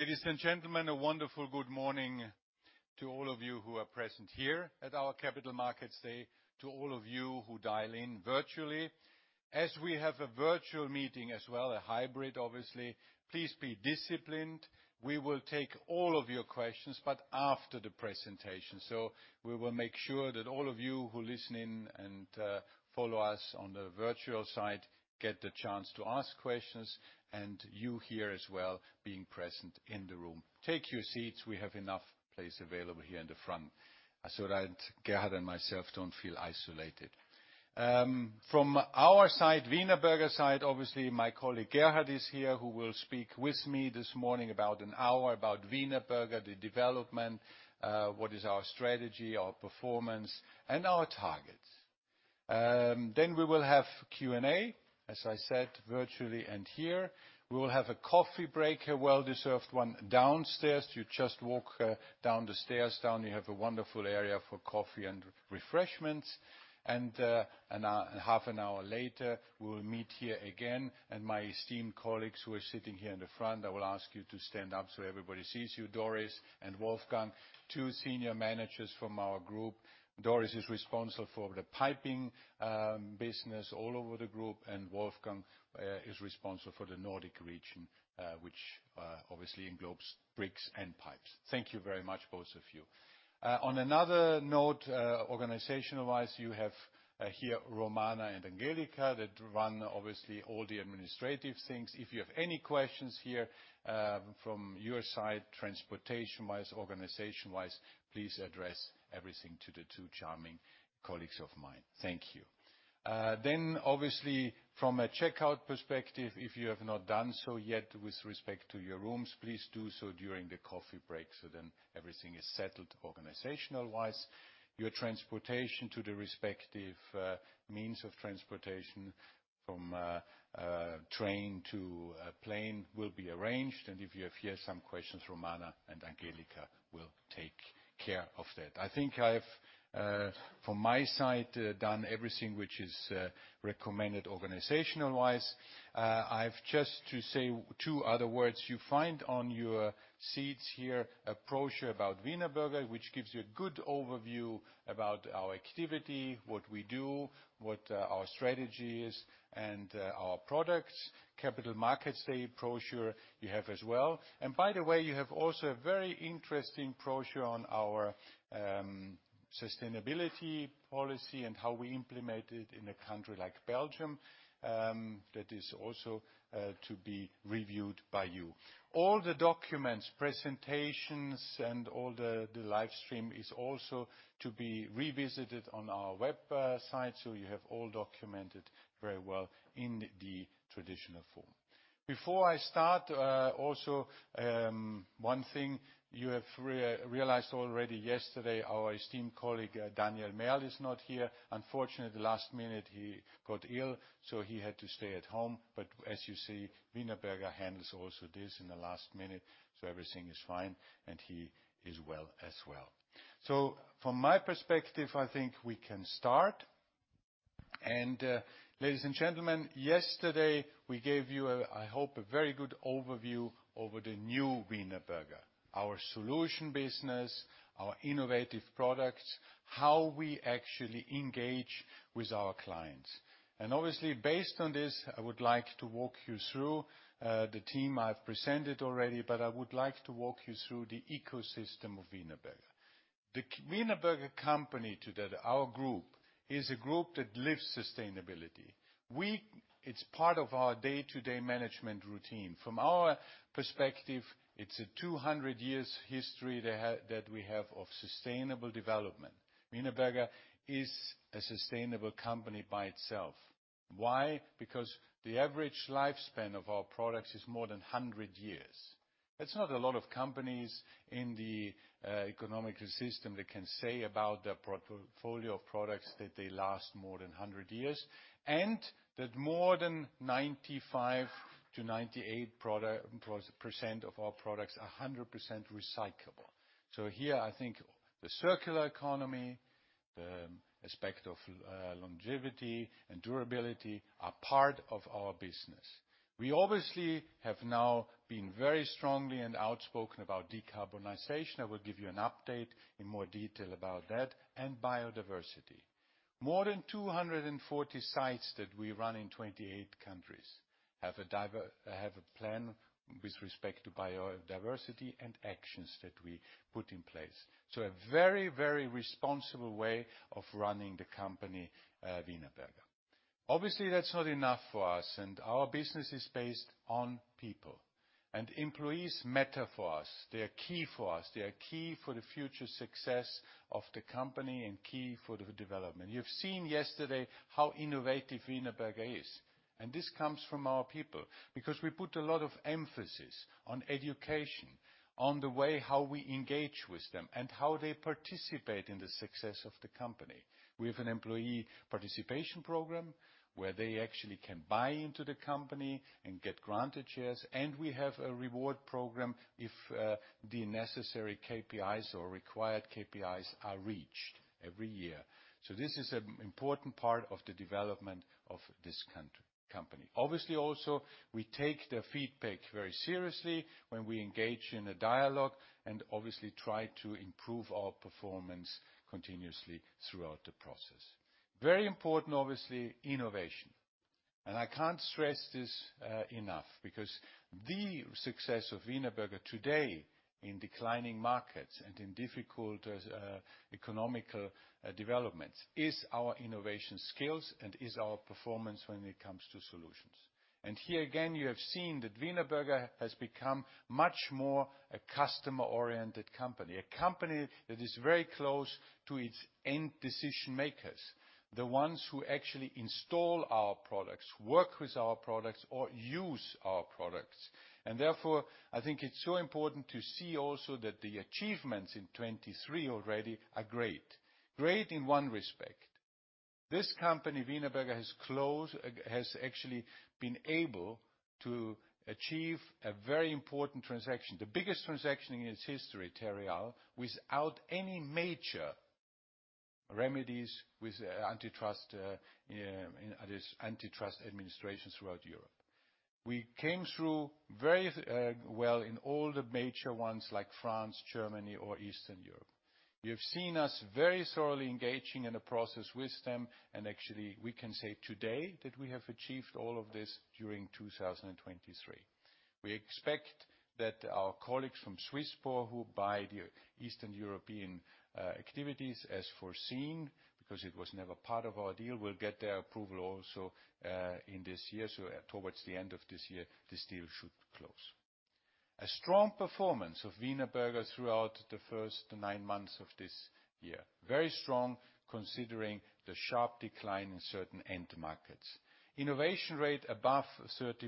Ladies and gentlemen, a wonderful good morning to all of you who are present here at our Capital Markets Day, to all of you who dial in virtually. As we have a virtual meeting as well, a hybrid, obviously, please be disciplined. We will take all of your questions, but after the presentation. We will make sure that all of you who listen in and, you know, follow us on the virtual side get the chance to ask questions, and you here as well, being present in the room. Take your seats, we have enough place available here in the front, so that Gerhard and myself don't feel isolated. From our side, Wienerberger side, obviously, my colleague, Gerhard, is here, who will speak with me this morning, about an hour, about Wienerberger, the development, you know, what is our strategy, our performance, and our targets. And we will have Q&A, as I said, virtually and here. We will have a coffee break, a well-deserved one, downstairs. You just walk down the stairs. Down, you have a wonderful area for coffee and refreshments. Half an hour later, we will meet here again. My esteemed colleagues who are sitting here in the front, I will ask you to stand up so everybody sees you. Doris and Wolfgang, two senior managers from our group. Doris is responsible for the piping business all over the group, and Wolfgang is responsible for the Nordic region, which obviously englobes bricks and pipes. Thank you very much, both of you. On another note, organizational-wise, you have here Romana and Angelika, that run, obviously, all the administrative things. If you have any questions here, from your side, transportation-wise, organization-wise, please address everything to the two charming colleagues of mine. Thank you. Then, obviously, from a checkout perspective, if you have not done so yet with respect to your rooms, please do so during the coffee break, so then everything is settled organizational-wise. Your transportation to the respective, means of transportation from, train to, plane will be arranged, and if you have here some questions, Romana and Angelika will take care of that. I think I've, from my side, done everything which is, recommended organizational-wise. I've just to say two other words. You find on your seats here, a brochure about Wienerberger, which gives you a good overview about our activity, what we do, what, our strategy is, and, our products. Capital Markets Day brochure, you have as well. And by the way, you have also a very interesting brochure on our sustainability policy and how we implement it in a country like Belgium that is also to be reviewed by you. All the documents, presentations, and all the live stream is also to be revisited on our website, so you have all documented very well in the traditional form. Before I start, also, one thing you have realized already yesterday, our esteemed colleague, Daniel Merl, is not here. Unfortunately, the last minute, he got ill, so he had to stay at home. But as you see, Wienerberger handles also this in the last minute, so everything is fine, and he is well as well. So from my perspective, I think we can start. And, ladies and gentlemen, yesterday, we gave you a, I hope, a very good overview over the new Wienerberger. Our solution business, our innovative products, how we actually engage with our clients. And obviously, based on this, I would like to walk you through the team I've presented already, but I would like to walk you through the ecosystem of Wienerberger. The Wienerberger company, today, our group, is a group that lives sustainability. It's part of our day-to-day management routine. From our perspective, it's a 200 years history that we have of sustainable development. Wienerberger is a sustainable company by itself. Why? Because the average lifespan of our products is more than 100 years. That's not a lot of companies in the economical system that can say about their portfolio of products, that they last more than 100 years, and that more than 95%-98% of our products are 100% recyclable. So here, I think the circular economy, the aspect of longevity and durability are part of our business. We obviously have now been very strongly and outspoken about decarbonization. I will give you an update in more detail about that, and biodiversity. More than 240 sites that we run in 28 countries have a plan with respect to biodiversity and actions that we put in place. So a very, very responsible way of running the company, Wienerberger. Obviously, that's not enough for us, and our business is based on people. And employees matter for us. They are key for us. They are key for the future success of the company and key for the development. You've seen yesterday how innovative Wienerberger is, and this comes from our people, because we put a lot of emphasis on education, on the way how we engage with them, and how they participate in the success of the company. We have an employee participation program, where they actually can buy into the company and get granted shares, and we have a reward program if the necessary KPIs or required KPIs are reached every year. So this is an important part of the development of this company. Obviously, also, we take their feedback very seriously when we engage in a dialogue, and obviously, try to improve our performance continuously throughout the process. Very important, obviously, innovation.... I can't stress this enough, because the success of Wienerberger today in declining markets and in difficult economical developments is our innovation skills, and is our performance when it comes to solutions. And here again, you have seen that Wienerberger has become much more a customer-oriented company, a company that is very close to its end decision makers, the ones who actually install our products, work with our products, or use our products. And therefore, I think it's so important to see also that the achievements in 2023 already are great. Great in one respect, this company, Wienerberger, has actually been able to achieve a very important transaction, the biggest transaction in its history, Terreal, without any major remedies with antitrust in its antitrust administrations throughout Europe. We came through very well in all the major ones, like France, Germany, or Eastern Europe. You've seen us very thoroughly engaging in the process with them, and actually, we can say today that we have achieved all of this during 2023. We expect that our colleagues from Swisspor, who buy the Eastern European activities as foreseen, because it was never part of our deal, will get their approval also in this year. Towards the end of this year, this deal should close. A strong performance of Wienerberger throughout the first nine months of this year. Very strong, considering the sharp decline in certain end markets. Innovation rate above 30%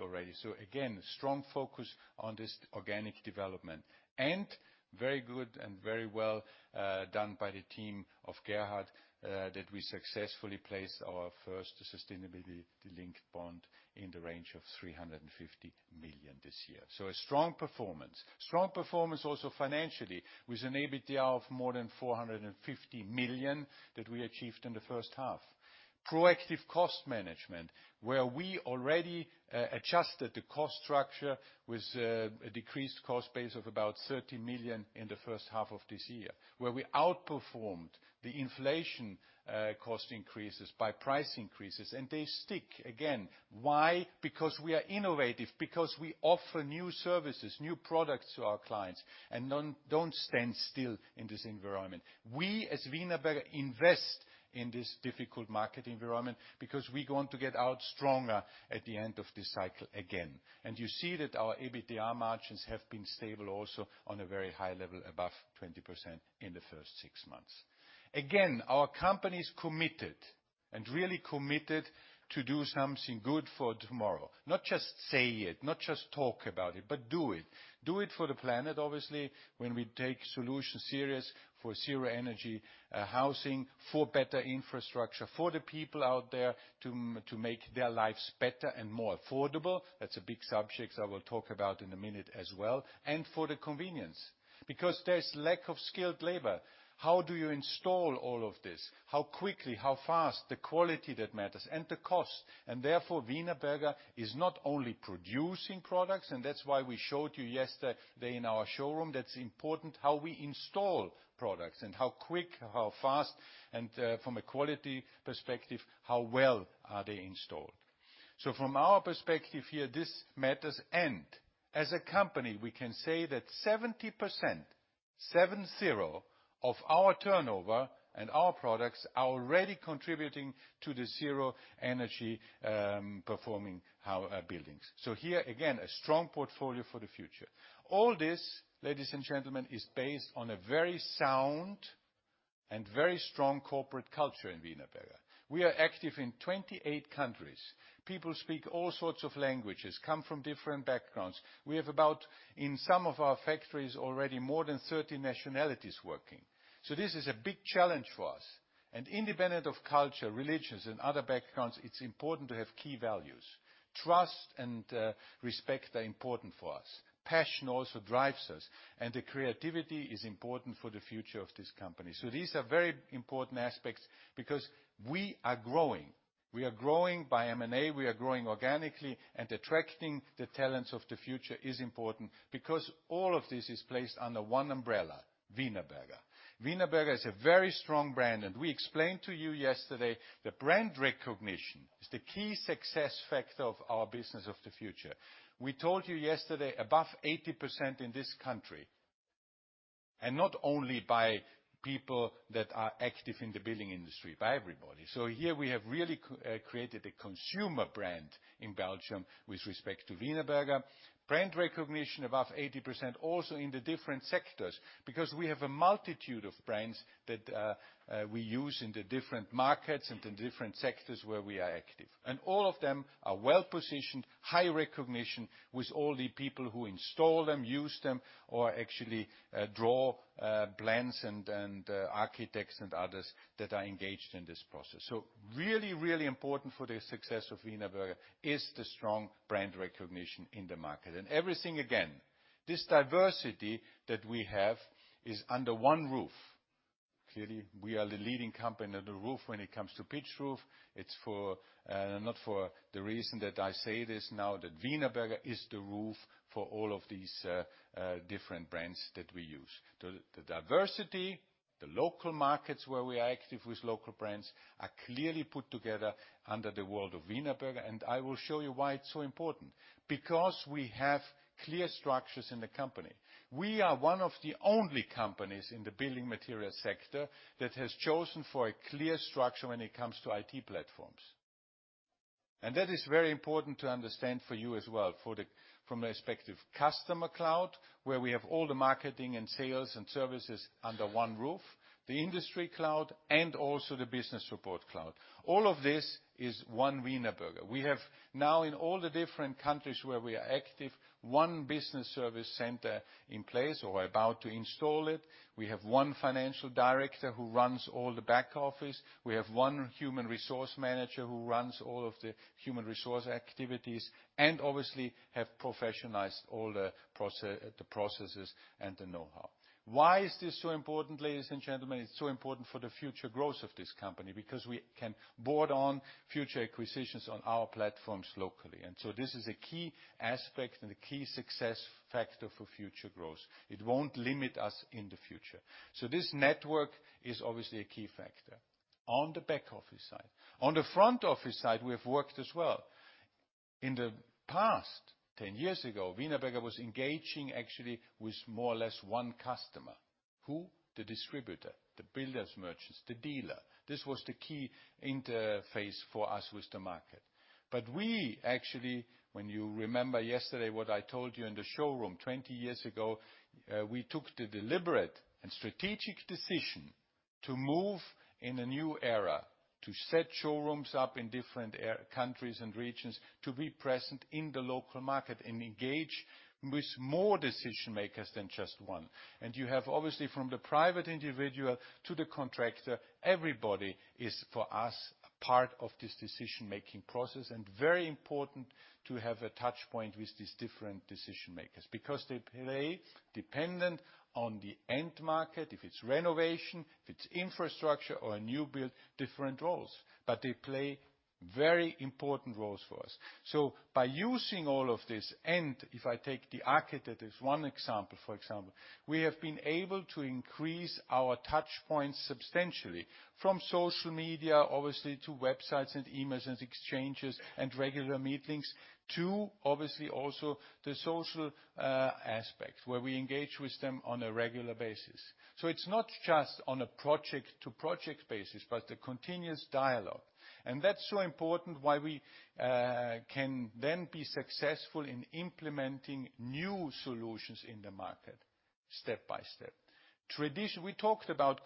already, so again, strong focus on this organic development, and very good and very well done by the team of Gerhard that we successfully placed our first sustainability-linked bond in the range of 350 million this year. So a strong performance. Strong performance also financially, with an EBITDA of more than 450 million that we achieved in the first half. Proactive cost management, where we already adjusted the cost structure with a decreased cost base of about 30 million in the first half of this year, where we outperformed the inflation cost increases by price increases, and they stick. Again, why? Because we are innovative, because we offer new services, new products to our clients, and don't, don't stand still in this environment. We, as Wienerberger, invest in this difficult market environment, because we're going to get out stronger at the end of this cycle again. You see that our EBITDA margins have been stable, also on a very high level, above 20% in the first six months. Again, our company is committed, and really committed to do something good for tomorrow. Not just say it, not just talk about it, but do it. Do it for the planet, obviously, when we take solutions serious for zero energy housing, for better infrastructure, for the people out there, to, to make their lives better and more affordable. That's a big subject I will talk about in a minute as well, and for the convenience. Because there's lack of skilled labor, how do you install all of this? How quickly, how fast, the quality that matters, and the cost. Therefore, Wienerberger is not only producing products, and that's why we showed you yesterday in our showroom, that's important, how we install products, and how quick, how fast, and from a quality perspective, how well are they installed. So from our perspective here, this matters, and as a company, we can say that 70%, 70, of our turnover and our products are already contributing to the zero energy performing our buildings. So here, again, a strong portfolio for the future. All this, ladies and gentlemen, is based on a very sound and very strong corporate culture in Wienerberger. We are active in 28 countries. People speak all sorts of languages, come from different backgrounds. We have about, in some of our factories, already more than 30 nationalities working. So this is a big challenge for us. Independent of culture, religions, and other backgrounds, it's important to have key values. Trust and respect are important for us. Passion also drives us, and the creativity is important for the future of this company. So these are very important aspects because we are growing. We are growing by M&A, we are growing organically, and attracting the talents of the future is important, because all of this is placed under one umbrella, Wienerberger. Wienerberger is a very strong brand, and we explained to you yesterday that brand recognition is the key success factor of our business of the future. We told you yesterday, above 80% in this country, and not only by people that are active in the building industry, by everybody. So here we have really created a consumer brand in Belgium with respect to Wienerberger. Brand recognition above 80% also in the different sectors, because we have a multitude of brands that we use in the different markets and in different sectors where we are active. All of them are well-positioned, high recognition with all the people who install them, use them, or actually draw plans, and, and, architects and others that are engaged in this process. Really, really important for the success of Wienerberger is the strong brand recognition in the market. Everything again, this diversity that we have is under one roof. Clearly, we are the leading company in the roof when it comes to pitched roof. It's not for the reason that I say this now, that Wienerberger is the roof for all of these different brands that we use. The diversity, the local markets where we are active with local brands, are clearly put together under the world of Wienerberger, and I will show you why it's so important. Because we have clear structures in the company. We are one of the only companies in the building material sector that has chosen for a clear structure when it comes to IT platforms. That is very important to understand for you as well, from the perspective of Customer Cloud, where we have all the marketing and sales and services under one roof, the Industry Cloud, and also the Business Support Cloud. All of this is one Wienerberger. We have now, in all the different countries where we are active, one business service center in place or about to install it. We have one financial director who runs all the back office. We have one human resource manager who runs all of the human resource activities, and obviously have professionalized all the processes and the know-how. Why is this so important, ladies and gentlemen? It's so important for the future growth of this company, because we can build on future acquisitions on our platforms locally. And so this is a key aspect and a key success factor for future growth. It won't limit us in the future. So this network is obviously a key factor on the back office side. On the front office side, we have worked as well. In the past, 10 years ago, Wienerberger was engaging actually with more or less one customer. Who? The distributor, the builders' merchants, the dealer. This was the key interface for us with the market. But we actually, when you remember yesterday what I told you in the showroom, 20 years ago, we took the deliberate and strategic decision to move in a new era, to set showrooms up in different countries and regions, to be present in the local market and engage with more decision makers than just one. And you have, obviously, from the private individual to the contractor, everybody is, for us, a part of this decision-making process, and very important to have a touchpoint with these different decision makers. Because they play, dependent on the end market, if it's renovation, if it's infrastructure or a new build, different roles, but they play very important roles for us. By using all of this, and if I take the architect as one example, for example, we have been able to increase our touchpoints substantially from social media, obviously, to websites and emails and exchanges and regular meetings, to also the social aspects, where we engage with them on a regular basis. It's not just on a project-to-project basis, but a continuous dialogue. That's so important why we can then be successful in implementing new solutions in the market step by step. We talked about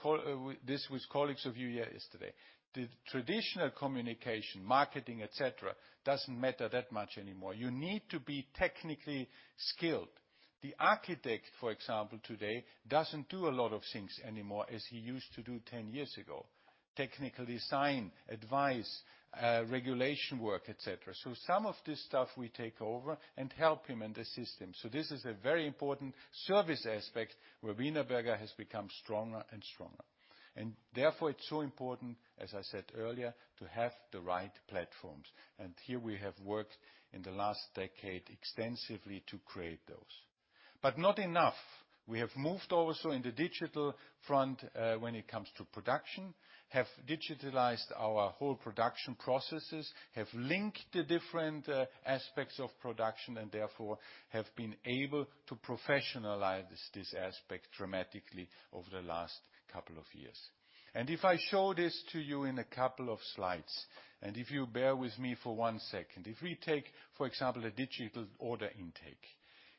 this with colleagues of you here yesterday. The traditional communication, marketing, et cetera, doesn't matter that much anymore. You need to be technically skilled. The architect, for example, today, doesn't do a lot of things anymore as he used to do ten years ago. Technical design, advice, regulation work, et cetera. Some of this stuff we take over and help him and assist him. This is a very important service aspect where Wienerberger has become stronger and stronger. Therefore, it's so important, as I said earlier, to have the right platforms. Here we have worked in the last decade extensively to create those. Not enough. We have moved also in the digital front, when it comes to production, have digitalized our whole production processes, have linked the different aspects of production, and therefore, have been able to professionalize this, this aspect dramatically over the last couple of years. If I show this to you in a couple of slides, and if you bear with me for one second. If we take, for example, a digital order intake,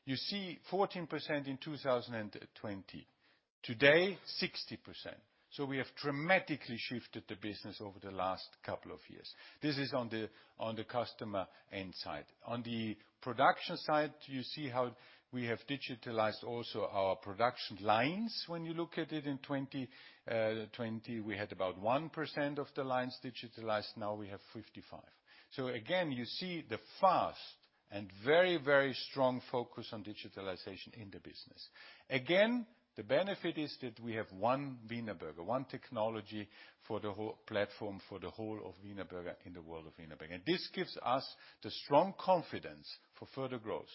you see 14% in 2020. Today, 60%. So we have dramatically shifted the business over the last couple of years. This is on the, on the customer end side. On the production side, you see how we have digitalized also our production lines. When you look at it in 2020, we had about 1% of the lines digitalized, now we have 55. So again, you see the fast and very, very strong focus on digitalization in the business. Again, the benefit is that we have one Wienerberger, one technology for the whole platform, for the whole of Wienerberger in the world of Wienerberger. And this gives us the strong confidence for further growth.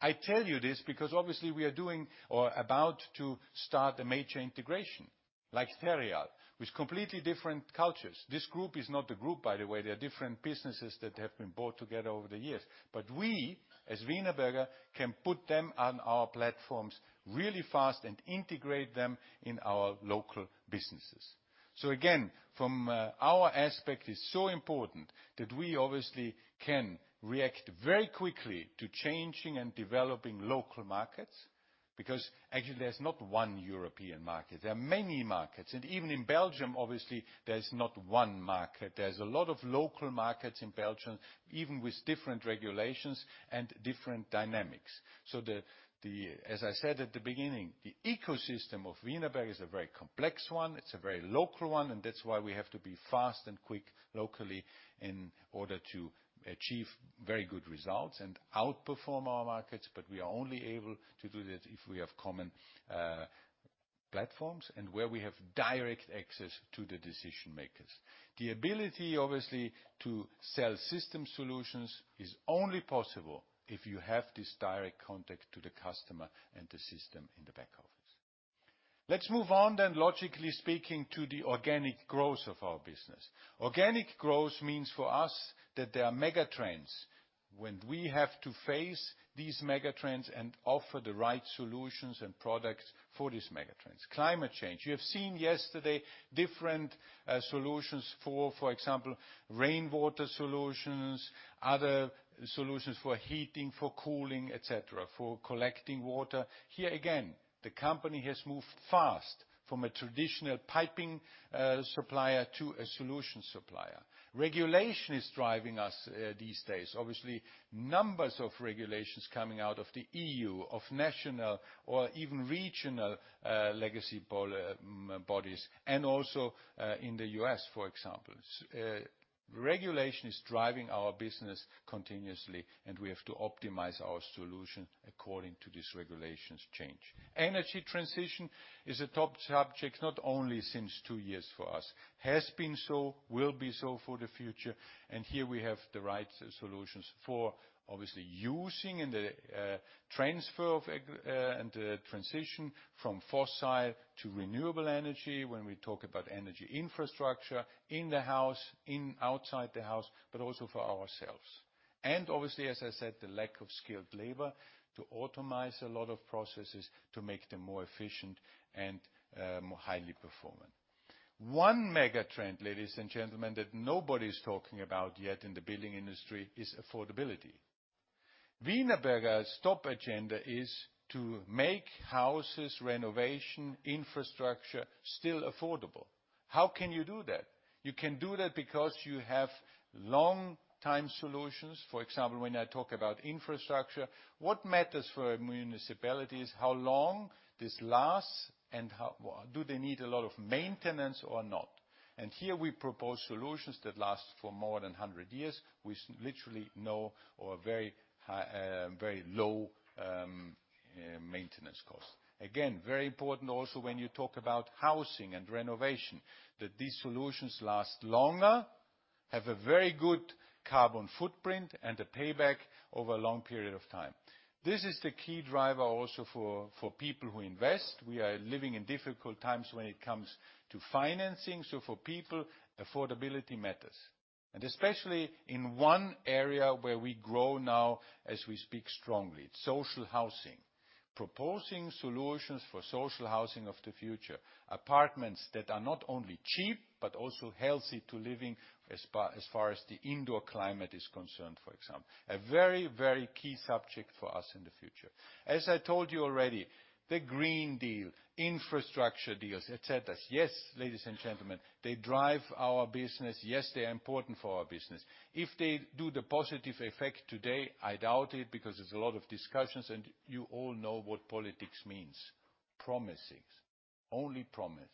I tell you this because obviously we are doing or about to start a major integration, like Terreal, with completely different cultures. This group is not a group, by the way, they are different businesses that have been bought together over the years. But we, as Wienerberger, can put them on our platforms really fast and integrate them in our local businesses. So again, from our aspect, it's so important that we obviously can react very quickly to changing and developing local markets, because actually, there's not one European market, there are many markets. And even in Belgium, obviously, there's not one market. There's a lot of local markets in Belgium, even with different regulations and different dynamics. So the... As I said at the beginning, the ecosystem of Wienerberger is a very complex one, it's a very local one, and that's why we have to be fast and quick locally in order to achieve very good results and outperform our markets. We are only able to do that if we have common, common platforms and where we have direct access to the decision makers. The ability, obviously, to sell system solutions is only possible if you have this direct contact to the customer and the system in the back office. Let's move on then, logically speaking, to the organic growth of our business. Organic growth means for us that there are mega trends. When we have to face these mega trends and offer the right solutions and products for these mega trends. Climate change. You have seen yesterday different solutions for, for example, rainwater solutions, other solutions for heating, for cooling, et cetera, for collecting water. Here again, the company has moved fast from a traditional piping supplier to a solution supplier. Regulation is driving us these days. Obviously, numbers of regulations coming out of the EU, of national or even regional, legacy policy bodies, and also in the U.S., for example. Regulation is driving our business continuously, and we have to optimize our solution according to this regulations change. Energy transition is a top subject, not only since two years for us. Has been so, will be so for the future, and here we have the right solutions for obviously using and the transfer of energy and the transition from fossil to renewable energy when we talk about energy infrastructure in the house, in, outside the house, but also for ourselves. Obviously, as I said, the lack of skilled labor to automate a lot of processes, to make them more efficient and more highly performant. One mega trend, ladies and gentlemen, that nobody's talking about yet in the building industry, is affordability. Wienerberger's top agenda is to make houses, renovation, infrastructure, still affordable. How can you do that? You can do that because you have long time solutions. For example, when I talk about infrastructure, what matters for a municipality is how long this lasts and how do they need a lot of maintenance or not? And here, we propose solutions that last for more than 100 years, with literally no, or very high, very low, maintenance costs. Again, very important also when you talk about housing and renovation, that these solutions last longer, have a very good carbon footprint, and a payback over a long period of time. This is the key driver also for, for people who invest. We are living in difficult times when it comes to financing, so for people, affordability matters, and especially in one area where we grow now, as we speak strongly, social housing. Proposing solutions for social housing of the future, apartments that are not only cheap, but also healthy to living as far, as far as the indoor climate is concerned, for example. A very, very key subject for us in the future. As I told you already, the Green Deal, infrastructure deals, et cetera. Yes, ladies and gentlemen, they drive our business. Yes, they are important for our business. If they do the positive effect today, I doubt it, because there's a lot of discussions, and you all know what politics means: promises. Only promise,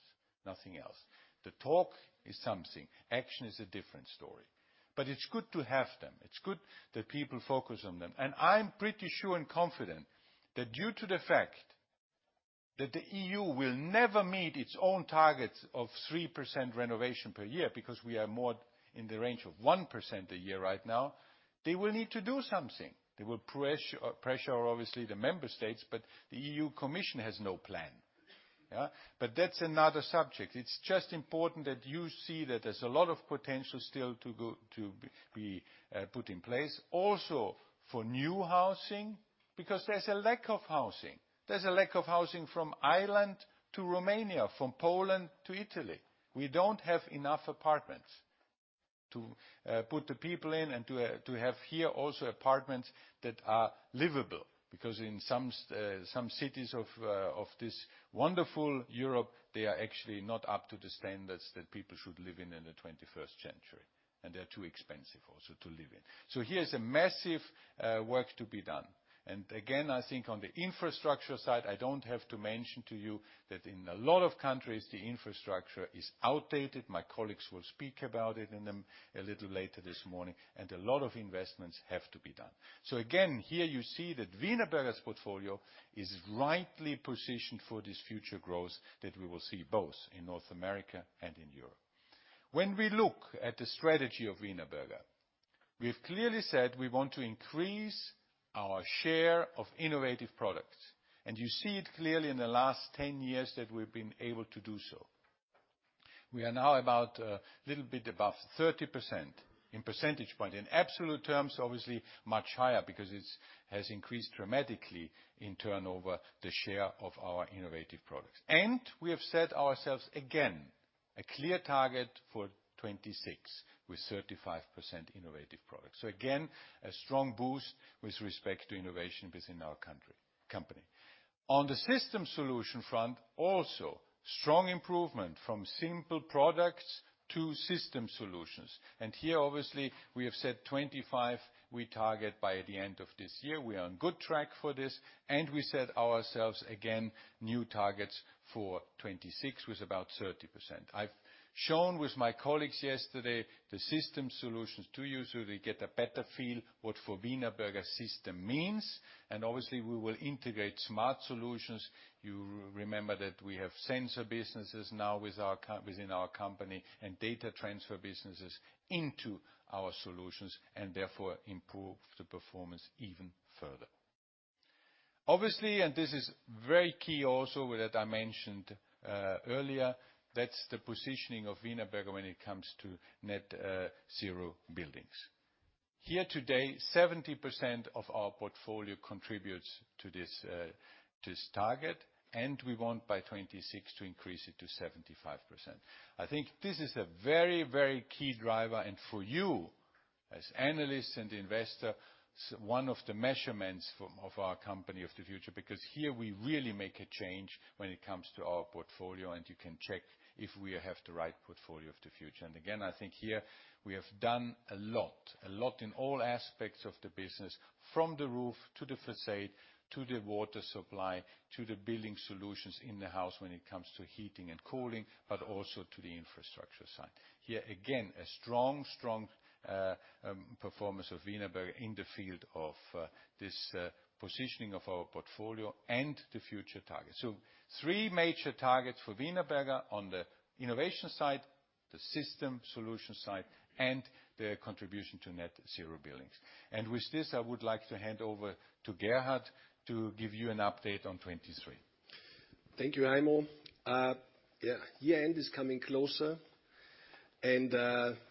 nothing else. The talk is something, action is a different story, but it's good to have them. It's good that people focus on them. I'm pretty sure and confident that due to the fact that the EU will never meet its own targets of 3% renovation per year, because we are more in the range of 1% a year right now, they will need to do something. They will pressure, obviously, the member states, but the EU commission has no plan. Yeah, but that's another subject. It's just important that you see that there's a lot of potential still to be put in place, also for new housing, because there's a lack of housing. There's a lack of housing from Ireland to Romania, from Poland to Italy. We don't have enough apartments to put the people in and to have here also apartments that are livable, because in some cities of this wonderful Europe, they are actually not up to the standards that people should live in in the twenty-first century, and they're too expensive also to live in. So here's a massive work to be done. And again, I think on the infrastructure side, I don't have to mention to you that in a lot of countries, the infrastructure is outdated. My colleagues will speak about it a little later this morning, and a lot of investments have to be done. So again, here you see that Wienerberger's portfolio is rightly positioned for this future growth that we will see both in North America and in Europe. When we look at the strategy of Wienerberger, we've clearly said we want to increase our share of innovative products, and you see it clearly in the last 10 years that we've been able to do so. We are now about, little bit above 30% in percentage point. In absolute terms, obviously, much higher, because it has increased dramatically in turnover, the share of our innovative products. And we have set ourselves, again, a clear target for 2026, with 35% innovative products. So again, a strong boost with respect to innovation within our country, company. On the system solution front, also strong improvement from simple products to system solutions. And here, obviously, we have set 25, we target by the end of this year. We are on good track for this, and we set ourselves, again, new targets for 2026, with about 30%. I've shown with my colleagues yesterday the system solutions to you, so they get a better feel what for Wienerberger system means. And obviously, we will integrate smart solutions. You remember that we have sensor businesses now within our company, and data transfer businesses into our solutions, and therefore, improve the performance even further. Obviously, and this is very key also that I mentioned earlier, that's the positioning of Wienerberger when it comes to net zero buildings. Here today, 70% of our portfolio contributes to this target, and we want by 2026 to increase it to 75%. I think this is a very, very key driver, and for you, as analysts and investors, one of the measurements from, of our company of the future, because here we really make a change when it comes to our portfolio, and you can check if we have the right portfolio of the future. And again, I think here we have done a lot, a lot in all aspects of the business, from the roof to the facade, to the water supply, to the building solutions in the house when it comes to heating and cooling, but also to the infrastructure side. Here, again, a strong, strong performance of Wienerberger in the field of this positioning of our portfolio and the future target. So three major targets for Wienerberger on the innovation side, the system solution side, and the contribution to Net Zero Buildings. With this, I would like to hand over to Gerhard to give you an update on 2023. Thank you, Heimo. Yeah, year-end is coming closer, and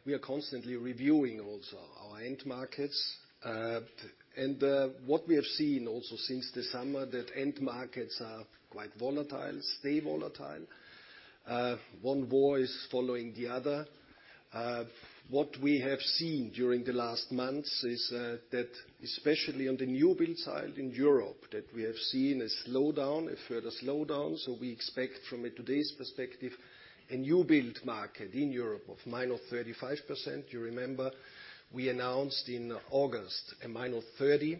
we are constantly reviewing also our end markets. And what we have seen also since the summer, that end markets are quite volatile, stay volatile. One war is following the other. What we have seen during the last months is that especially on the new build side in Europe, that we have seen a slowdown, a further slowdown. So we expect from a today's perspective, a new build market in Europe of -35%. You remember, we announced in August, a -30.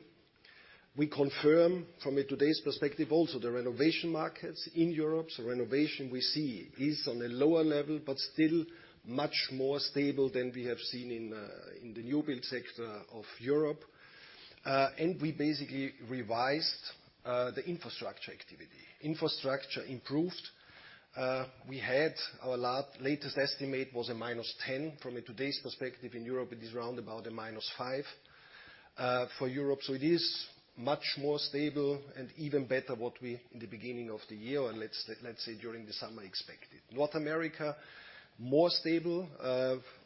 We confirm from a today's perspective, also, the renovation markets in Europe. So renovation, we see, is on a lower level, but still much more stable than we have seen in the new build sector of Europe. And we basically revised the infrastructure activity. Infrastructure improved. We had our latest estimate was -10. From today's perspective in Europe, it is around about -5 for Europe. So it is much more stable and even better what we, in the beginning of the year, and let's, let's say, during the summer, expected. North America, more stable,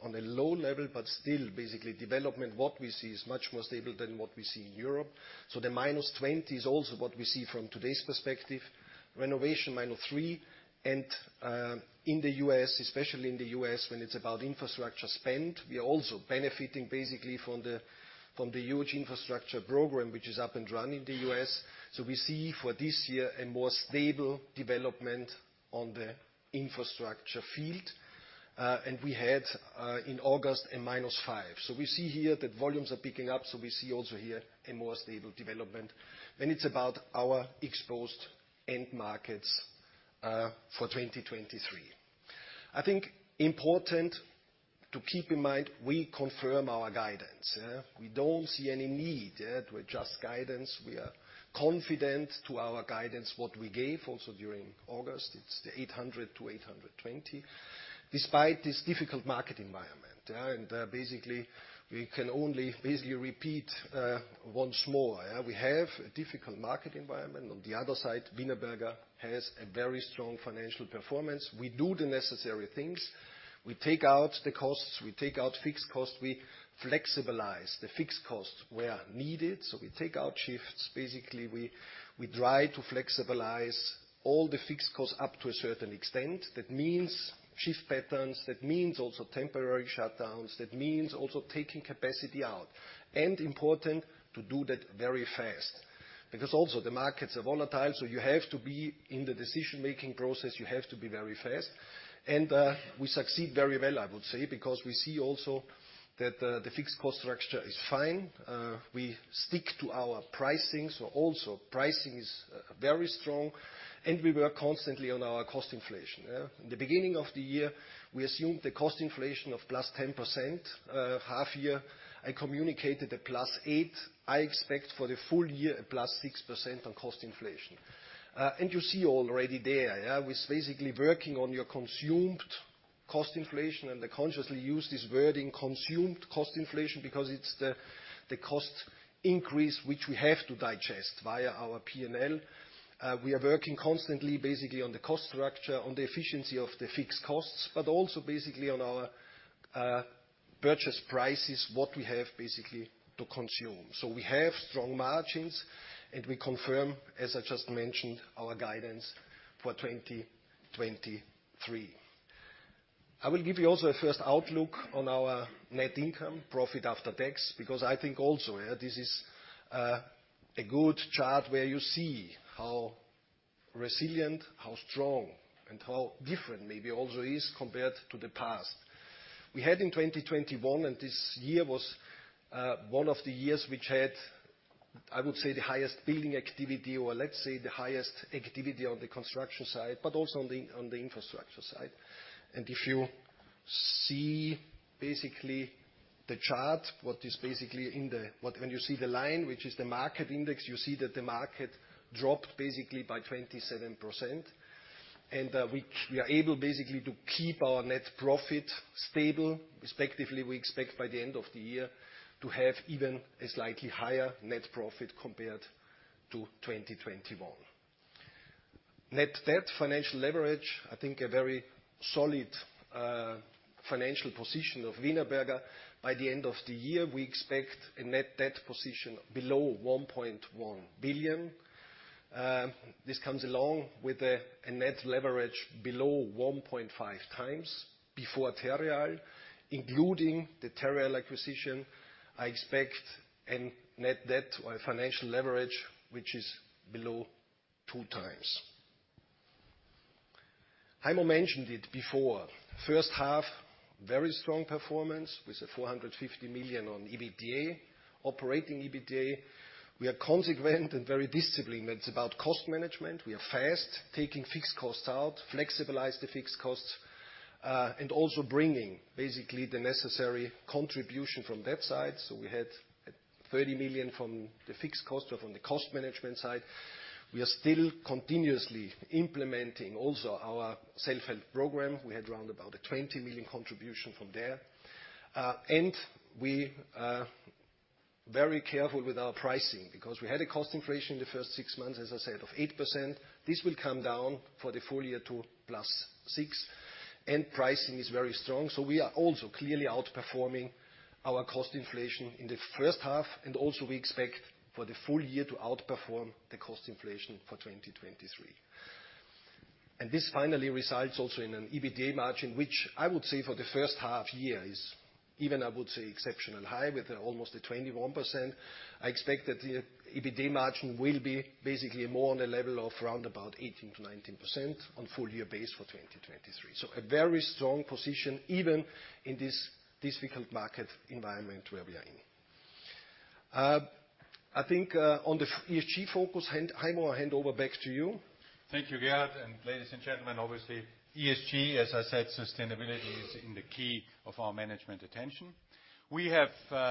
on a low level, but still basically development, what we see is much more stable than what we see in Europe. So the -20 is also what we see from today's perspective. Renovation, -3, and, in the U.S., especially in the U.S., when it's about infrastructure spend, we are also benefiting basically from the, from the huge infrastructure program, which is up and running in the U.S. We see for this year a more stable development on the infrastructure field, and we had, in August, a -5. We see here that volumes are picking up, so we see also here a more stable development when it's about our exposed end markets for 2023. I think important to keep in mind, we confirm our guidance, yeah. We don't see any need, yeah, to adjust guidance. We are confident to our guidance, what we gave also during August. It's the 800-820, despite this difficult market environment, yeah? Basically, we can only basically repeat, once more, yeah. We have a difficult market environment. On the other side, Wienerberger has a very strong financial performance. We do the necessary things. We take out the costs, we take out fixed costs, we flexibilize the fixed costs where needed. So we take out shifts. Basically, we try to flexibilize all the fixed costs up to a certain extent. That means shift patterns, that means also temporary shutdowns, that means also taking capacity out, and important, to do that very fast. Because also, the markets are volatile, so you have to be in the decision-making process, you have to be very fast. And we succeed very well, I would say, because we see also that the fixed cost structure is fine. We stick to our pricing. So also pricing is very strong, and we work constantly on our cost inflation, yeah. In the beginning of the year, we assumed a cost inflation of +10%. Half year, I communicated a +8%. I expect for the full year, a +6% on cost inflation. And you see already there, yeah, with basically working on your consumed cost inflation, and I consciously use this wording, consumed cost inflation, because it's the, the cost increase, which we have to digest via our P&L. We are working constantly, basically on the cost structure, on the efficiency of the fixed costs, but also basically on our purchase prices, what we have basically to consume. So we have strong margins, and we confirm, as I just mentioned, our guidance for 2023. I will give you also a first outlook on our net income, profit after tax, because I think also, yeah, this is a good chart where you see how resilient, how strong, and how different maybe also is compared to the past. We had in 2021, and this year was one of the years which had, I would say, the highest billing activity, or let's say, the highest activity on the construction side, but also on the infrastructure side. And if you see basically the chart, what is basically in the chart, what, when you see the line, which is the market index, you see that the market dropped basically by 27%. And we are able basically to keep our net profit stable. Respectively, we expect by the end of the year to have even a slightly higher net profit compared to 2021. Net debt, financial leverage, I think a very solid financial position of Wienerberger. By the end of the year, we expect a net debt position below 1.1 billion. This comes along with a net leverage below 1.5x before Terreal. Including the Terreal acquisition, I expect a net debt or a financial leverage, which is below 2x. Heimo mentioned it before, first half, very strong performance with a 450 million on EBITDA, operating EBITDA. We are consequent and very disciplined. It's about cost management. We are fast taking fixed costs out, flexibilize the fixed costs, and also bringing basically the necessary contribution from that side. We had 30 million from the fixed cost or from the cost management side. We are still continuously implementing also our self-help program. We had round about a 20 million contribution from there. We are very careful with our pricing because we had a cost inflation in the first six months, as I said, of 8%. This will come down for the full year to +6, and pricing is very strong. So we are also clearly outperforming our cost inflation in the first half, and also we expect for the full year to outperform the cost inflation for 2023. And this finally results also in an EBITDA margin, which I would say for the first half year is even, I would say, exceptional high, with almost a 21%. I expect that the EBITDA margin will be basically more on the level of round about 18%-19% on full year base for 2023. So a very strong position, even in this difficult market environment where we are in. I think, on the ESG focus, Heimo, I hand over back to you. Thank you, Gerhard. Ladies and gentlemen, obviously, ESG, as I said, sustainability is in the key of our management attention. We have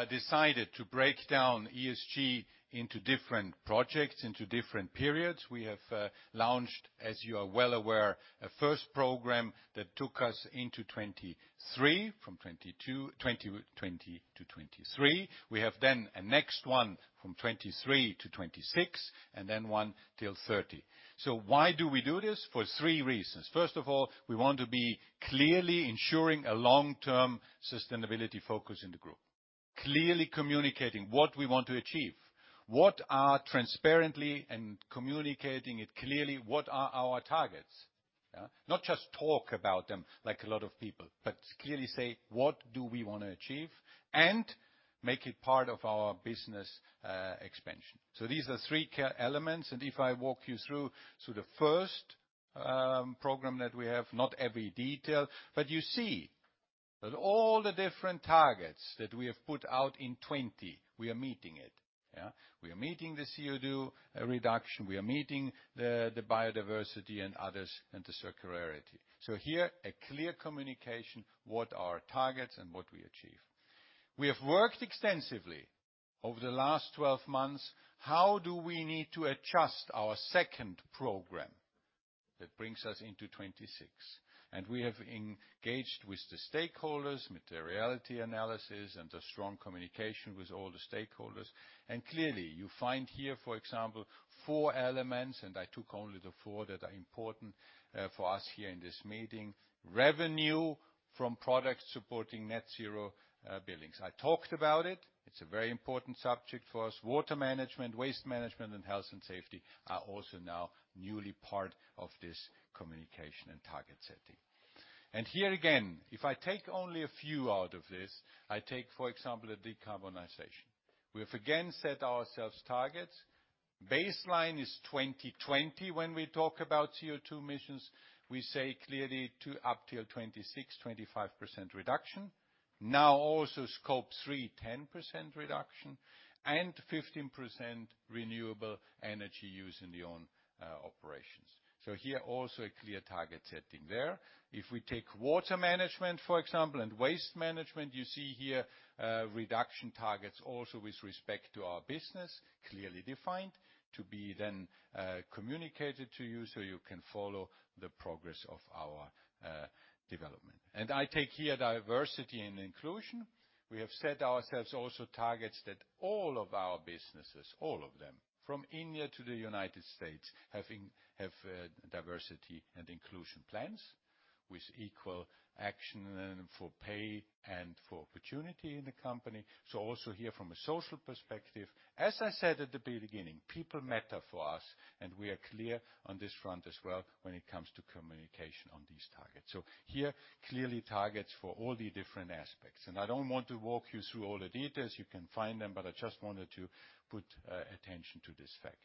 decided to break down ESG into different projects, into different periods. We have launched, as you are well aware, a first program that took us into 2023, from 2020 to 2023. We have then a next one from 2023 to 2026, and then one till 2030. So why do we do this? For three reasons. First of all, we want to be clearly ensuring a long-term sustainability focus in the group, clearly communicating what we want to achieve, what are transparently and communicating it clearly, what are our targets? Yeah. Not just talk about them like a lot of people, but clearly say, what do we want to achieve, and make it part of our business expansion. So these are three key elements, and if I walk you through, so the first program that we have, not every detail, but you see that all the different targets that we have put out in 2020, we are meeting it. Yeah? We are meeting the CO2 reduction, we are meeting the, the biodiversity and others, and the circularity. So here, a clear communication, what are our targets and what we achieve. We have worked extensively over the last 12 months. How do we need to adjust our second program that brings us into 2026? And we have engaged with the stakeholders, materiality analysis, and a strong communication with all the stakeholders. And clearly, you find here, for example, four elements, and I took only the four that are important for us here in this meeting. Revenue from products supporting Net Zero buildings. I talked about it. It's a very important subject for us. Water management, waste management, and health and safety are also now newly part of this communication and target setting. And here, again, if I take only a few out of this, I take, for example, a decarbonization. We have again set ourselves targets. Baseline is 2020 when we talk about CO2 emissions. We say clearly up to 2026, 25% reduction. Now also Scope 3, 10% reduction, and 15% renewable energy use in the own operations. So here, also a clear target setting there. If we take water management, for example, and waste management, you see here, reduction targets also with respect to our business, clearly defined, to be then, communicated to you so you can follow the progress of our development. And I take here diversity and inclusion. We have set ourselves also targets that all of our businesses, all of them, from India to the United States, have diversity and inclusion plans with equal action for pay and for opportunity in the company. So also here from a social perspective, as I said at the very beginning, people matter for us, and we are clear on this front as well when it comes to communication on these targets. So here, clearly targets for all the different aspects. And I don't want to walk you through all the details, you can find them, but I just wanted to put attention to this fact.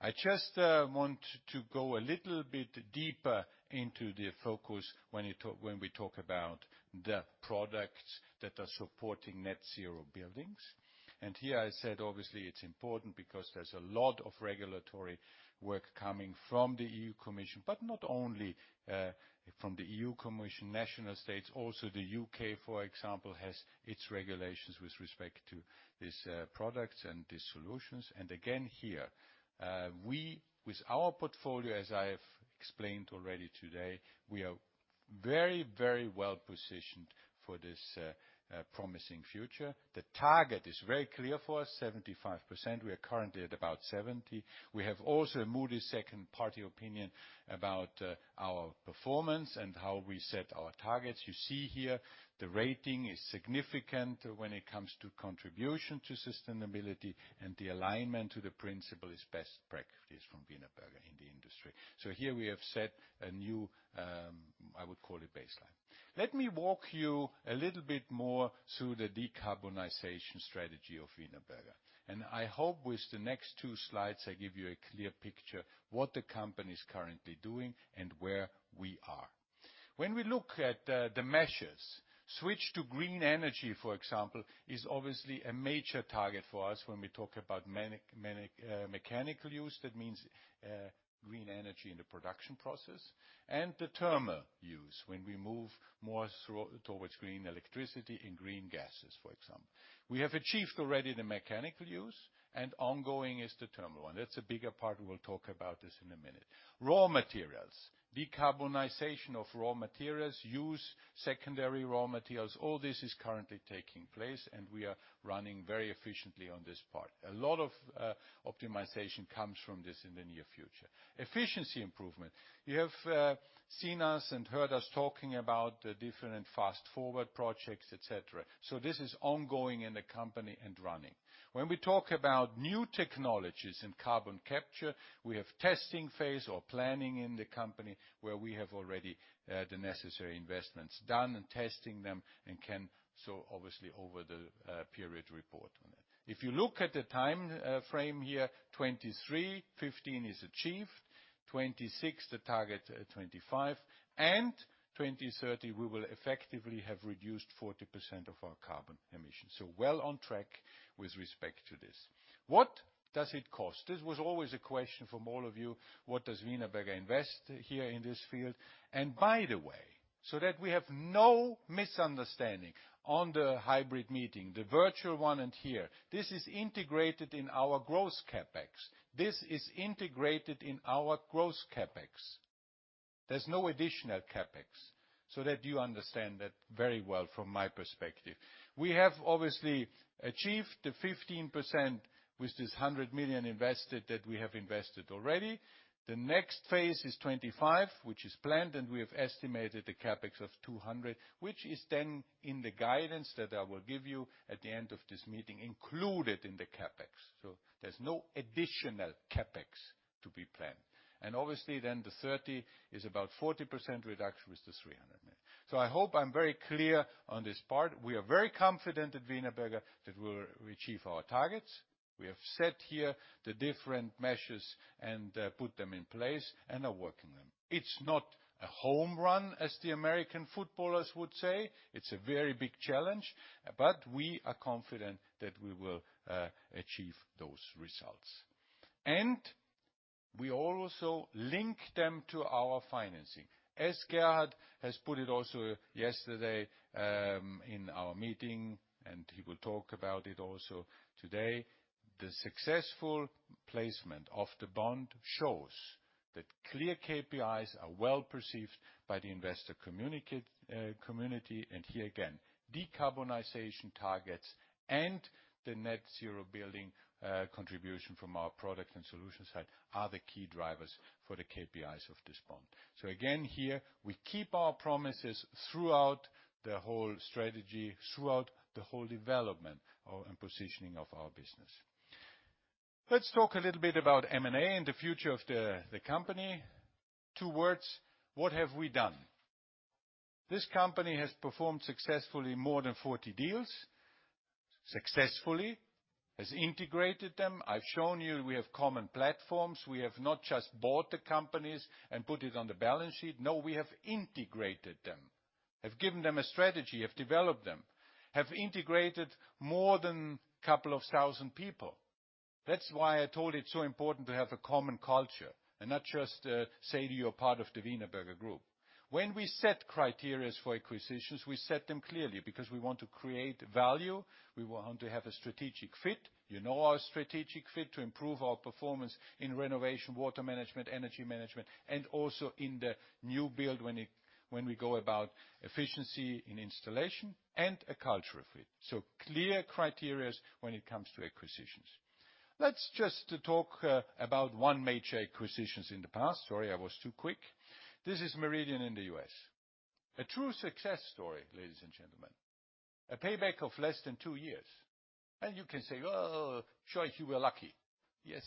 I just want to go a little bit deeper into the focus when we talk about the products that are supporting Net Zero Buildings. And here I said, obviously, it's important because there's a lot of regulatory work coming from the EU Commission, but not only from the EU Commission, national states, also the U.K., for example, has its regulations with respect to these products and these solutions. And again, here, we, with our portfolio, as I have explained already today, we are very, very well positioned for this promising future. The target is very clear for us, 75%. We are currently at about 70. We have also a Moody's second party opinion about our performance and how we set our targets. You see here, the rating is significant when it comes to contribution to sustainability, and the alignment to the principle is best practice from Wienerberger in the industry. So here we have set a new I would call it baseline. Let me walk you a little bit more through the decarbonization strategy of Wienerberger. I hope with the next two slides, I give you a clear picture what the company is currently doing and where we are. When we look at the measures, switch to green energy, for example, is obviously a major target for us when we talk about mechanical use. That means, green energy in the production process, and the thermal use when we move more towards green electricity and green gases, for example. We have achieved already the mechanical use, and ongoing is the thermal one. That's a bigger part, and we'll talk about this in a minute. Raw materials. Decarbonization of raw materials, use secondary raw materials, all this is currently taking place, and we are running very efficiently on this part. A lot of optimization comes from this in the near future. Efficiency improvement. You have seen us and heard us talking about the different Fast-Forward projects, et cetera. This is ongoing in the company and running. When we talk about new technologies in carbon capture, we have testing phase or planning in the company, where we have already the necessary investments done and testing them, and can obviously, over the period, report on it. If you look at the time frame here, 2023, 2015 is achieved, 2026, the target, 2025, and 2030, we will effectively have reduced 40% of our carbon emissions. Well on track with respect to this. What does it cost? This was always a question from all of you. What does Wienerberger invest here in this field? And by the way, so that we have no misunderstanding on the hybrid meeting, the virtual one and here, this is integrated in our gross CapEx. This is integrated in our growth CapEx. There's no additional CapEx, so that you understand that very well from my perspective. We have obviously achieved the 15% with this 100 million invested that we have invested already. The next phase is 25, which is planned, and we have estimated a CapEx of 200 million, which is then in the guidance that I will give you at the end of this meeting, included in the CapEx. So there's no additional CapEx to be planned. And obviously, then the 30 is about 40% reduction, with the 300 million. So I hope I'm very clear on this part. We are very confident at Wienerberger that we'll achieve our targets. We have set here the different measures and put them in place and are working them. It's not a home run, as the American footballers would say. It's a very big challenge, but we are confident that we will achieve those results. And we also link them to our financing. As Gerhard has put it also yesterday in our meeting, and he will talk about it also today, the successful placement of the bond shows that clear KPIs are well-perceived by the investor community. And here again, decarbonization targets and the Net Zero Buildings contribution from our product and solution side are the key drivers for the KPIs of this bond. So again, here, we keep our promises throughout the whole strategy, throughout the whole development of and positioning of our business. Let's talk a little bit about M&A and the future of the company. Two words. What have we done? This company has performed successfully more than 40 deals. Successfully, has integrated them. I've shown you we have common platforms. We have not just bought the companies and put it on the balance sheet. No, we have integrated them, have given them a strategy, have developed them, have integrated more than a couple thousand people. That's why I told you it's so important to have a common culture and not just say that you're part of the Wienerberger Group. When we set criteria for acquisitions, we set them clearly because we want to create value. We want to have a strategic fit. You know our strategic fit, to improve our performance in renovation, water management, energy management, and also in the new build, when we go about efficiency in installation and a culture fit. So clear criterias when it comes to acquisitions. Let's just talk about one major acquisitions in the past. Sorry, I was too quick. This is Meridian in the U.S. A true success story, ladies and gentlemen. A payback of less than two years. And you can say, "Well, sure, you were lucky." Yes.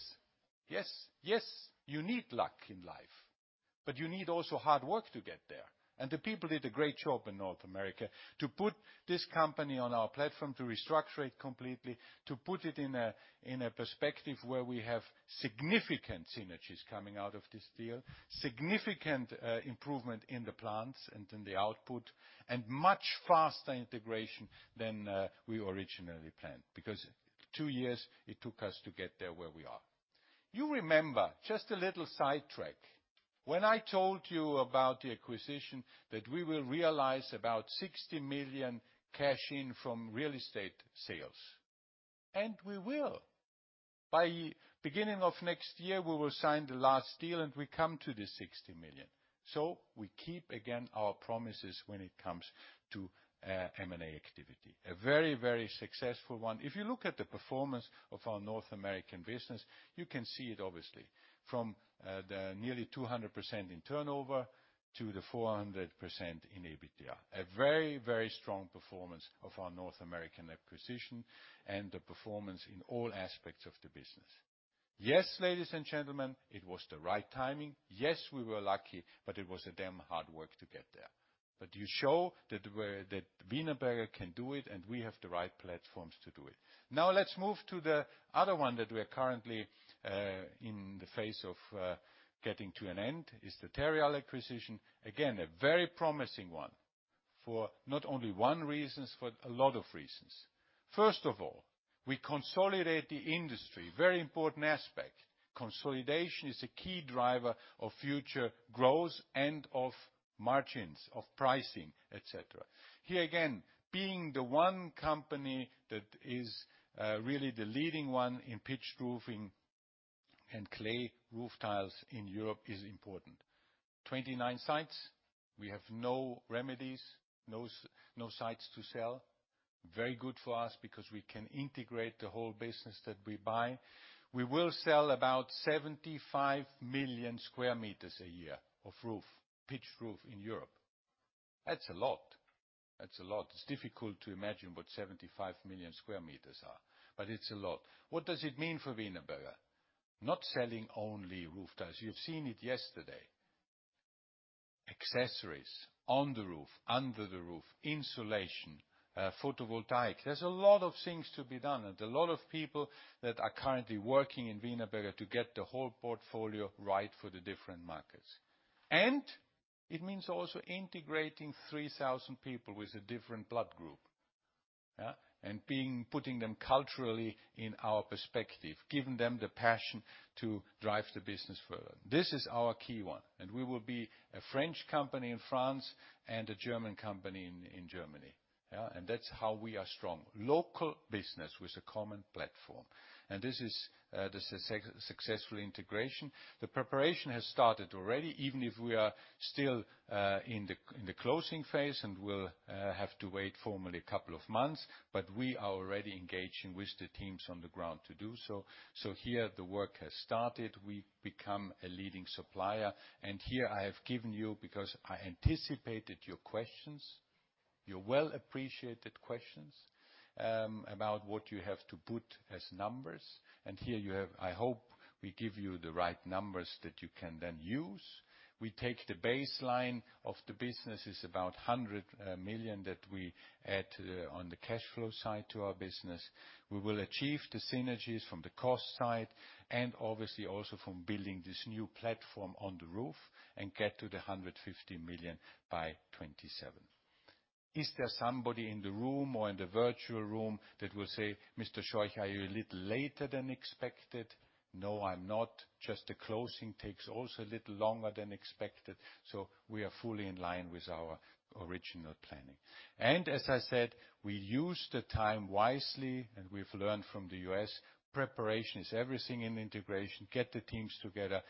Yes, yes, you need luck in life, but you need also hard work to get there. And the people did a great job in North America to put this company on our platform, to restructure it completely, to put it in a, in a perspective where we have significant synergies coming out of this deal, significant, improvement in the plants and in the output, and much faster integration than, we originally planned, because two years it took us to get there where we are. You remember, just a little sidetrack, when I told you about the acquisition, that we will realize about $60 million cash in from real estate sales, and we will. By beginning of next year, we will sign the last deal, and we come to the $60 million. So we keep, again, our promises when it comes to, M&A activity. A very, very successful one. If you look at the performance of our North American business, you can see it obviously, from the nearly 200% in turnover to the 400% in EBITDA. A very, very strong performance of our North American acquisition and the performance in all aspects of the business. Yes, ladies and gentlemen, it was the right timing. Yes, we were lucky, but it was a damn hard work to get there. But you show that we're that Wienerberger can do it, and we have the right platforms to do it. Now, let's move to the other one that we are currently in the phase of getting to an end, is the Terreal acquisition. Again, a very promising one, for not only one reasons, for a lot of reasons. First of all, we consolidate the industry, very important aspect. Consolidation is a key driver of future growth and of margins, of pricing, et cetera. Here, again, being the one company that is really the leading one in pitched roofing and clay roof tiles in Europe is important. 29 sites, we have no remedies, no sites to sell. Very good for us because we can integrate the whole business that we buy. We will sell about 75 million square meters a year of roof, pitched roof in Europe. That's a lot. That's a lot. It's difficult to imagine what 75 million square meters are, but it's a lot. What does it mean for Wienerberger? Not selling only roof tiles. You've seen it yesterday. Accessories on the roof, under the roof, insulation, photovoltaic. There's a lot of things to be done and a lot of people that are currently working in Wienerberger to get the whole portfolio right for the different markets. And it means also integrating 3,000 people with a different blood group, yeah? And being, putting them culturally in our perspective, giving them the passion to drive the business further. This is our key one, and we will be a French company in France and a German company in Germany, yeah. And that's how we are strong. Local business with a common platform. And this is the successful integration. The preparation has started already, even if we are still in the closing phase, and we'll have to wait formally a couple of months, but we are already engaging with the teams on the ground to do so. So here, the work has started. We become a leading supplier, and here I have given you, because I anticipated your questions, your well-appreciated questions, about what you have to put as numbers. And here you have... I hope we give you the right numbers that you can then use. We take the baseline of the business is about 100 million that we add to the, on the cash flow side to our business. We will achieve the synergies from the cost side and obviously also from building this new platform on the roof and get to the 150 million by 2027. Is there somebody in the room or in the virtual room that will say, "Mr. Scheuch, are you a little later than expected?" No, I'm not. Just the closing takes also a little longer than expected, so we are fully in line with our original planning. And as I said, we use the time wisely, and we've learned from the US. Preparation is everything in integration. Get the teams together.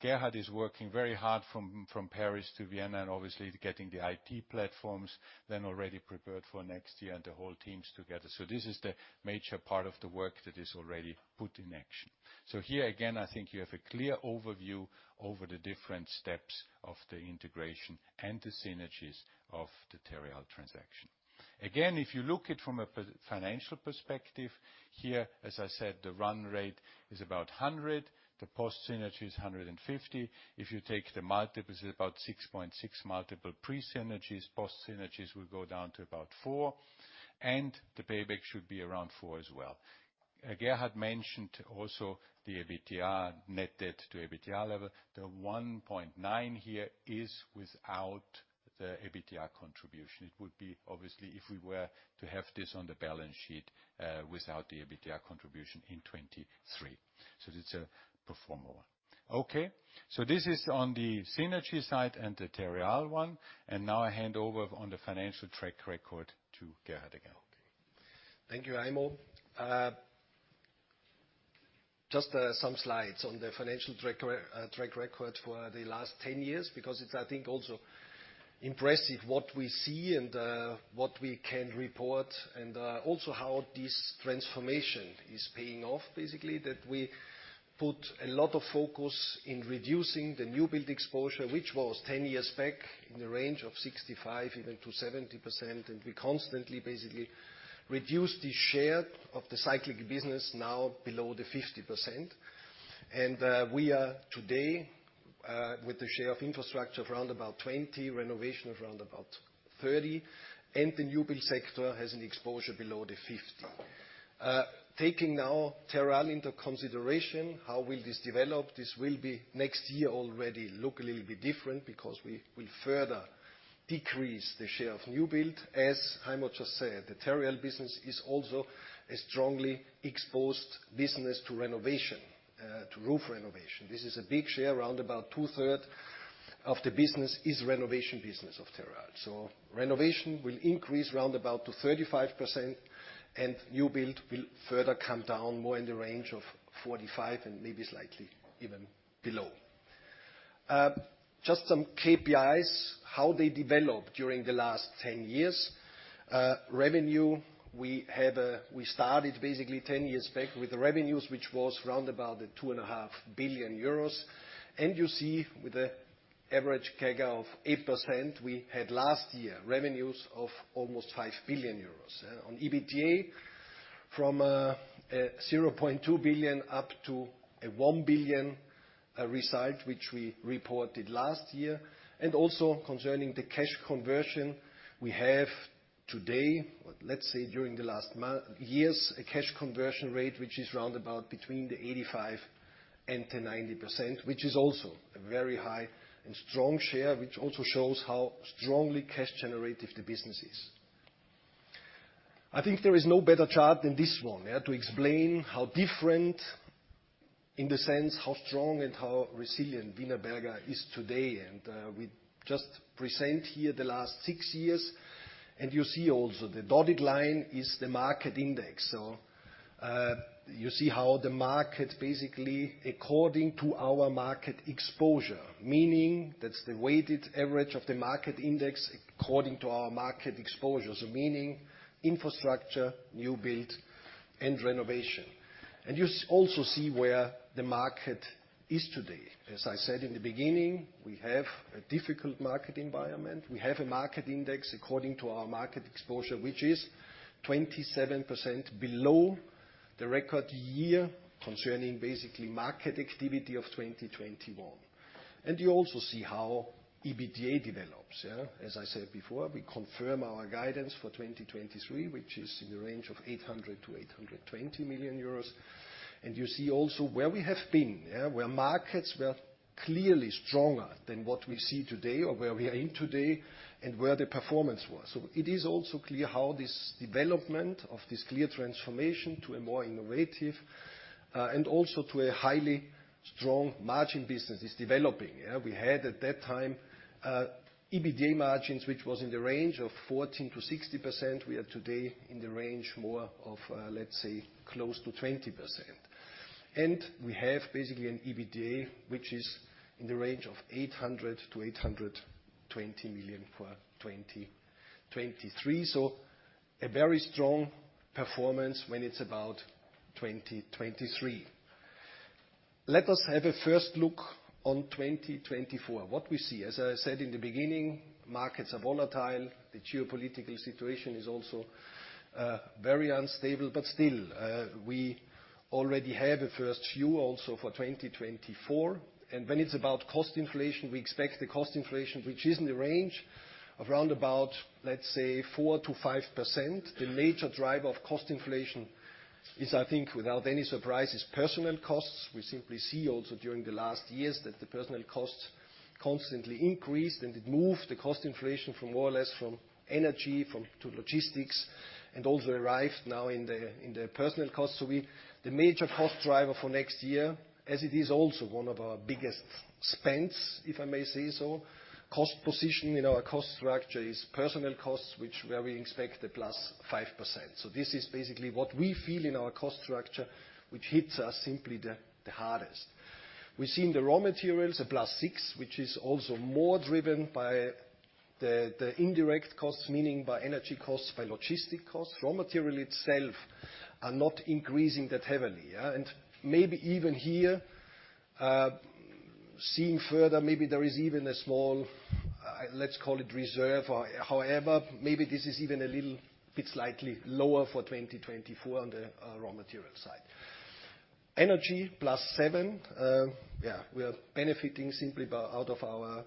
Gerhard is working very hard from Paris to Vienna, and obviously getting the IT platforms then already prepared for next year and the whole teams together. So this is the major part of the work that is already put in action. So here, again, I think you have a clear overview over the different steps of the integration and the synergies of the Terreal transaction. Again, if you look at it from a pure financial perspective, here, as I said, the run rate is about 100 million, the post-synergy is 150 million. If you take the multiples, it's about 6.6x multiple pre-synergies. Post-synergies, we go down to about four, and the payback should be around four as well. Gerhard mentioned also the EBITDA, net debt to EBITDA level. The 1.9 here is without the EBITDA contribution. It would be, obviously, if we were to have this on the balance sheet, without the EBITDA contribution in 2023. So it's a pro forma one. Okay, so this is on the synergy side and the Terreal one, and now I hand over on the financial track record to Gerhard again. Thank you, Heimo. Just, some slides on the financial track record for the last 10 years, because it's, I think, also impressive what we see and, what we can report, and, also how this transformation is paying off, basically. That we put a lot of focus in reducing the new build exposure, which was 10 years back in the range of 65-70%, and we constantly basically reduced the share of the cyclic business now below the 50%.... We are today, with the share of infrastructure of around about 20, renovation of around about 30, and the new build sector has an exposure below the 50. Taking now Terreal into consideration, how will this develop? This will be next year already look a little bit different because we will further decrease the share of new build. As Heimo just said, the Terreal business is also a strongly exposed business to renovation, to roof renovation. This is a big share, around about two-thirds of the business is renovation business of Terreal. So renovation will increase round about to 35%, and new build will further come down more in the range of 45 and maybe slightly even below. Just some KPIs, how they developed during the last 10 years. Revenue, we started basically 10 years back with the revenues, which was round about 2.5 billion euros. And you see with the average CAGR of 8%, we had last year revenues of almost 5 billion euros. On EBITDA, from 0.2 billion up to 1 billion, result, which we reported last year. Also concerning the cash conversion, we have today, let's say, during the last years, a cash conversion rate, which is around 85%-90%, which is also a very high and strong share, which also shows how strongly cash generative the business is. I think there is no better chart than this one, yeah, to explain how different, in the sense, how strong and how resilient Wienerberger is today. We just present here the last six years, and you see also the dotted line is the market index. You see how the market basically, according to our market exposure, meaning that's the weighted average of the market index according to our market exposure. So meaning infrastructure, new build, and renovation. And you also see where the market is today. As I said in the beginning, we have a difficult market environment. We have a market index according to our market exposure, which is 27% below the record year concerning basically market activity of 2021. And you also see how EBITDA develops, yeah. As I said before, we confirm our guidance for 2023, which is in the range of 800 million-820 million euros. And you see also where we have been, yeah, where markets were clearly stronger than what we see today or where we are in today and where the performance was. So it is also clear how this development of this clear transformation to a more innovative and also to a highly strong margin business is developing, yeah. We had at that time, EBITDA margins, which was in the range of 14%-60%. We are today in the range more of, let's say, close to 20%. And we have basically an EBITDA, which is in the range of 800 million-820 million for 2023. So a very strong performance when it's about 2023. Let us have a first look on 2024. What we see, as I said in the beginning, markets are volatile, the geopolitical situation is also very unstable, but still, we already have a first view also for 2024. And when it's about cost inflation, we expect the cost inflation, which is in the range of around about, let's say, 4%-5%. The major driver of cost inflation is, I think, without any surprise, is personnel costs. We simply see also during the last years that the personal costs constantly increased, and it moved the cost inflation from more or less from energy to logistics, and also arrived now in the personal costs. So we the major cost driver for next year, as it is also one of our biggest spends, if I may say so, cost position in our cost structure is personal costs, where we expect a +5%. So this is basically what we feel in our cost structure, which hits us simply the hardest. We've seen the raw materials, a +6, which is also more driven by the indirect costs, meaning by energy costs, by logistic costs. Raw material itself are not increasing that heavily, yeah. And maybe even here, seeing further, maybe there is even a small, let's call it reserve. However, maybe this is even a little bit slightly lower for 2024 on the raw material side. Energy, +7. Yeah, we are benefiting simply by, out of our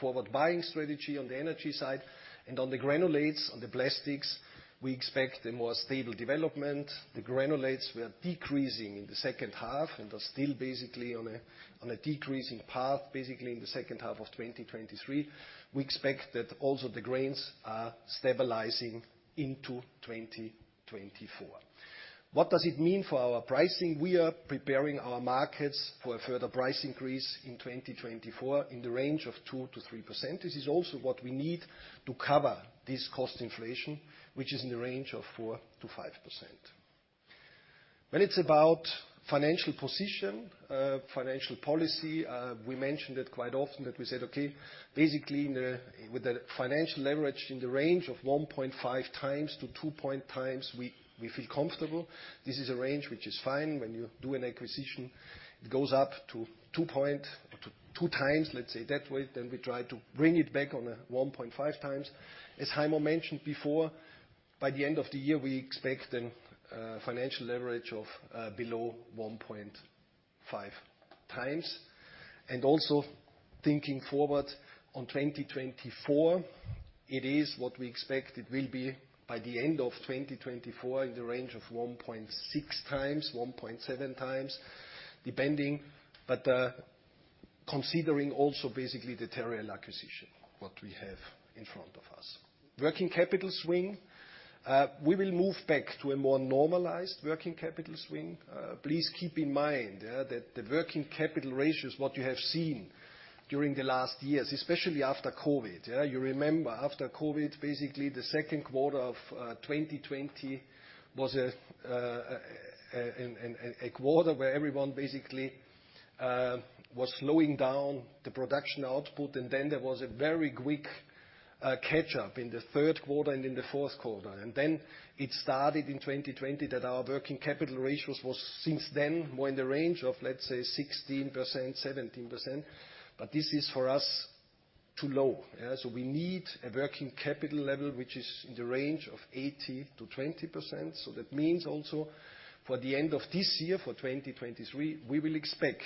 forward buying strategy on the energy side. And on the granulates, on the plastics, we expect a more stable development. The granulates were decreasing in the second half and are still basically on a decreasing path, basically in the second half of 2023. We expect that also the grains are stabilizing into 2024. What does it mean for our pricing? We are preparing our markets for a further price increase in 2024 in the range of 2-3%. This is also what we need to cover this cost inflation, which is in the range of 4-5%. When it's about financial position, financial policy, we mentioned it quite often that we said, okay, basically, in the with the financial leverage in the range of 1.5x-2x, we, we feel comfortable. This is a range which is fine when you do an acquisition, it goes up to two point, to 2x, let's say that way, then we try to bring it back on a 1.5x. As Heimo mentioned before. By the end of the year, we expect a financial leverage of below 1.5x. And also, thinking forward on 2024, it is what we expect it will be by the end of 2024, in the range of 1.6x, 1.7x, depending. But, considering also basically the Terreal acquisition, what we have in front of us. Working capital swing, we will move back to a more normalized working capital swing. Please keep in mind, yeah, that the working capital ratios, what you have seen during the last years, especially after COVID, yeah? You remember, after COVID, basically, the Q2 of 2020 was a quarter where everyone basically was slowing down the production output, and then there was a very quick catch-up in the Q3 and in the Q4. And then it started in 2020, that our working capital ratios was since then more in the range of, let's say, 16%, 17%, but this is for us, too low, yeah. So we need a working capital level, which is in the range of 18%-20%. So that means also for the end of this year, for 2023, we will expect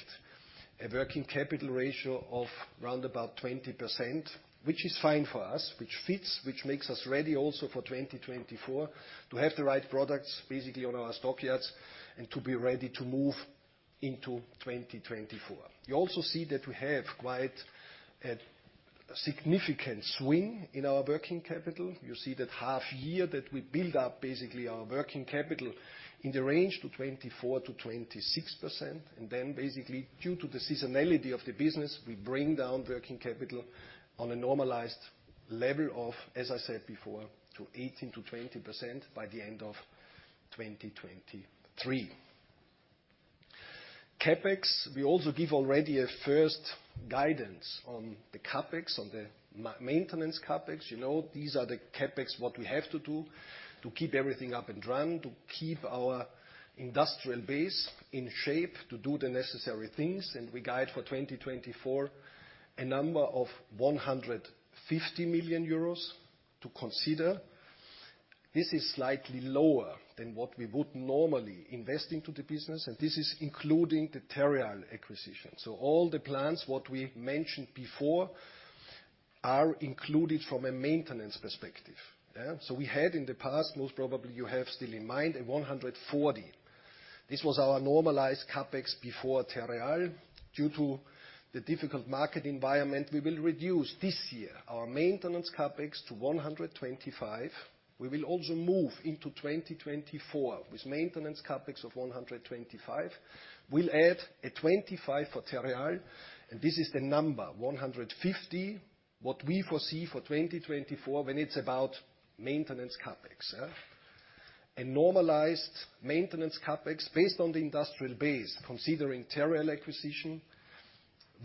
a working capital ratio of roundabout 20%, which is fine for us, which fits, which makes us ready also for 2024, to have the right products basically on our stockyards and to be ready to move into 2024. You also see that we have quite a significant swing in our working capital. You see that half year that we build up, basically, our working capital in the range to 24%-26%, and then basically, due to the seasonality of the business, we bring down working capital on a normalized level of, as I said before, to 18%-20% by the end of 2023. CapEx, we also give already a first guidance on the CapEx, on the maintenance CapEx. You know, these are the CapEx, what we have to do to keep everything up and running, to keep our industrial base in shape, to do the necessary things. We guide for 2024, a number of 150 million euros to consider. This is slightly lower than what we would normally invest into the business, and this is including the Terreal acquisition. So all the plans, what we mentioned before, are included from a maintenance perspective, yeah? So we had in the past, most probably you have still in mind, a 140 million. This was our normalized CapEx before Terreal. Due to the difficult market environment, we will reduce this year our maintenance CapEx to 125 million. We will also move into 2024 with maintenance CapEx of 125. We'll add a 25 for Terreal, and this is the number, 150, what we foresee for 2024, when it's about maintenance CapEx, yeah? A normalized maintenance CapEx, based on the industrial base, considering Terreal acquisition,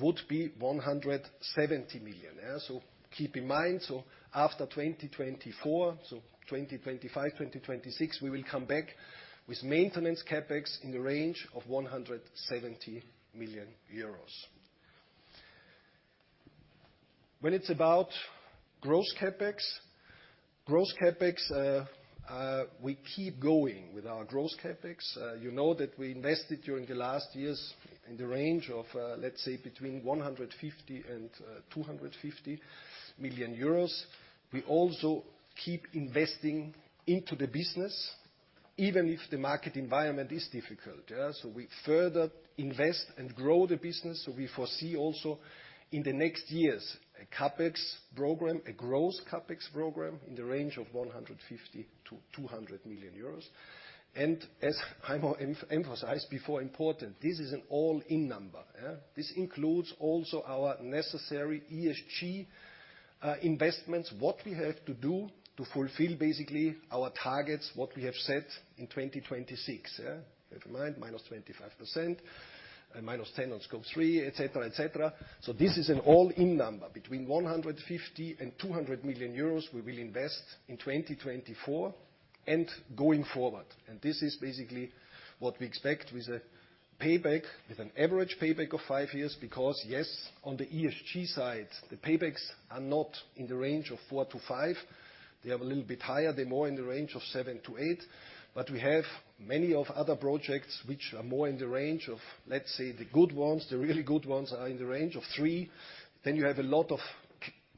would be 170 million, yeah? So keep in mind, so after 2024, so 2025, 2026, we will come back with maintenance CapEx in the range of 170 million euros. When it's about gross CapEx, gross CapEx, we keep going with our gross CapEx. You know that we invested during the last years in the range of, let's say, between 150 million and 250 million euros. We also keep investing into the business, even if the market environment is difficult, yeah? We further invest and grow the business, so we foresee also in the next years, a CapEx program, a gross CapEx program, in the range of 150-200 million euros. As Heimo emphasized before, important, this is an all-in number, yeah? This includes also our necessary ESG investments, what we have to do to fulfill basically our targets, what we have set in 2026, yeah. Keep in mind, -25% and -10% on Scope 3, et cetera, et cetera. This is an all-in number. Between 150 million and 200 million euros, we will invest in 2024 and going forward. This is basically what we expect with a payback, with an average payback of five years, because yes, on the ESG side, the paybacks are not in the range of 4-5. They are a little bit higher. They're more in the range of 7-8, but we have many of other projects which are more in the range of, let's say, the good ones, the really good ones, are in the range of three. You have a lot of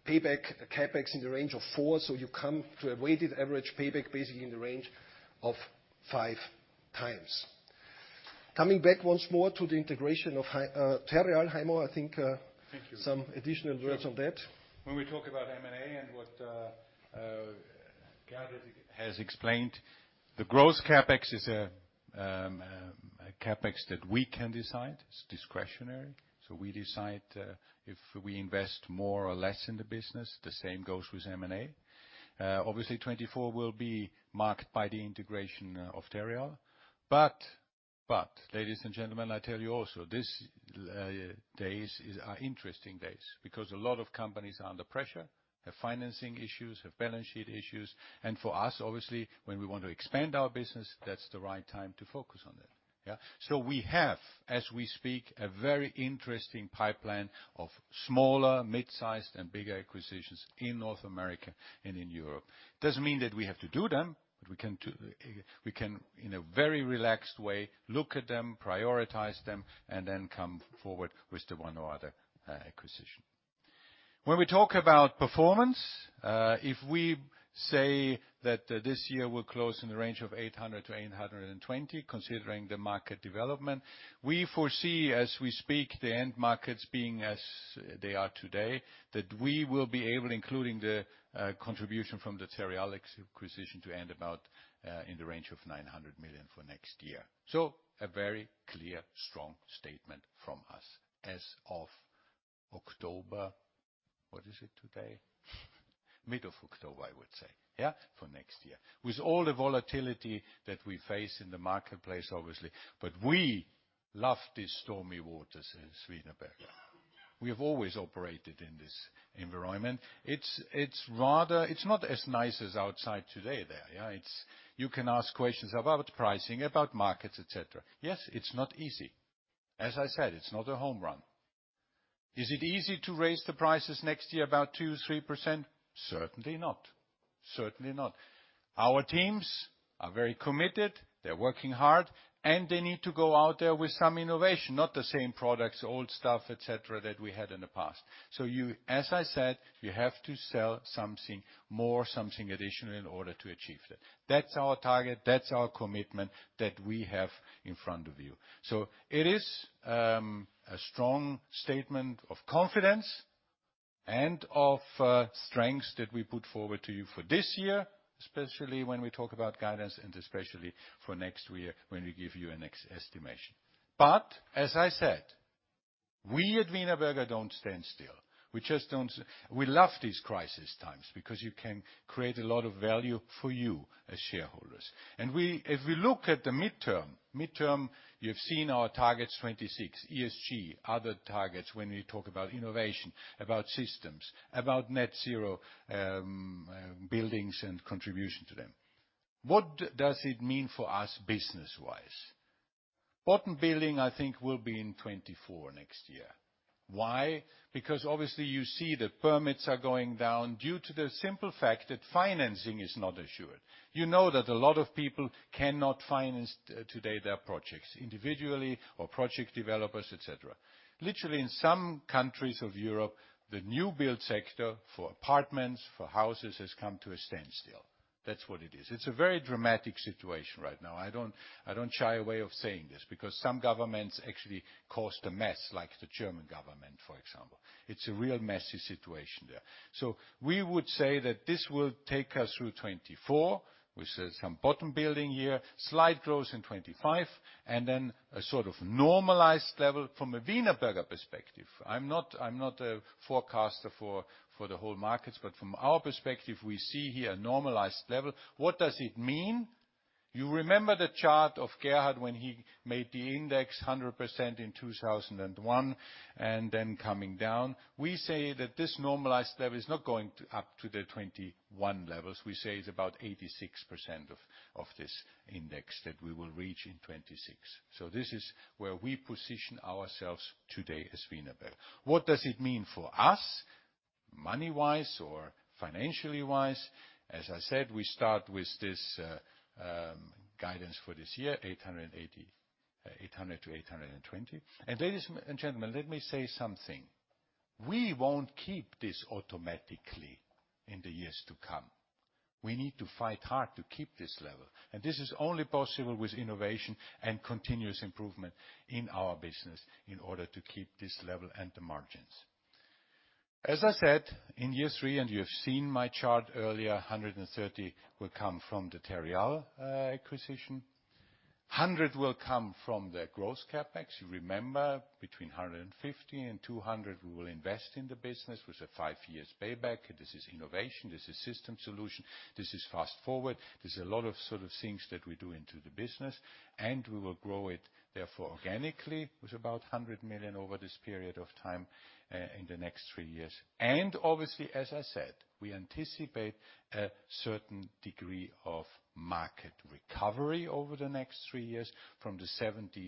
payback, CapEx in the range of four, so you come to a weighted average payback, basically in the range of 5x. Coming back once more to the integration of Terreal. Heimo, I think— Thank you. Some additional words on that. When we talk about M&A and what Gerhard has explained, the gross CapEx is a CapEx that we can decide. It's discretionary, so we decide if we invest more or less in the business. The same goes with M&A. Obviously, 2024 will be marked by the integration of Terreal. But ladies and gentlemen, I tell you also, these days are interesting days, because a lot of companies are under pressure, have financing issues, have balance sheet issues, and for us, obviously, when we want to expand our business, that's the right time to focus on that.... Yeah, so we have, as we speak, a very interesting pipeline of smaller, mid-sized, and bigger acquisitions in North America and in Europe. Doesn't mean that we have to do them, but we can do—we can, in a very relaxed way, look at them, prioritize them, and then come forward with the one or other acquisition. When we talk about performance, if we say that this year will close in the range of 800 million-820 million, considering the market development, we foresee, as we speak, the end markets being as they are today, that we will be able, including the contribution from the Terreal acquisition, to end about in the range of 900 million for next year. So a very clear, strong statement from us as of October. What is it today? Middle of October, I would say, yeah, for next year. With all the volatility that we face in the marketplace, obviously, but we love these stormy waters in Wienerberger. We have always operated in this environment. It's, it's rather—it's not as nice as outside today there, yeah? It's... You can ask questions about pricing, about markets, et cetera. Yes, it's not easy. As I said, it's not a home run. Is it easy to raise the prices next year about 2-3%? Certainly not. Certainly not. Our teams are very committed, they're working hard, and they need to go out there with some innovation, not the same products, old stuff, et cetera, that we had in the past. You, as I said, you have to sell something more, something additional, in order to achieve that. That's our target, that's our commitment that we have in front of you. So it is a strong statement of confidence and of strengths that we put forward to you for this year, especially when we talk about guidance, and especially for next year, when we give you a next estimation. But as I said, we at Wienerberger don't stand still. We just don't. We love these crisis times because you can create a lot of value for you as shareholders. And if we look at the midterm, you've seen our 2026 targets, ESG, other targets when we talk about innovation, about systems, about net zero buildings and contribution to them. What does it mean for us business-wise? Bottom building, I think, will be in 2024, next year. Why? Because obviously you see the permits are going down due to the simple fact that financing is not assured. You know that a lot of people cannot finance today their projects, individually or project developers, et cetera. Literally, in some countries of Europe, the new build sector for apartments, for houses, has come to a standstill. That's what it is. It's a very dramatic situation right now. I don't, I don't shy away of saying this, because some governments actually caused a mess, like the German government, for example. It's a real messy situation there. So we would say that this will take us through 2024, with some bottom building year, slight growth in 2025, and then a sort of normalized level from a Wienerberger perspective. I'm not, I'm not a forecaster for, for the whole markets, but from our perspective, we see here a normalized level. What does it mean? You remember the chart of Gerhard when he made the index 100% in 2001, and then coming down. We say that this normalized level is not going to up to the 2021 levels. We say it's about 86% of, of this index that we will reach in 2026. This is where we position ourselves today as Wienerberger. What does it mean for us, money-wise or financially-wise? As I said, we start with this guidance for this year, 880 million, 800 million-820 million. Ladies and gentlemen, let me say something. We won't keep this automatically in the years to come. We need to fight hard to keep this level, and this is only possible with innovation and continuous improvement in our business in order to keep this level and the margins. As I said, in year three, and you have seen my chart earlier, 130 will come from the Terreal acquisition. 100 will come from the growth CapEx. You remember, between 150 and 200, we will invest in the business with a five-year payback. This is innovation, this is system solution, this is fast forward. There's a lot of sort of things that we do into the business, and we will grow it, therefore, organically, with about 100 million over this period of time, in the next three years. And obviously, as I said, we anticipate a certain degree of market recovery over the next three years, from the 73%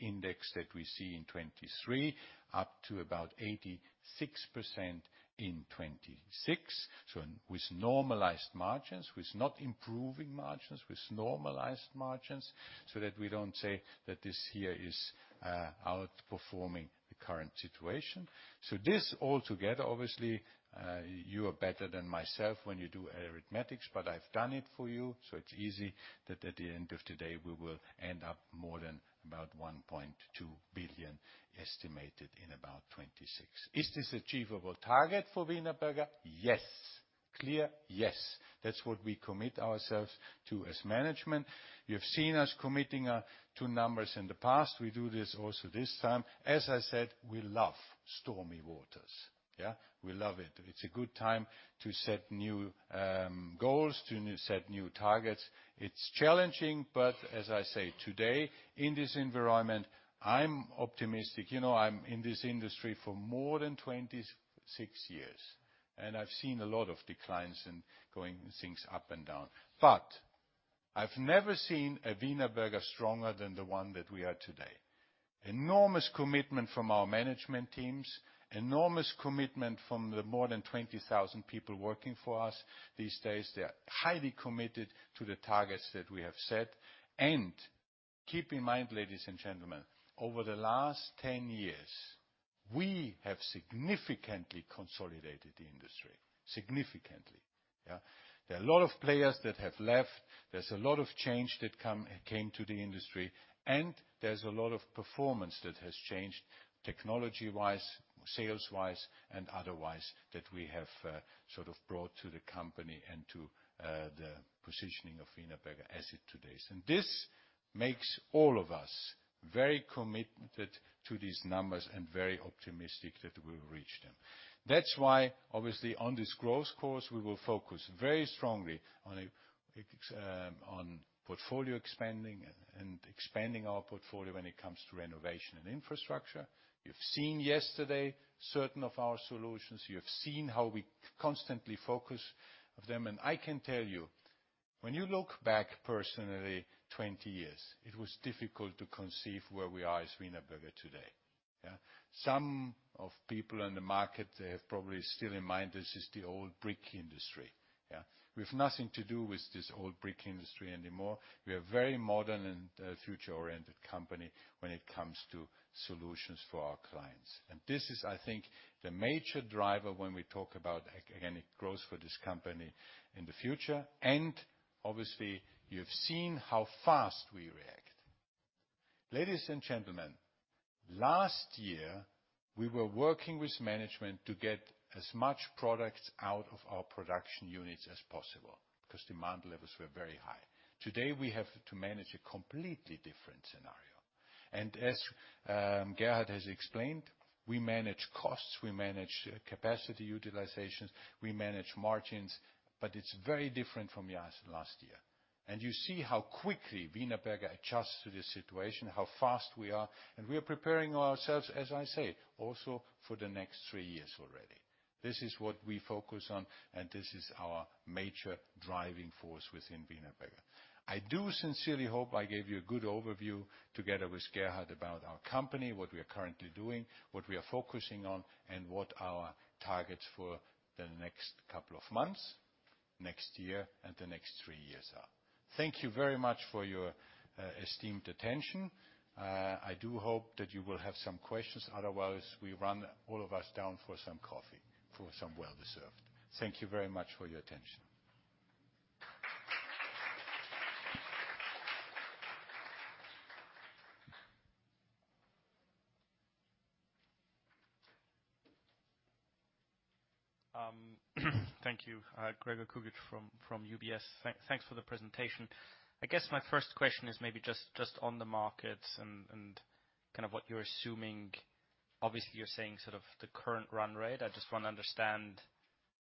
index that we see in 2023, up to about 86% in 2026. So with normalized margins, with not improving margins, with normalized margins, so that we don't say that this here is outperforming the current situation. So this all together, obviously, you are better than myself when you do arithmetics, but I've done it for you, so it's easy, that at the end of today, we will end up more than about 1.2 billion, estimated in about 2026. Is this achievable target for Wienerberger? Yes. Clear? Yes. That's what we commit ourselves to as management. You've seen us committing to numbers in the past. We do this also this time. As I said, we love stormy waters. Yeah, we love it. It's a good time to set new goals, to set new targets. It's challenging, but as I say today, in this environment, I'm optimistic. You know, I'm in this industry for more than 26 years.... I've seen a lot of declines in going things up and down, but I've never seen a Wienerberger stronger than the one that we are today. Enormous commitment from our management teams, enormous commitment from the more than 20,000 people working for us these days. They are highly committed to the targets that we have set. Keep in mind, ladies and gentlemen, over the last 10 years, we have significantly consolidated the industry. Significantly, yeah? There are a lot of players that have left. There's a lot of change that come, came to the industry, and there's a lot of performance that has changed, technology-wise, sales-wise, and otherwise, that we have, sort of brought to the company and to the positioning of Wienerberger as it is today. This makes all of us very committed to these numbers and very optimistic that we will reach them. That's why, obviously, on this growth course, we will focus very strongly on portfolio expanding and expanding our portfolio when it comes to renovation and infrastructure. You've seen yesterday certain of our solutions. You have seen how we constantly focus on them, and I can tell you, when you look back personally 20 years, it was difficult to conceive where we are as Wienerberger today. Yeah. Some people in the market, they have probably still in mind, this is the old brick industry. Yeah. We've nothing to do with this old brick industry anymore. We are very modern and future-oriented company when it comes to solutions for our clients. This is, I think, the major driver when we talk about, again, growth for this company in the future. Obviously, you've seen how fast we react. Ladies and gentlemen, last year, we were working with management to get as much products out of our production units as possible, because demand levels were very high. Today, we have to manage a completely different scenario. And as Gerhard has explained, we manage costs, we manage capacity utilizations, we manage margins, but it's very different from last year. You see how quickly Wienerberger adjusts to this situation, how fast we are, and we are preparing ourselves, as I say, also for the next three years already. This is what we focus on, and this is our major driving force within Wienerberger. I do sincerely hope I gave you a good overview, together with Gerhard, about our company, what we are currently doing, what we are focusing on, and what our targets for the next couple of months, next year, and the next three years are. Thank you very much for your esteemed attention. I do hope that you will have some questions. Otherwise, we run all of us down for some coffee, for some well-deserved. Thank you very much for your attention. Thank you. Gregor Kuglitsch from UBS. Thanks for the presentation. I guess my first question is maybe just on the markets and kind of what you're assuming. Obviously, you're saying sort of the current run rate. I just want to understand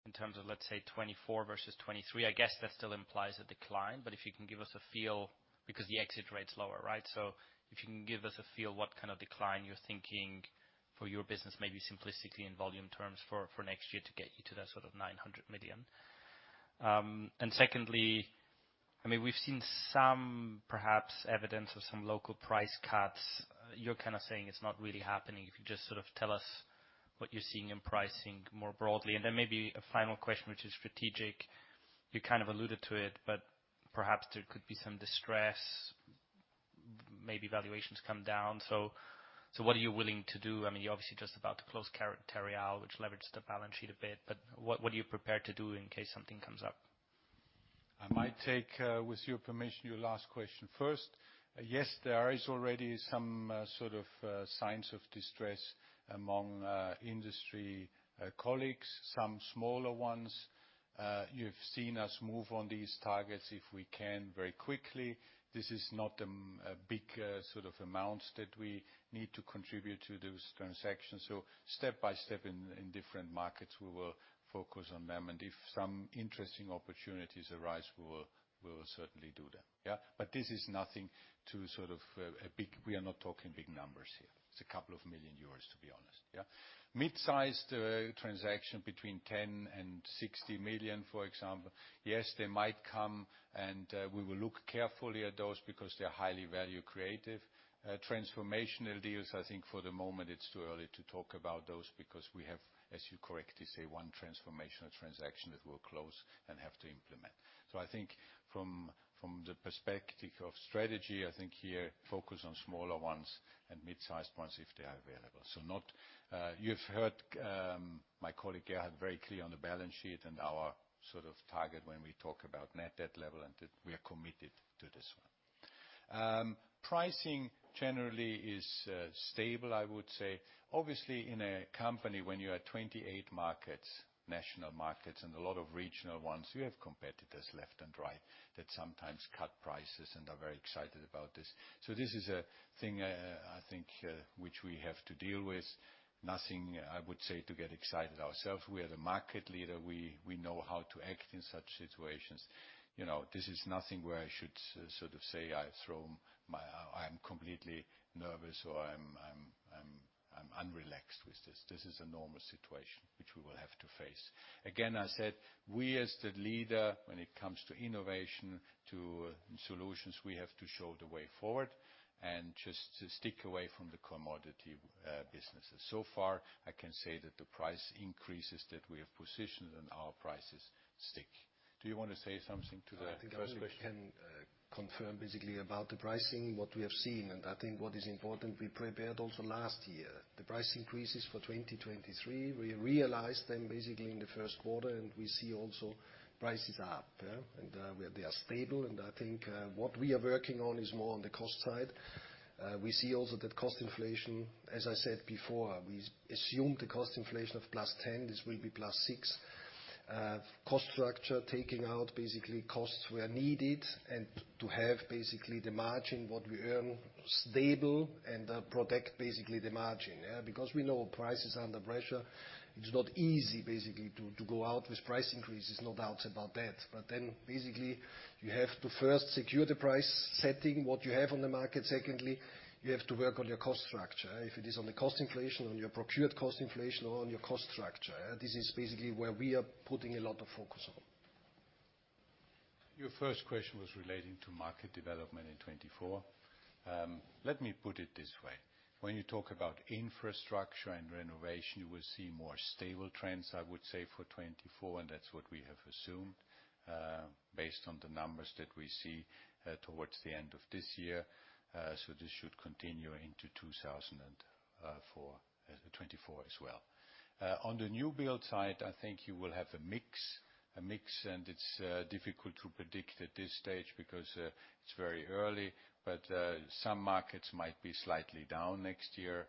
in terms of, let's say, 2024 versus 2023, I guess that still implies a decline, but if you can give us a feel, because the exit rate's lower, right? So if you can give us a feel, what kind of decline you're thinking for your business, maybe simplistically in volume terms for next year to get you to that sort of 900 million. And secondly, I mean, we've seen some perhaps evidence of some local price cuts. You're kind of saying it's not really happening. If you just sort of tell us what you're seeing in pricing more broadly. And then maybe a final question, which is strategic. You kind of alluded to it, but perhaps there could be some distress, maybe valuations come down. So, so what are you willing to do? I mean, you're obviously just about to close Terreal, which leverages the balance sheet a bit, but what, what are you prepared to do in case something comes up? I might take, with your permission, your last question first. Yes, there is already some, sort of, signs of distress among, industry, colleagues, some smaller ones. You've seen us move on these targets, if we can, very quickly. This is not, a big, sort of amounts that we need to contribute to those transactions. So step by step in different markets, we will focus on them, and if some interesting opportunities arise, we will certainly do that. Yeah, but this is nothing to sort of, a big... We are not talking big numbers here. It's a couple of million euros, to be honest, yeah. Mid-sized, transaction between 10 million and 60 million, for example, yes, they might come, and, we will look carefully at those because they are highly value creative. Transformational deals, I think for the moment, it's too early to talk about those because we have, as you correctly say, one transformational transaction that we'll close and have to implement. So I think from the perspective of strategy, I think here, focus on smaller ones and mid-sized ones if they are available. So not, you've heard, my colleague, Gerhard, very clear on the balance sheet and our sort of target when we talk about net debt level, and that we are committed to this one. Pricing generally is stable, I would say. Obviously, in a company, when you are 28 markets, national markets, and a lot of regional ones, you have competitors left and right that sometimes cut prices and are very excited about this. So this is a thing, I think, which we have to deal with. Nothing, I would say, to get excited ourselves. We are the market leader. We know how to act in such situations. You know, this is nothing where I should sort of say, I'm completely nervous, or I'm unrelaxed with this. This is a normal situation which we will have to face. Again, I said, we as the leader, when it comes to innovation, to solutions, we have to show the way forward and just to stick away from the commodity businesses. So far, I can say that the price increases that we have positioned and our prices stick. Do you want to say something to the first question? I think I can confirm basically about the pricing, what we have seen, and I think what is important, we prepared also last year. The price increases for 2023, we realized them basically in the Q1, and we see also prices are up, yeah, and they are stable. And I think what we are working on is more on the cost side. We see also that cost inflation, as I said before, we assumed the cost inflation of +10%, this will be +6%. Cost structure, taking out basically costs where needed and to have basically the margin, what we earn, stable and protect basically the margin, yeah. Because we know price is under pressure. It's not easy basically to go out with price increases, no doubts about that. But then, basically, you have to first secure the price, setting what you have on the market. Secondly, you have to work on your cost structure. If it is on the cost inflation, on your procured cost inflation or on your cost structure, this is basically where we are putting a lot of focus on. Your first question was relating to market development in 2024. Let me put it this way. When you talk about infrastructure and renovation, you will see more stable trends, I would say, for 2024, and that's what we have assumed, based on the numbers that we see, towards the end of this year. So this should continue into 2024 as well. On the new build side, I think you will have a mix, a mix, and it's difficult to predict at this stage because it's very early, but some markets might be slightly down next year,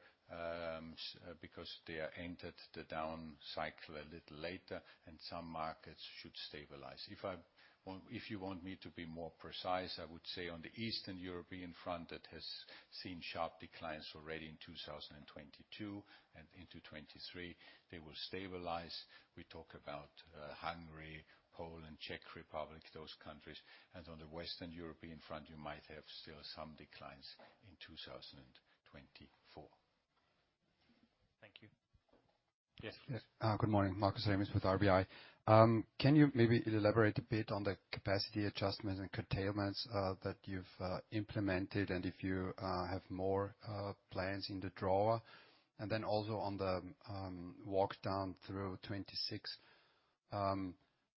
because they are entered the down cycle a little later, and some markets should stabilize. If you want me to be more precise, I would say on the Eastern European front, that has seen sharp declines already in 2022 and into 2023, they will stabilize. We talk about Hungary, Poland, Czech Republic, those countries. And on the Western European front, you might have still some declines in 2024. Thank you. Yes. Yes. Good morning, Markus Remis with RBI. Can you maybe elaborate a bit on the capacity adjustments and curtailments that you've implemented, and if you have more plans in the drawer? Also, on the walk down through 2026,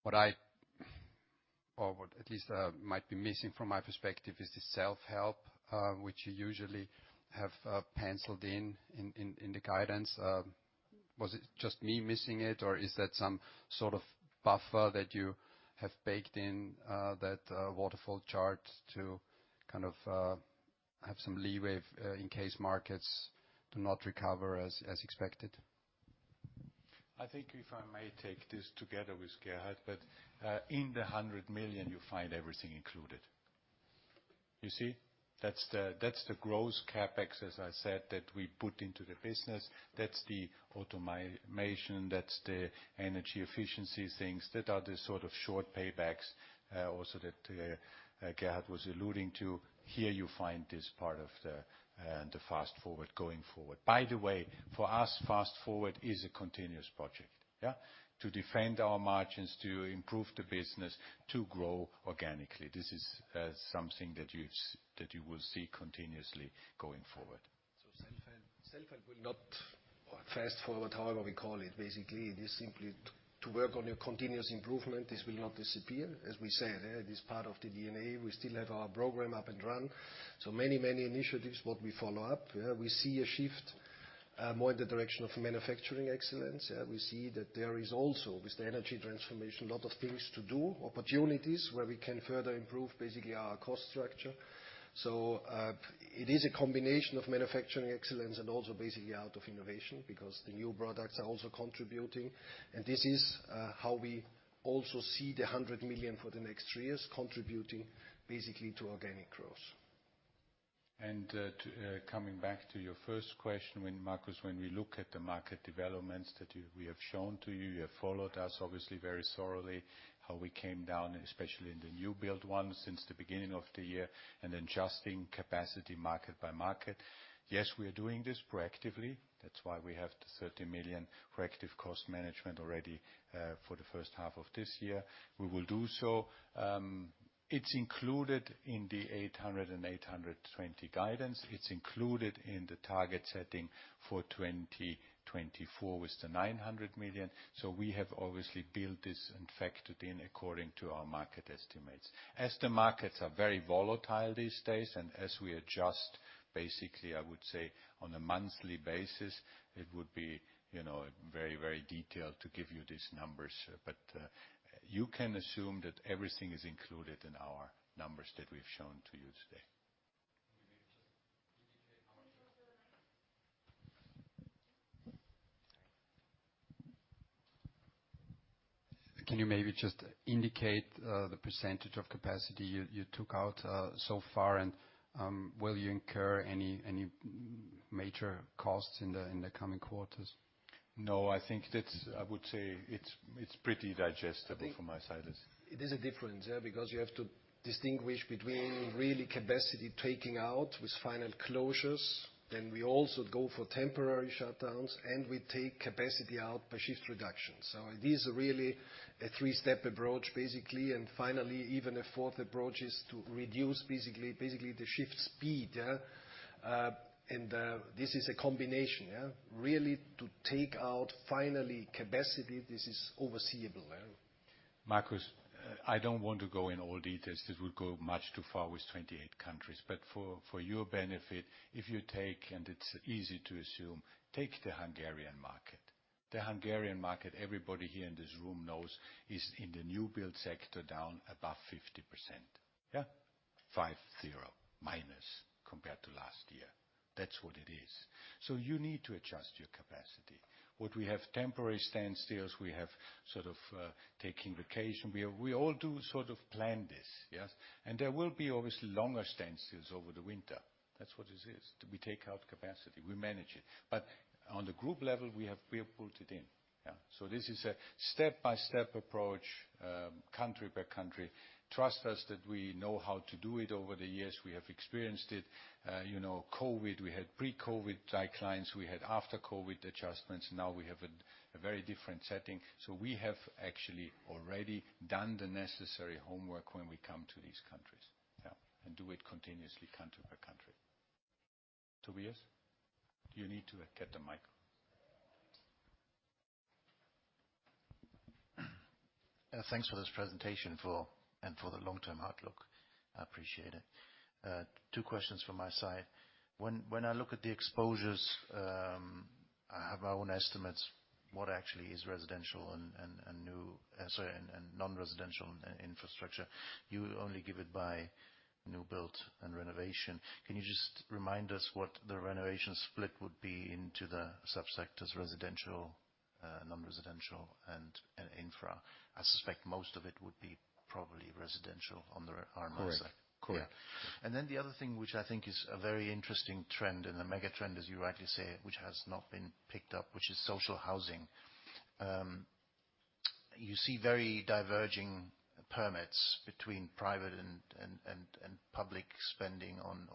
what I, or what at least might be missing from my perspective, is the self-help, which you usually have penciled in in the guidance. Was it just me missing it, or is that some sort of buffer that you have baked in that waterfall chart to kind of have some leeway in case markets do not recover as expected? I think if I may take this together with Gerhard, but, in the 100 million, you find everything included. You see? That's the, that's the gross CapEx, as I said, that we put into the business. That's the automation, that's the energy efficiency things, that are the sort of short paybacks, also that, Gerhard was alluding to. Here you find this part of the, the fast forward going forward. By the way, for us, fast forward is a continuous project, yeah? To defend our margins, to improve the business, to grow organically. This is, something that you've, that you will see continuously going forward. So self-help, self-help will not fast forward, however we call it. Basically, it is simply to work on your continuous improvement. This will not disappear, as we said, it is part of the DNA. We still have our program up and running. So many, many initiatives, what we follow up. We see a shift, more in the direction of manufacturing excellence. We see that there is also, with the energy transformation, a lot of things to do, opportunities where we can further improve, basically, our cost structure. So, it is a combination of manufacturing excellence and also basically out of innovation, because the new products are also contributing. And this is, how we also see the 100 million for the next three years contributing basically to organic growth. And, to coming back to your first question, when Markus, when we look at the market developments that we have shown to you, you have followed us, obviously, very thoroughly, how we came down, especially in the new build one since the beginning of the year, and adjusting capacity market by market. Yes, we are doing this proactively. That's why we have the 30 million proactive cost management already, for the first half of this year. We will do so. It's included in the 800 million and 820 million guidance. It's included in the target setting for 2024 with the 900 million. So we have obviously built this and factored in according to our market estimates. As the markets are very volatile these days, and as we adjust, basically, I would say on a monthly basis, it would be, you know, very, very detailed to give you these numbers. But, you can assume that everything is included in our numbers that we've shown to you today. Can you [inaudible] Can you maybe just indicate the percentage of capacity you took out so far, and will you incur any major costs in the coming quarters?... No, I think that's, I would say, it's pretty digestible from my side, yes. It is a difference, yeah, because you have to distinguish between really capacity taking out with final closures, then we also go for temporary shutdowns, and we take capacity out by shift reduction. It is really a three-step approach, basically, and finally, even a fourth approach is to reduce basically the shift speed. This is a combination, yeah? Really to take out, finally, capacity, this is overseeable. Marcus, I don't want to go in all details. This would go much too far with 28 countries. But for, for your benefit, if you take, and it's easy to assume, take the Hungarian market. The Hungarian market, everybody here in this room knows, is in the new build sector, down above 50%, yeah? 50 minus, compared to last year. That's what it is. So you need to adjust your capacity. What we have temporary standstills, we have sort of, taking vacation. We, we all do sort of plan this, yes? And there will be, obviously, longer standstills over the winter. That's what this is. We take out capacity, we manage it. But on the group level, we have. We have pulled it in, yeah. So this is a step-by-step approach, country by country. Trust us that we know how to do it. Over the years, we have experienced it. You know, COVID, we had pre-COVID declines, we had after-COVID adjustments, now we have a very different setting. So we have actually already done the necessary homework when we come to these countries, yeah, and do it continuously, country by country. Tobias, you need to get the mic. Thanks for this presentation, for—and for the long-term outlook. I appreciate it. Two questions from my side. When I look at the exposures, I have my own estimates. What actually is residential and, sorry, non-residential infrastructure? You only give it by new build and renovation. Can you just remind us what the renovation split would be into the subsectors, residential, non-residential, and infra? I suspect most of it would be probably residential on the R&M side. Correct. Correct. Yeah. And then the other thing, which I think is a very interesting trend, and the mega trend, as you rightly say, which has not been picked up, which is social housing. You see very diverging permits between private and public spending on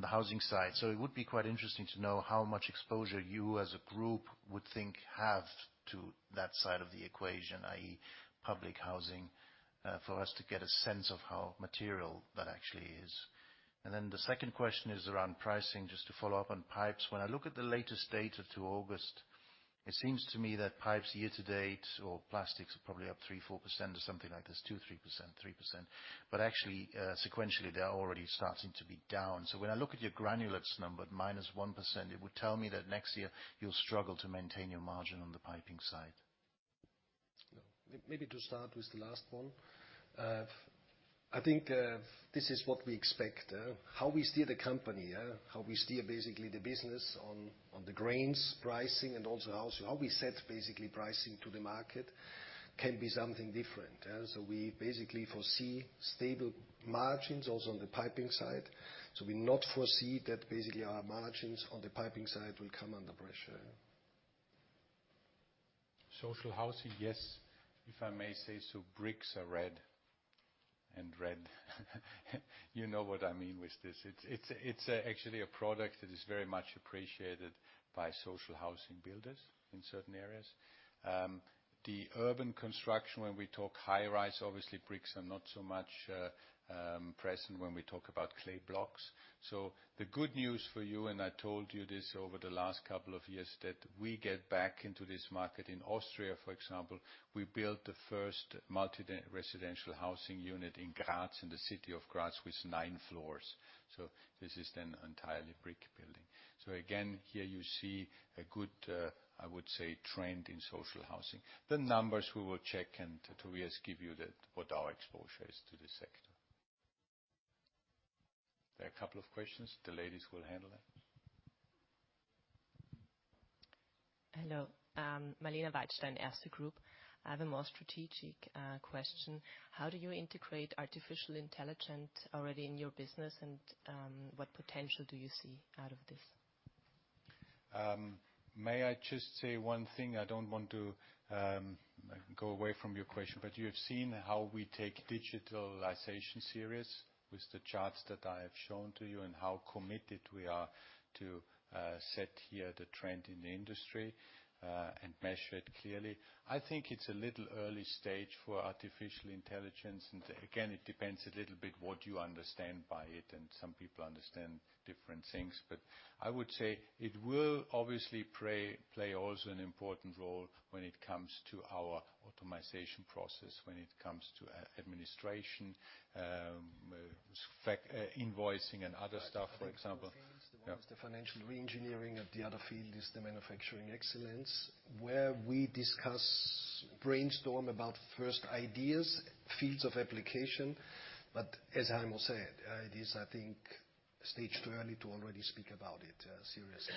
the housing side. So it would be quite interesting to know how much exposure you, as a group, would think have to that side of the equation, i.e., public housing, for us to get a sense of how material that actually is. And then the second question is around pricing, just to follow up on pipes. When I look at the latest data to August, it seems to me that pipes year to date, or plastics, are probably up 3%-4% or something like this, 2%-3%, 3%. Actually, sequentially, they are already starting to be down. When I look at your granulates number, at -1%, it would tell me that next year you'll struggle to maintain your margin on the piping side. Maybe to start with the last one. I think, this is what we expect. How we steer the company, yeah, how we steer basically the business on, on the grains pricing and also how, how we set basically pricing to the market, can be something different, yeah? So we basically foresee stable margins also on the piping side. So we not foresee that basically our margins on the piping side will come under pressure. Social housing, yes. If I may say so, bricks are red and red. You know what I mean with this. It's, it's, actually a product that is very much appreciated by social housing builders in certain areas. The urban construction, when we talk high-rise, obviously, bricks are not so much present when we talk about clay blocks. The good news for you, and I told you this over the last couple of years, that we get back into this market. In Austria, for example, we built the first multi-residential housing unit in Graz, in the city of Graz, with nine floors. This is an entirely brick building. Again, here you see a good, I would say, trend in social housing. The numbers, we will check, and Tobias give you the, what our exposure is to this sector. There are a couple of questions. The ladies will handle that. Hello. Mariane Senjak, Erste Group. I have a more strategic question. How do you integrate artificial intelligence already in your business, and what potential do you see out of this? May I just say one thing? I don't want to go away from your question, but you have seen how we take digitalization seriously with the charts that I have shown to you, and how committed we are to set here the trend in the industry, and measure it clearly. I think it's a little early stage for artificial intelligence, and again, it depends a little bit what you understand by it, and some people understand different things. But I would say it will obviously play also an important role when it comes to our automation process, when it comes to administration, spec, invoicing and other stuff, for example. The financial reengineering of the other field is the manufacturing excellence, where we discuss, brainstorm about first ideas, fields of application. But as Heimo said, it is, I think, stage too early to already speak about it, seriously.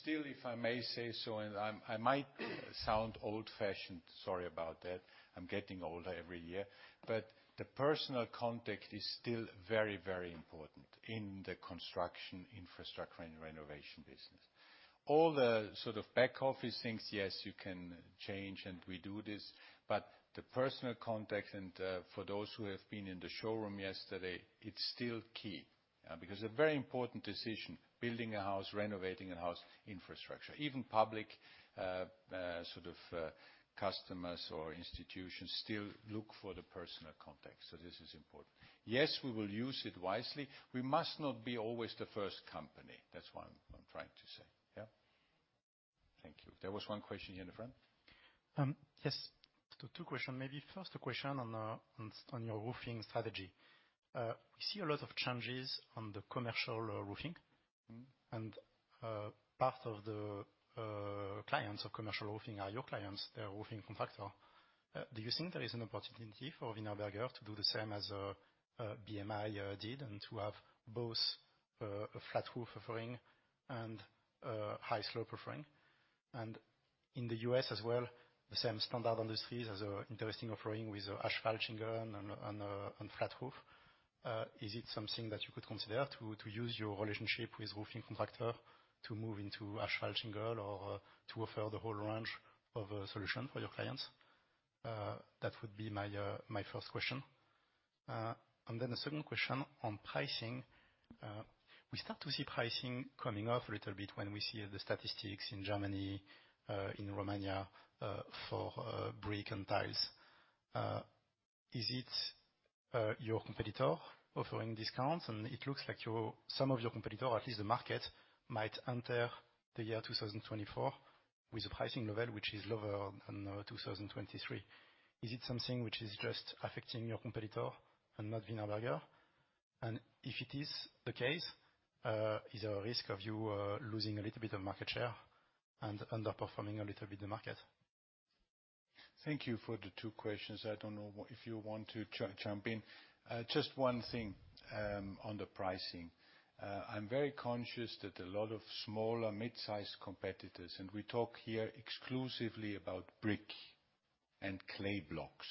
Still, if I may say so, and I might sound old-fashioned, sorry about that. I'm getting older every year. But the personal contact is still very, very important in the construction, infrastructure, and renovation business. All the sort of back office things, yes, you can change, and we do this, but the personal contact and, for those who have been in the showroom yesterday, it's still key. Because a very important decision, building a house, renovating a house, infrastructure, even public, sort of, customers or institutions still look for the personal contact, so this is important. Yes, we will use it wisely. We must not be always the first company. That's what I'm trying to say. Yeah? Thank you. There was one question here in the front. Yes. So two questions, maybe. First, a question on your roofing strategy. We see a lot of changes on the commercial roofing. Mm-hmm. And, part of the clients of commercial roofing are your clients, the roofing contractor. Do you think there is an opportunity for Wienerberger to do the same as BMI did, and to have both a flat roof offering and a high slope offering? And in the U.S. as well, the same standard industries as an interesting offering with asphalt shingle and flat roof. Is it something that you could consider to use your relationship with roofing contractor to move into asphalt shingle or to offer the whole range of a solution for your clients? That would be my first question. And then the second question on pricing. We start to see pricing coming up a little bit when we see the statistics in Germany, in Romania, for brick and tiles. Is it your competitor offering discounts? And it looks like your, some of your competitor, at least the market, might enter the year 2024 with a pricing level which is lower than 2023. Is it something which is just affecting your competitor and not Wienerberger? And if it is the case, is there a risk of you losing a little bit of market share and underperforming a little bit the market? Thank you for the two questions. I don't know if you want to jump in. Just one thing on the pricing. I'm very conscious that a lot of smaller, mid-sized competitors, and we talk here exclusively about brick and clay blocks,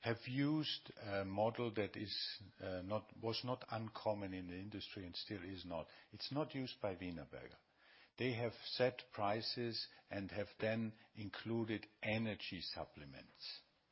have used a model that is not, was not uncommon in the industry and still is not. It's not used by Wienerberger. They have set prices and have then included energy supplements,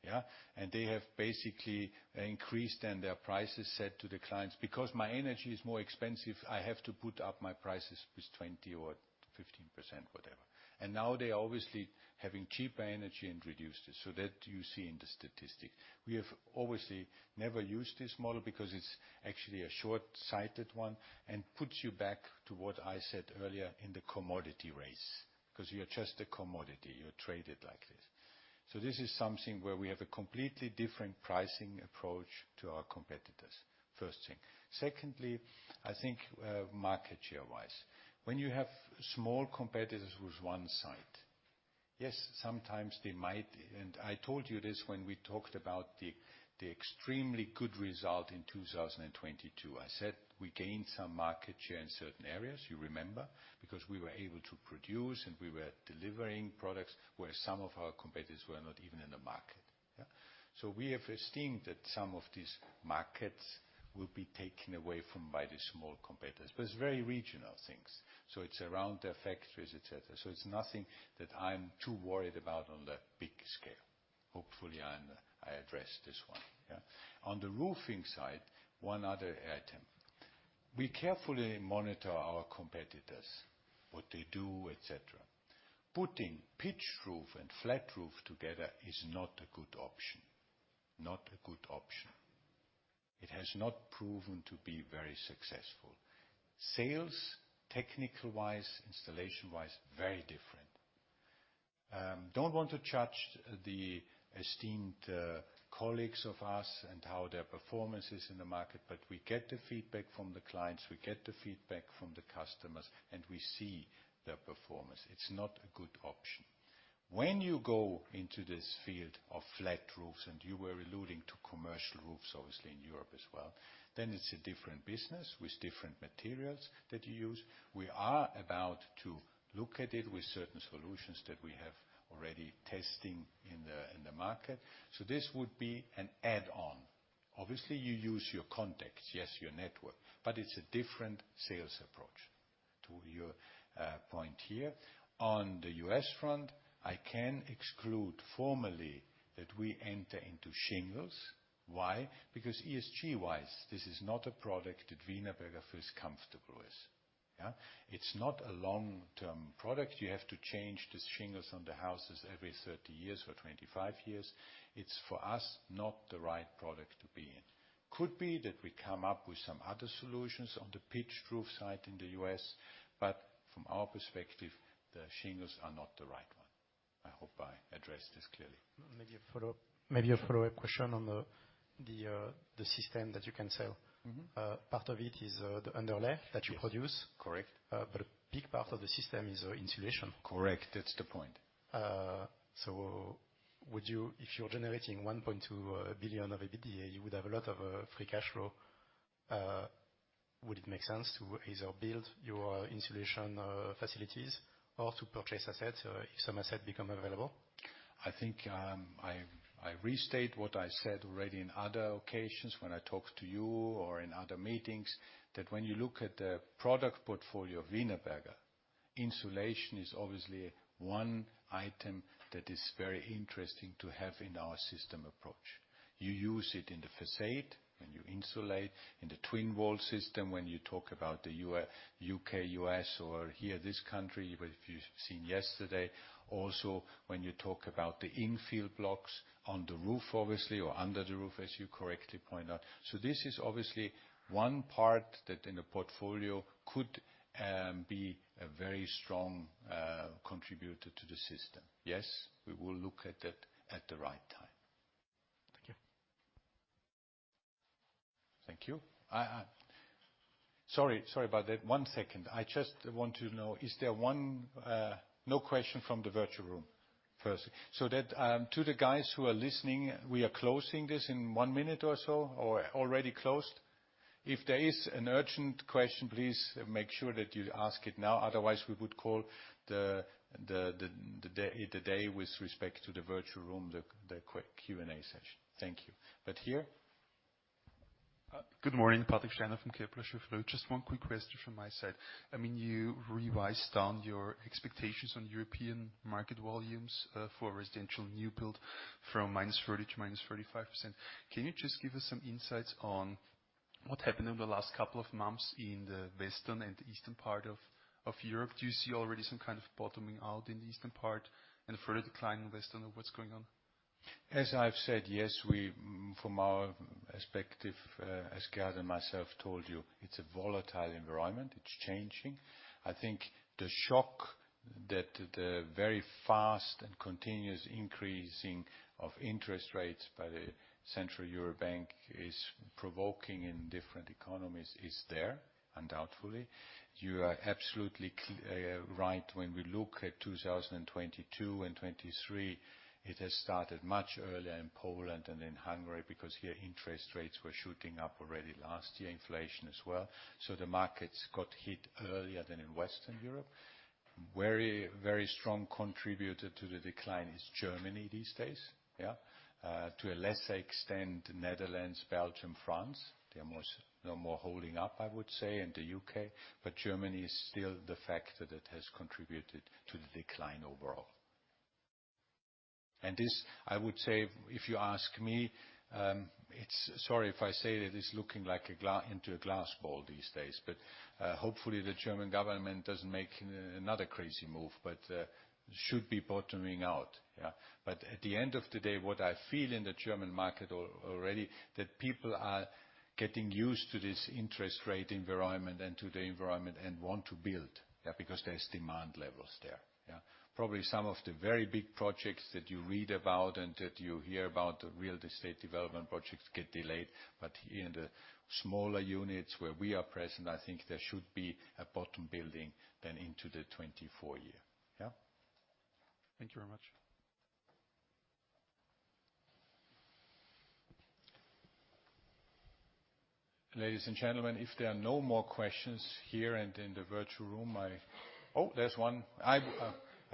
yeah? And they have basically increased and their prices set to the clients. "Because my energy is more expensive, I have to put up my prices with 20% or 15%," whatever. And now they're obviously having cheaper energy and reduced it. So that you see in the statistic. We have obviously never used this model because it's actually a short-sighted one and puts you back to what I said earlier in the commodity race, because you're just a commodity, you're traded like this. So this is something where we have a completely different pricing approach to our competitors, first thing. Secondly, I think, market share-wise. When you have small competitors with one site, yes, sometimes they might... And I told you this when we talked about the extremely good result in 2022. I said we gained some market share in certain areas, you remember? Because we were able to produce and we were delivering products, where some of our competitors were not even in the market, yeah. So we have estimated that some of these markets will be taken away from by the small competitors, but it's very regional things, so it's around their factories, et cetera. So it's nothing that I'm too worried about on the big scale. Hopefully, I addressed this one, yeah. On the roofing side, one other item. We carefully monitor our competitors, what they do, et cetera. Putting pitch roof and flat roof together is not a good option. Not a good option. It has not proven to be very successful. Sales, technical-wise, installation-wise, very different. Don't want to judge the esteemed colleagues of us and how their performance is in the market, but we get the feedback from the clients, we get the feedback from the customers, and we see their performance. It's not a good option. When you go into this field of flat roofs, and you were alluding to commercial roofs, obviously, in Europe as well, then it's a different business with different materials that you use. We are about to look at it with certain solutions that we have already testing in the, in the market. So this would be an add-on. Obviously, you use your contacts, yes, your network, but it's a different sales approach. To your point here, on the U.S. front, I can exclude formally that we enter into shingles. Why? Because ESG-wise, this is not a product that Wienerberger feels comfortable with, yeah? It's not a long-term product. You have to change the shingles on the houses every 30 years or 25 years. It's, for us, not the right product to be in. Could be that we come up with some other solutions on the pitched roof side in the U.S., but from our perspective, the shingles are not the right one. I hope I addressed this clearly. Maybe a follow-up. Maybe a follow-up question on the system that you can sell. Mm-hmm. Part of it is, the underlay- Yes. - that you produce. Correct. But a big part of the system is insulation. Correct. That's the point. So would you- If you're generating 1.2 billion of EBITDA, you would have a lot of free cash flow. Would it make sense to either build your insulation facilities or to purchase assets if some assets become available? I think, I, I restate what I said already in other occasions when I talked to you or in other meetings, that when you look at the product portfolio of Wienerberger, insulation is obviously one item that is very interesting to have in our system approach. You use it in the façade, when you insulate, in the twin wall system, when you talk about the U.K., U.S., or here, this country, where if you've seen yesterday, also when you talk about the infill blocks on the roof obviously, or under the roof, as you correctly point out. So this is obviously one part that in the portfolio could be a very strong contributor to the system. Yes, we will look at it at the right time. Thank you. Thank you. Sorry, sorry about that. One second. I just want to know, is there one? No question from the virtual room, firstly. So that, to the guys who are listening, we are closing this in one minute or so, or already closed. If there is an urgent question, please make sure that you ask it now. Otherwise, we would call the day with respect to the virtual room, the Q&A session. Thank you. But here? Good morning, Patrick Steiner from Kepler Cheuvreux. Just one quick question from my side. I mean, you revised down your expectations on European market volumes for residential new build from -30% to -35%. Can you just give us some insights on what happened in the last couple of months in the western and eastern part of Europe? Do you see already some kind of bottoming out in the eastern part and a further decline in western, or what's going on? As I've said, yes, we, from our perspective, as Gerd and myself told you, it's a volatile environment. It's changing. I think the shock that the very fast and continuous increasing of interest rates by the European Central Bank is provoking in different economies is there, undoubtedly. You are absolutely right when we look at 2022 and 2023, it has started much earlier in Poland and in Hungary, because here, interest rates were shooting up already last year, inflation as well. So the markets got hit earlier than in Western Europe. Very, very strong contributor to the decline is Germany these days, yeah. To a lesser extent, Netherlands, Belgium, France. They're more, they're more holding up, I would say, and the U.K., but Germany is still the factor that has contributed to the decline overall. I would say, if you ask me, it's—sorry if I say it, it's looking like a glass ball these days, but hopefully, the German government doesn't make another crazy move, but should be bottoming out, yeah. At the end of the day, what I feel in the German market already, that people are getting used to this interest rate environment and to the environment and want to build, yeah, because there's demand levels there, yeah. Probably some of the very big projects that you read about and that you hear about, the real estate development projects get delayed, but in the smaller units where we are present, I think there should be a bottom building then into the 2024 year. Yeah? Thank you very much. Ladies and gentlemen, if there are no more questions here and in the virtual room, I... Oh, there's one.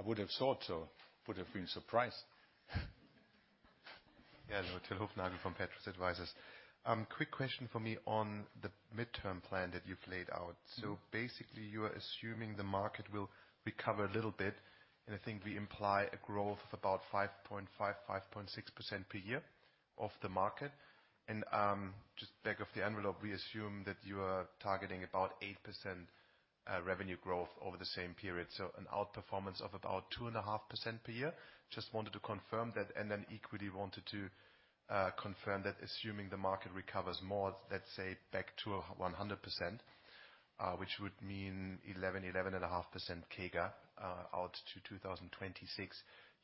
I, I would have thought so. Would have been surprised. Yeah, Till Hufnagel from Petrus Advisers. Quick question for me on the midterm plan that you've laid out. So basically, you are assuming the market will recover a little bit, and I think we imply a growth of about 5.5%-5.6% per year of the market. Just back of the envelope, we assume that you are targeting about 8% revenue growth over the same period. So an outperformance of about 2.5% per year. Just wanted to confirm that, and then equally wanted to confirm that assuming the market recovers more, let's say, back to 100%, which would mean 11%-11.5% CAGR out to 2026,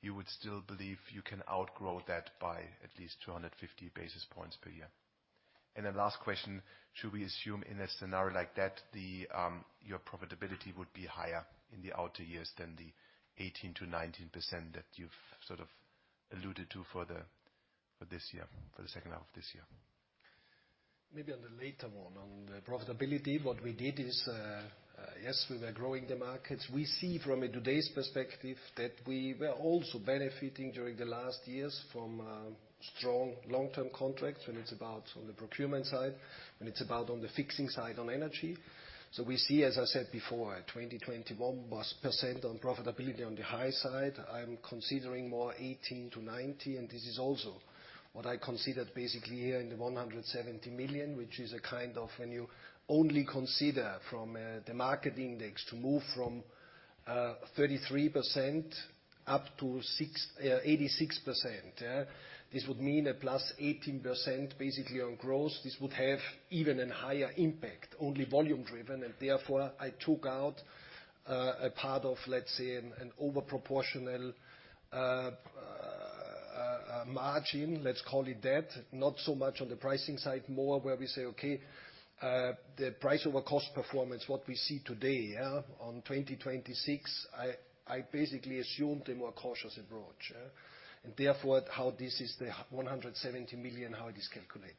you would still believe you can outgrow that by at least 250 basis points per year. And then last question, should we assume in a scenario like that, the, your profitability would be higher in the outer years than the 18%-19% that you've sort of alluded to for the, for the second half of this year? Maybe on the later one, on the profitability, what we did is, yes, we were growing the markets. We see from a today's perspective that we were also benefiting during the last years from, strong long-term contracts, when it's about on the procurement side, when it's about on the fixing side on energy. So we see, as I said before, 2021 was percent on profitability on the high side. I'm considering more 18-19, and this is also what I considered basically here in the 170 million, which is a kind of when you only consider from, the market index to move from, 33% up to 68%, yeah? This would mean a +18% basically on growth. This would have even a higher impact, only volume driven, and therefore, I took out, let's say, an overproportional margin, let's call it that. Not so much on the pricing side, more where we say, okay, the price over cost performance, what we see today, yeah, on 2026, I basically assumed a more cautious approach, yeah? Therefore, this is the 170 million, how it is calculated.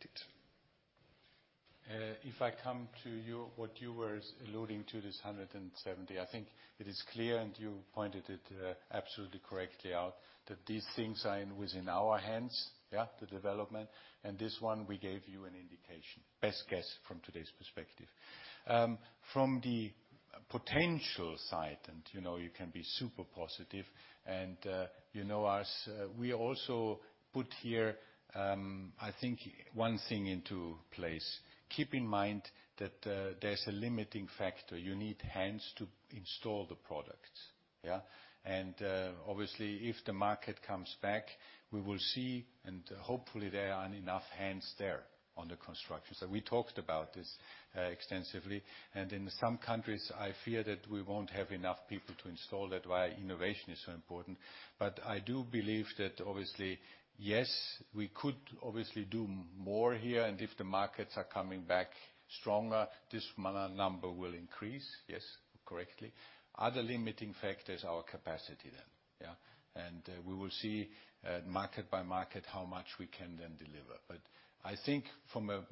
If I come to you, what you were alluding to, this 170, I think it is clear, and you pointed it absolutely correctly out, that these things are in within our hands, yeah, the development, and this one, we gave you an indication. Best guess from today's perspective. From the potential side, and, you know, you can be super positive, and, you know, as we also put here, I think one thing into place. Keep in mind that, there's a limiting factor. You need hands to install the product, yeah? And, obviously, if the market comes back, we will see, and hopefully there are enough hands there on the construction. So we talked about this extensively, and in some countries, I fear that we won't have enough people to install that, why innovation is so important. But I do believe that obviously, yes, we could obviously do more here, and if the markets are coming back stronger, this number will increase. Yes, correctly. Other limiting factor is our capacity then, yeah? And we will see, market by market, how much we can then deliver. But I think from a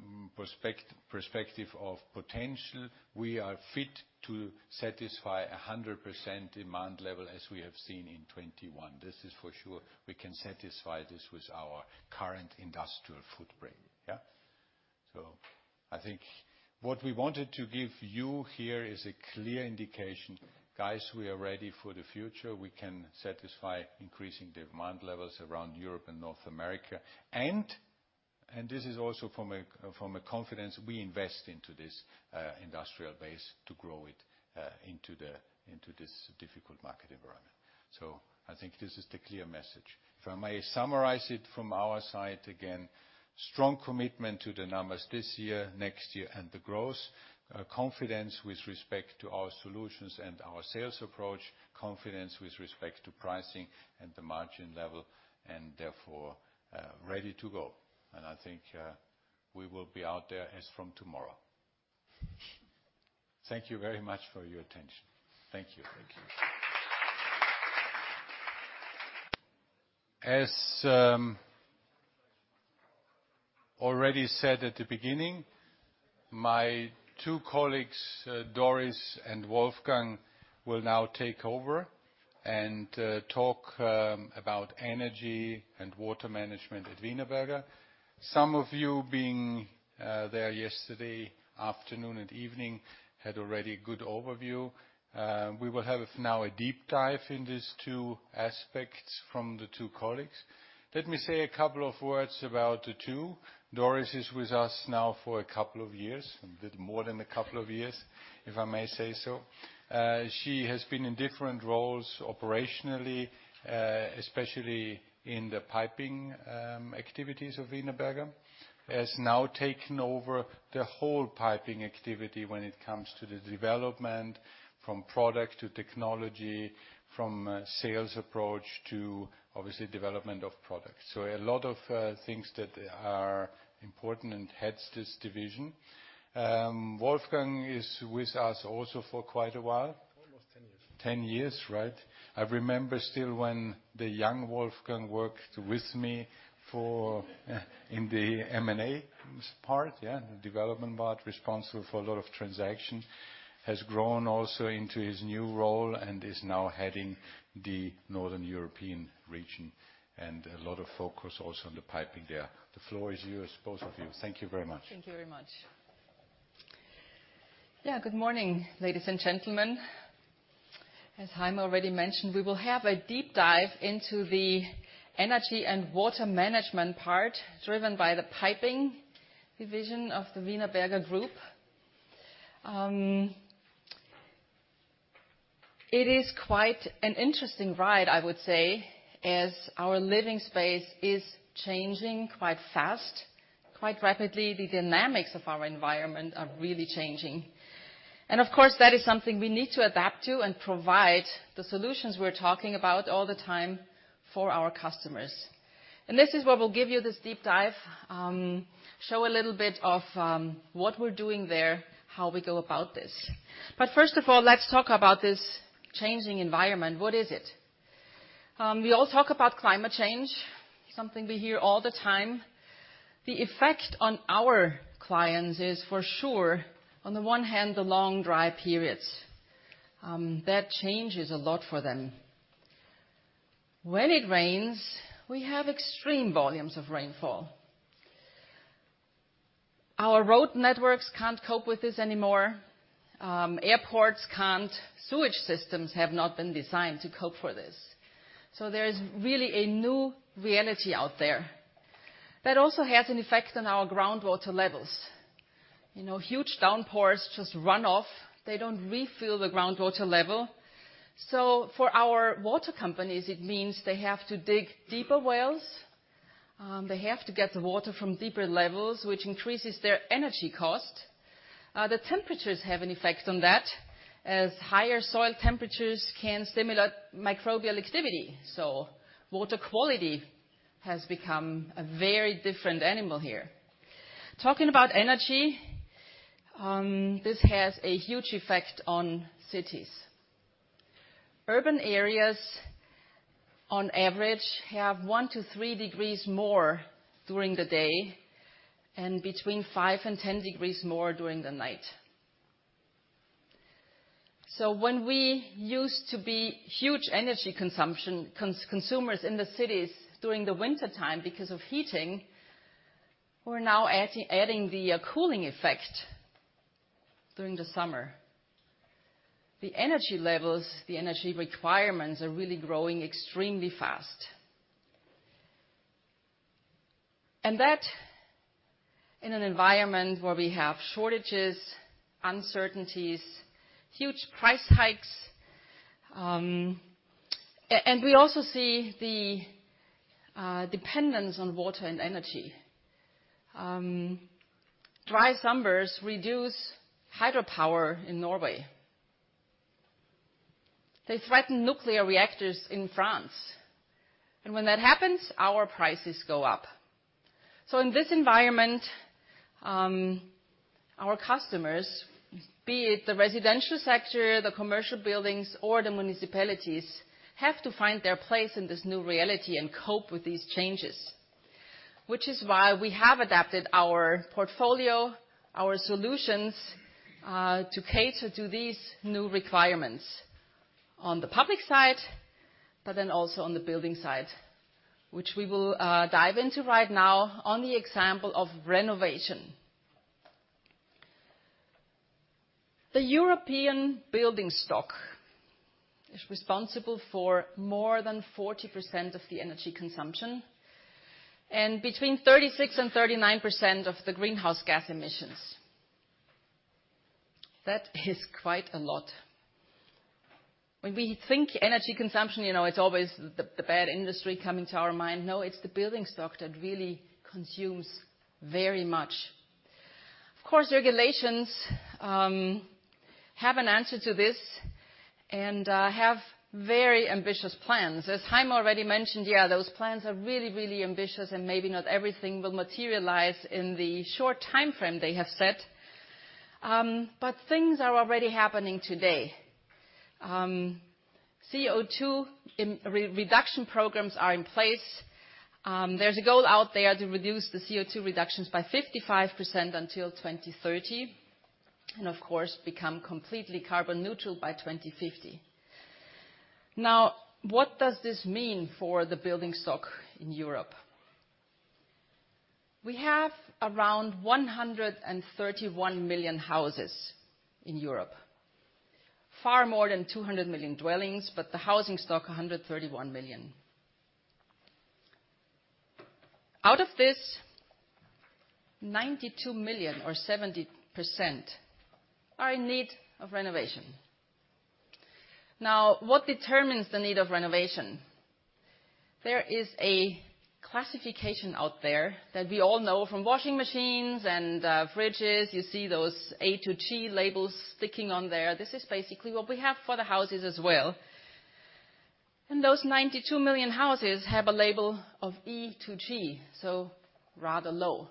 perspective of potential, we are fit to satisfy 100% demand level as we have seen in 2021. This is for sure. We can satisfy this with our current industrial footprint, yeah? So I think what we wanted to give you here is a clear indication, guys, we are ready for the future. We can satisfy increasing demand levels around Europe and North America. And this is also from a confidence, we invest into this industrial base to grow it into this difficult market environment. So I think this is the clear message. If I may summarize it from our side, again, strong commitment to the numbers this year, next year, and the growth. Confidence with respect to our solutions and our sales approach, confidence with respect to pricing and the margin level, and therefore, ready to go. And I think, we will be out there as from tomorrow. Thank you very much for your attention. Thank you. Thank you. As, already said at the beginning, my two colleagues, Doris and Wolfgang, will now take over and, talk, about energy and water management at Wienerberger. Some of you being, there yesterday, afternoon and evening, had already a good overview. We will have now a deep dive in these two aspects from the two colleagues. Let me say a couple of words about the two. Doris is with us now for a couple of years, a bit more than a couple of years, if I may say so. She has been in different roles operationally, especially in the piping activities of Wienerberger. Has now taken over the whole piping activity when it comes to the development from product to technology, from sales approach to, obviously, development of products. So a lot of things that are important and heads this division. Wolfgang is with us also for quite a while. Almost ten years. 10 years, right? I remember still when the young Wolfgang worked with me for, in the M&A part, yeah, development part, responsible for a lot of transactions. Has grown also into his new role and is now heading the Northern European region, and a lot of focus also on the piping there. The floor is yours, both of you. Thank you very much. Thank you very much. Yeah, good morning, ladies and gentlemen. As Heimo already mentioned, we will have a deep dive into the energy and water management part, driven by the piping division of the Wienerberger Group. It is quite an interesting ride, I would say, as our living space is changing quite fast, quite rapidly. The dynamics of our environment are really changing. And, of course, that is something we need to adapt to and provide the solutions we're talking about all the time for our customers. And this is where we'll give you this deep dive, show a little bit of what we're doing there, how we go about this. But first of all, let's talk about this changing environment. What is it? We all talk about climate change, something we hear all the time. The effect on our clients is, for sure, on the one hand, the long, dry periods. That changes a lot for them. When it rains, we have extreme volumes of rainfall. Our road networks can't cope with this anymore. Airports can't. Sewage systems have not been designed to cope for this. So there is really a new reality out there. That also has an effect on our groundwater levels. You know, huge downpours just run off. They don't refill the groundwater level. So for our water companies, it means they have to dig deeper wells. They have to get the water from deeper levels, which increases their energy cost. The temperatures have an effect on that, as higher soil temperatures can stimulate microbial activity, so water quality has become a very different animal here. Talking about energy, this has a huge effect on cities.... Urban areas, on average, have 1-3 degrees more during the day, and between 5-10 degrees more during the night. So when we used to be huge energy consumption consumers in the cities during the wintertime because of heating, we're now adding the cooling effect during the summer. The energy levels, the energy requirements, are really growing extremely fast. And that, in an environment where we have shortages, uncertainties, huge price hikes, and we also see the dependence on water and energy. Dry summers reduce hydropower in Norway. They threaten nuclear reactors in France, and when that happens, our prices go up. So in this environment, our customers, be it the residential sector, the commercial buildings, or the municipalities, have to find their place in this new reality and cope with these changes. Which is why we have adapted our portfolio, our solutions, to cater to these new requirements on the public side, but then also on the building side, which we will dive into right now on the example of renovation. The European building stock is responsible for more than 40% of the energy consumption, and between 36% and 39% of the greenhouse gas emissions. That is quite a lot. When we think energy consumption, you know, it's always the bad industry coming to our mind. No, it's the building stock that really consumes very much. Of course, regulations have an answer to this, and have very ambitious plans. As Heimo already mentioned, yeah, those plans are really, really ambitious, and maybe not everything will materialize in the short timeframe they have set, but things are already happening today. CO2 emission reduction programs are in place. There's a goal out there to reduce the CO2 reductions by 55% until 2030, and of course, become completely carbon neutral by 2050. Now, what does this mean for the building stock in Europe? We have around 131 million houses in Europe. Far more than 200 million dwellings, but the housing stock, 131 million. Out of this, 92 million, or 70%, are in need of renovation. Now, what determines the need of renovation? There is a classification out there that we all know from washing machines and fridges. You see those A-G labels sticking on there. This is basically what we have for the houses as well, and those 92 million houses have a label of E-G, so rather low.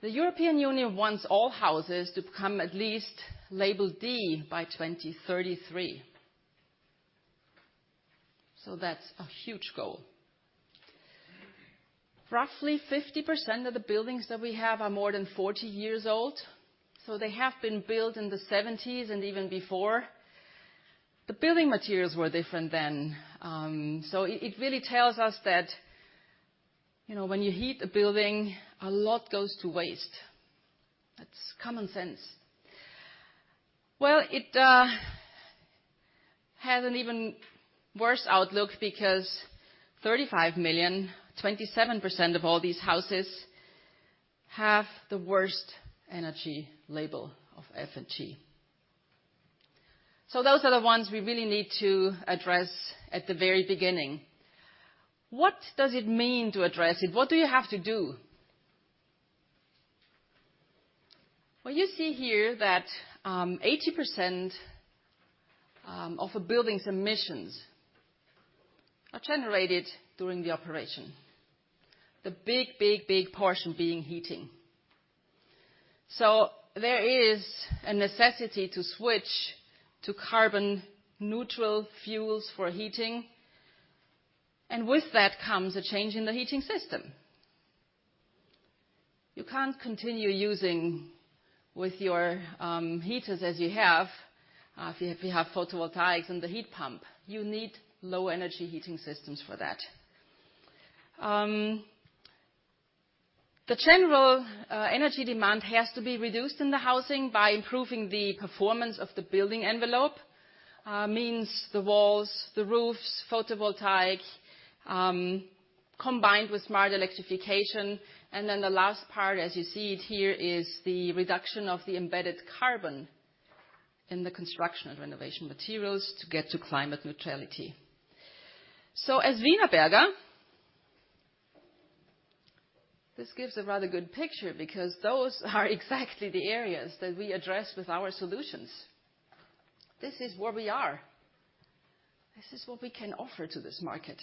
The European Union wants all houses to become at least label D by 2033. So that's a huge goal. Roughly 50% of the buildings that we have are more than 40 years old, so they have been built in the '70s and even before. The building materials were different then. So it, it really tells us that, you know, when you heat a building, a lot goes to waste. That's common sense. Well, it, has an even worse outlook because 35 million, 27% of all these houses, have the worst energy label of F and G. So those are the ones we really need to address at the very beginning. What does it mean to address it? What do you have to do? Well, you see here that, 80% of a building's emissions are generated during the operation. The big, big, big portion being heating. So there is a necessity to switch to carbon-neutral fuels for heating, and with that comes a change in the heating system. You can't continue using with your heaters as you have, if you have photovoltaics and the heat pump. You need low-energy heating systems for that. The general energy demand has to be reduced in the housing by improving the performance of the building envelope, means the walls, the roofs, photovoltaic, combined with smart electrification. And then the last part, as you see it here, is the reduction of the embedded carbon in the construction and renovation materials to get to climate neutrality. So as Wienerberger, this gives a rather good picture because those are exactly the areas that we address with our solutions. This is where we are. This is what we can offer to this market.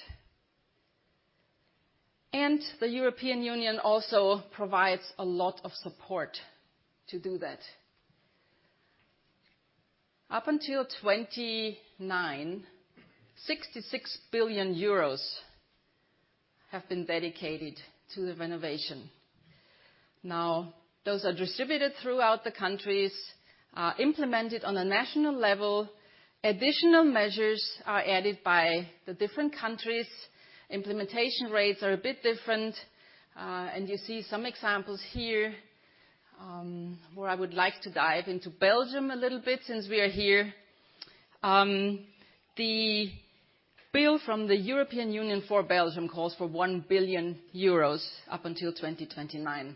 And the European Union also provides a lot of support to do that. Up until 2029, 66 billion euros have been dedicated to the renovation. Now, those are distributed throughout the countries, implemented on a national level. Additional measures are added by the different countries. Implementation rates are a bit different, and you see some examples here, where I would like to dive into Belgium a little bit, since we are here. The bill from the European Union for Belgium calls for 1 billion euros up until 2029.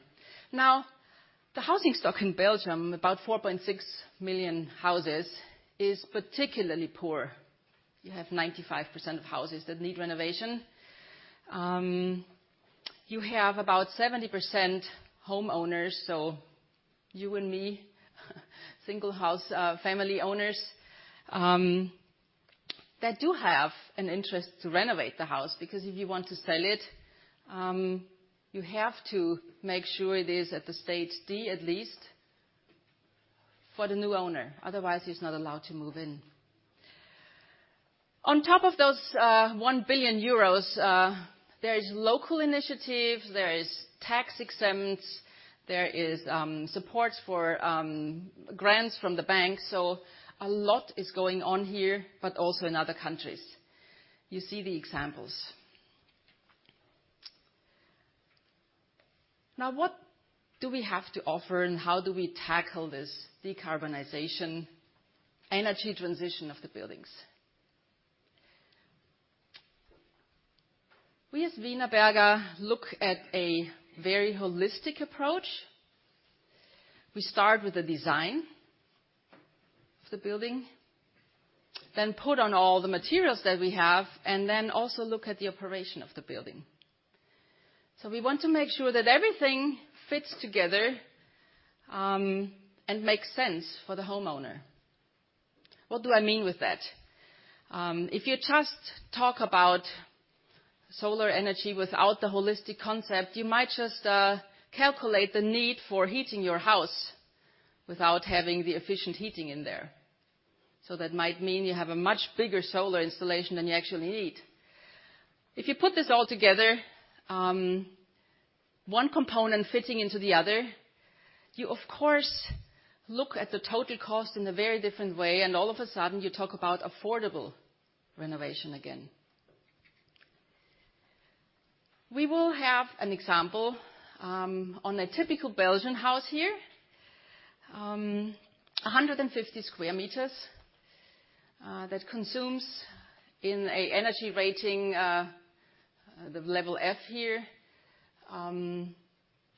Now, the housing stock in Belgium, about 4.6 million houses, is particularly poor. You have 95% of houses that need renovation. You have about 70% homeowners, so you and me, single house, family owners, that do have an interest to renovate the house, because if you want to sell it, you have to make sure it is at the state D, at least, for the new owner, otherwise, he's not allowed to move in. On top of those, 1 billion euros, there is local initiative, there is tax exempt, there is, supports for, grants from the bank. So a lot is going on here, but also in other countries. You see the examples. Now, what do we have to offer, and how do we tackle this decarbonization, energy transition of the buildings? We, as Wienerberger, look at a very holistic approach. We start with the design of the building, then put on all the materials that we have, and then also look at the operation of the building. So we want to make sure that everything fits together, and makes sense for the homeowner. What do I mean with that? If you just talk about solar energy without the holistic concept, you might just calculate the need for heating your house without having the efficient heating in there. So that might mean you have a much bigger solar installation than you actually need. If you put this all together, one component fitting into the other, you, of course, look at the total cost in a very different way, and all of a sudden, you talk about affordable renovation again. We will have an example on a typical Belgian house here. 150 square meters that consumes in an energy rating the level F here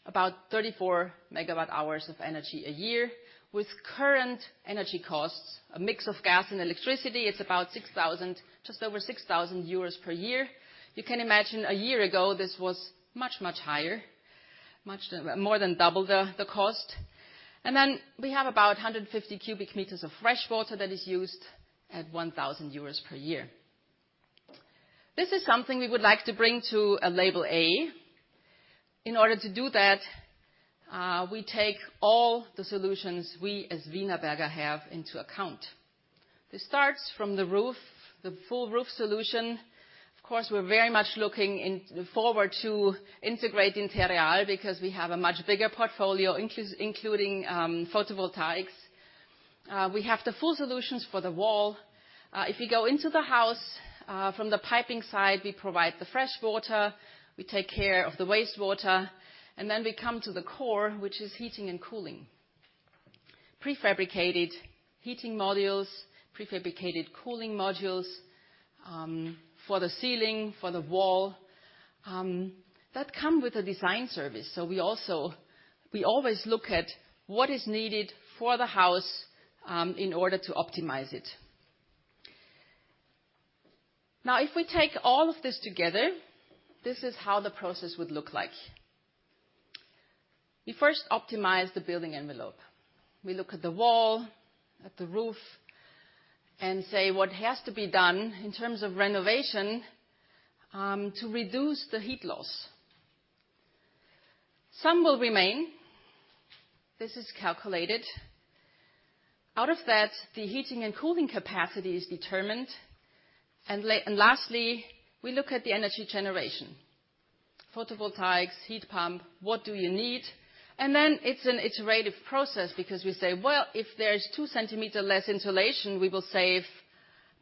about 34 MWh of energy a year. With current energy costs, a mix of gas and electricity, it's about 6,000... just over 6,000 euros per year. You can imagine, a year ago, this was much, much higher, much more than double the cost. And then we have about 150 cubic meters of fresh water that is used at 1,000 euros per year. This is something we would like to bring to a label A. In order to do that, we take all the solutions we, as Wienerberger, have into account. This starts from the roof, the full roof solution. Of course, we're very much looking forward to integrating Terreal, because we have a much bigger portfolio, including photovoltaics. We have the full solutions for the wall. If you go into the house, from the piping side, we provide the fresh water, we take care of the wastewater, and then we come to the core, which is heating and cooling. Prefabricated heating modules, prefabricated cooling modules, for the ceiling, for the wall, that come with a design service, so we always look at what is needed for the house, in order to optimize it. Now, if we take all of this together, this is how the process would look like. We first optimize the building envelope. We look at the wall, at the roof, and say what has to be done in terms of renovation, to reduce the heat loss. Some will remain. This is calculated. Out of that, the heating and cooling capacity is determined, and lastly, we look at the energy generation. Photovoltaics, heat pump, what do you need? And then it's an iterative process because we say: Well, if there is 2 cm less insulation, we will save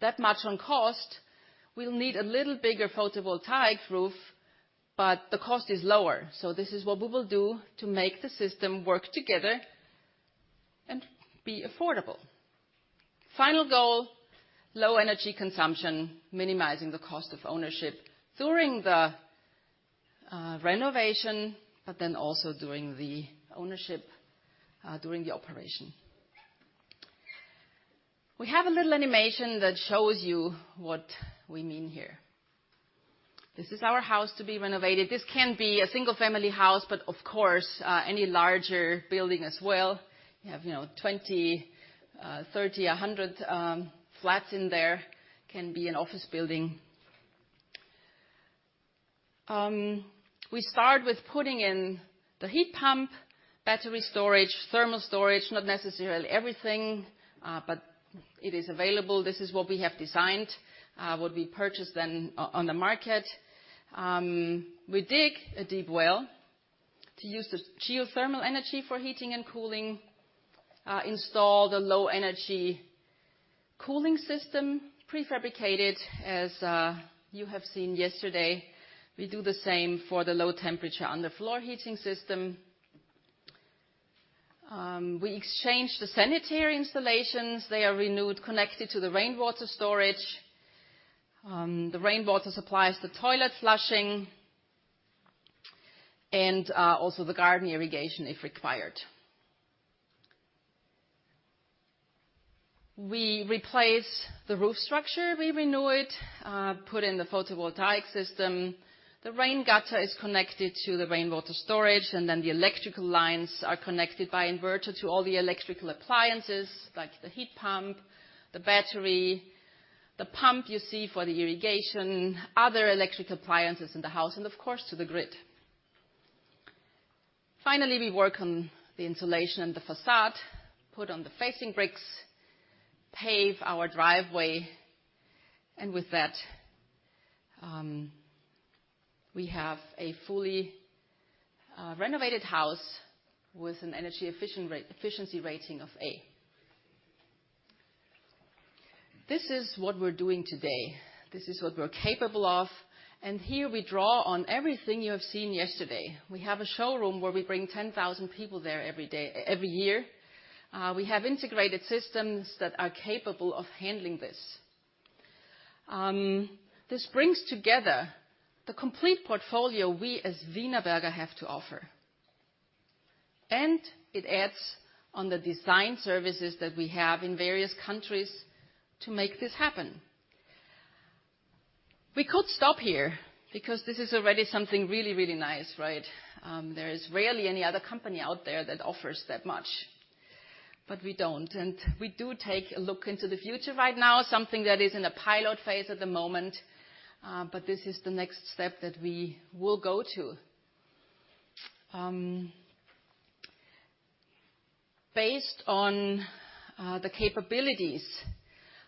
that much on cost. We'll need a little bigger photovoltaic roof, but the cost is lower. So this is what we will do to make the system work together and be affordable. Final goal, low energy consumption, minimizing the cost of ownership during the renovation, but then also during the ownership, during the operation. We have a little animation that shows you what we mean here. This is our house to be renovated. This can be a single-family house, but of course, any larger building as well. You have, you know, 20, 30, 100 flats in there, can be an office building. We start with putting in the heat pump, battery storage, thermal storage, not necessarily everything, but it is available. This is what we have designed, what we purchase then on, on the market. We dig a deep well to use the geothermal energy for heating and cooling, install the low-energy cooling system, prefabricated, as you have seen yesterday. We do the same for the low temperature on the floor heating system. We exchange the sanitary installations. They are renewed, connected to the rainwater storage. The rainwater supplies the toilet flushing, and also the garden irrigation, if required. We replace the roof structure, we renew it, put in the photovoltaic system. The rain gutter is connected to the rainwater storage, and then the electrical lines are connected by inverter to all the electrical appliances, like the heat pump, the battery, the pump you see for the irrigation, other electrical appliances in the house, and of course, to the grid. Finally, we work on the insulation and the facade, put on the facing bricks, pave our driveway, and with that, we have a fully renovated house with an energy efficient efficiency rating of A. This is what we're doing today. This is what we're capable of, and here we draw on everything you have seen yesterday. We have a showroom where we bring 10,000 people there every year. We have integrated systems that are capable of handling this. This brings together the complete portfolio we, as Wienerberger, have to offer, and it adds on the design services that we have in various countries to make this happen. We could stop here because this is already something really, really nice, right? There is rarely any other company out there that offers that much, but we don't, and we do take a look into the future right now, something that is in a pilot phase at the moment, but this is the next step that we will go to. Based on, the capabilities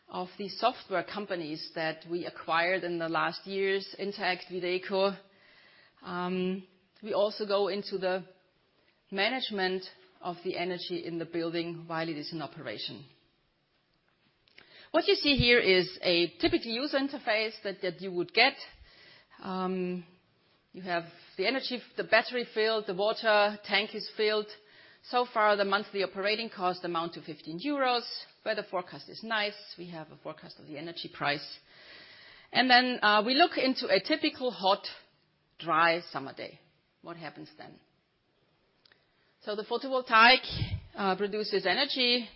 of the software companies that we acquired in the last years, InterAct, Wideco, we also go into the management of the energy in the building while it is in operation. What you see here is a typical user interface that, that you would get. You have the energy, the battery filled, the water tank is filled. So far, the monthly operating cost amounts to 15 euros, weather forecast is nice. We have a forecast of the energy price. And then, we look into a typical hot, dry summer day. What happens then? So the photovoltaic produces energy,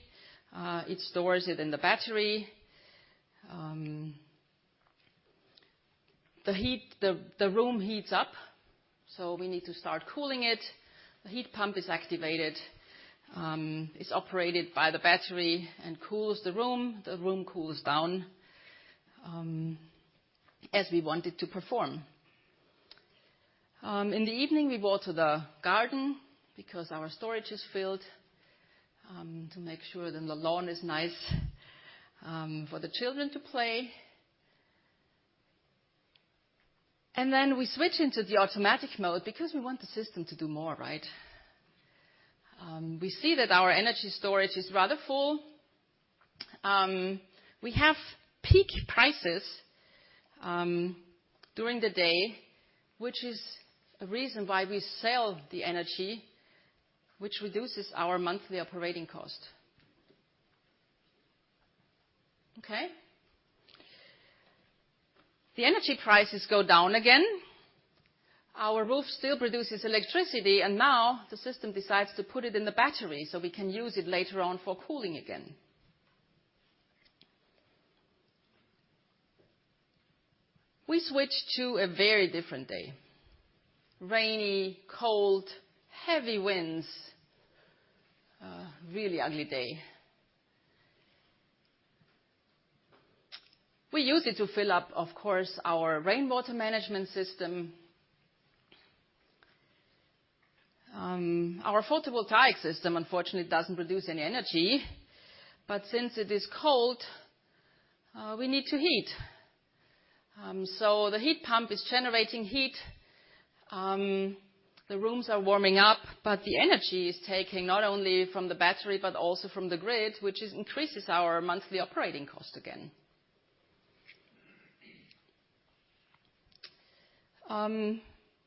it stores it in the battery. The room heats up, so we need to start cooling it. The heat pump is activated, it's operated by the battery and cools the room. The room cools down, as we want it to perform. In the evening, we water the garden because our storage is filled, to make sure that the lawn is nice, for the children to play. And then we switch into the automatic mode because we want the system to do more, right? We see that our energy storage is rather full. We have peak prices during the day, which is a reason why we sell the energy, which reduces our monthly operating cost. Okay. The energy prices go down again. Our roof still produces electricity, and now the system decides to put it in the battery, so we can use it later on for cooling again. We switch to a very different day. Rainy, cold, heavy winds, really ugly day. We use it to fill up, of course, our rainwater management system. Our photovoltaic system, unfortunately, doesn't produce any energy, but since it is cold, we need to heat. So the heat pump is generating heat, the rooms are warming up, but the energy is taking not only from the battery, but also from the grid, which is increases our monthly operating cost again.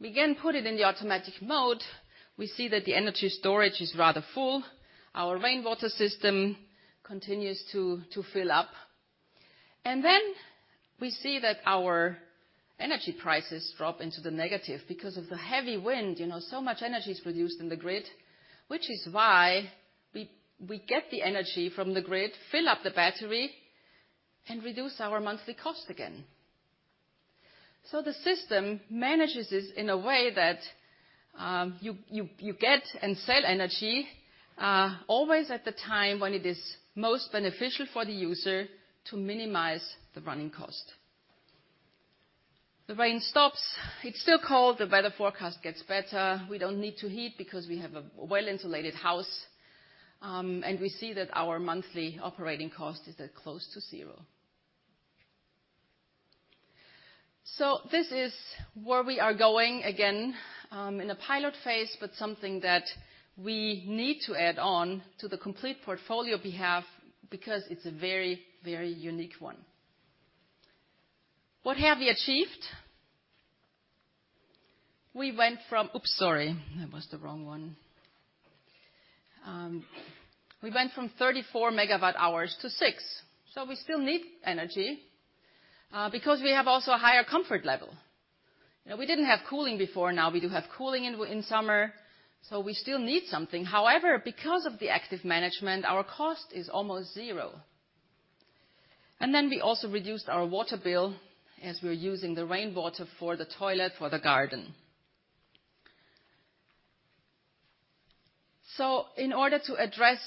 We again put it in the automatic mode. We see that the energy storage is rather full. Our rainwater system continues to fill up. And then we see that our energy prices drop into the negative because of the heavy wind. You know, so much energy is produced in the grid, which is why we get the energy from the grid, fill up the battery, and reduce our monthly cost again. So the system manages this in a way that you get and sell energy always at the time when it is most beneficial for the user to minimize the running cost. The rain stops, it's still cold, the weather forecast gets better. We don't need to heat because we have a well-insulated house, and we see that our monthly operating cost is at close to zero. So this is where we are going, again, in a pilot phase, but something that we need to add on to the complete portfolio we have, because it's a very, very unique one. What have we achieved? We went from, oops sorry that was the wrong one, we went from 34 MWh to 6 MWh, so we still need energy, because we have also a higher comfort level. You know, we didn't have cooling before, now we do have cooling in summer, so we still need something. However, because of the active management, our cost is almost zero. And then we also reduced our water bill as we're using the rainwater for the toilet, for the garden. So in order to address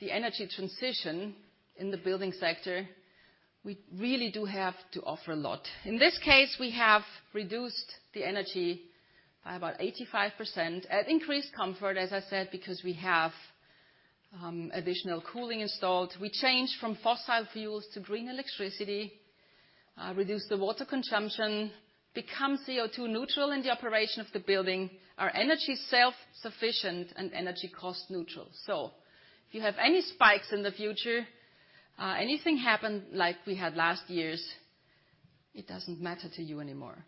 the energy transition in the building sector, we really do have to offer a lot. In this case, we have reduced the energy by about 85%, at increased comfort, as I said, because we have additional cooling installed. We changed from fossil fuels to green electricity, reduced the water consumption, become CO2 neutral in the operation of the building, are energy self-sufficient, and energy cost neutral. So if you have any spikes in the future, anything happen like we had last year's, it doesn't matter to you anymore.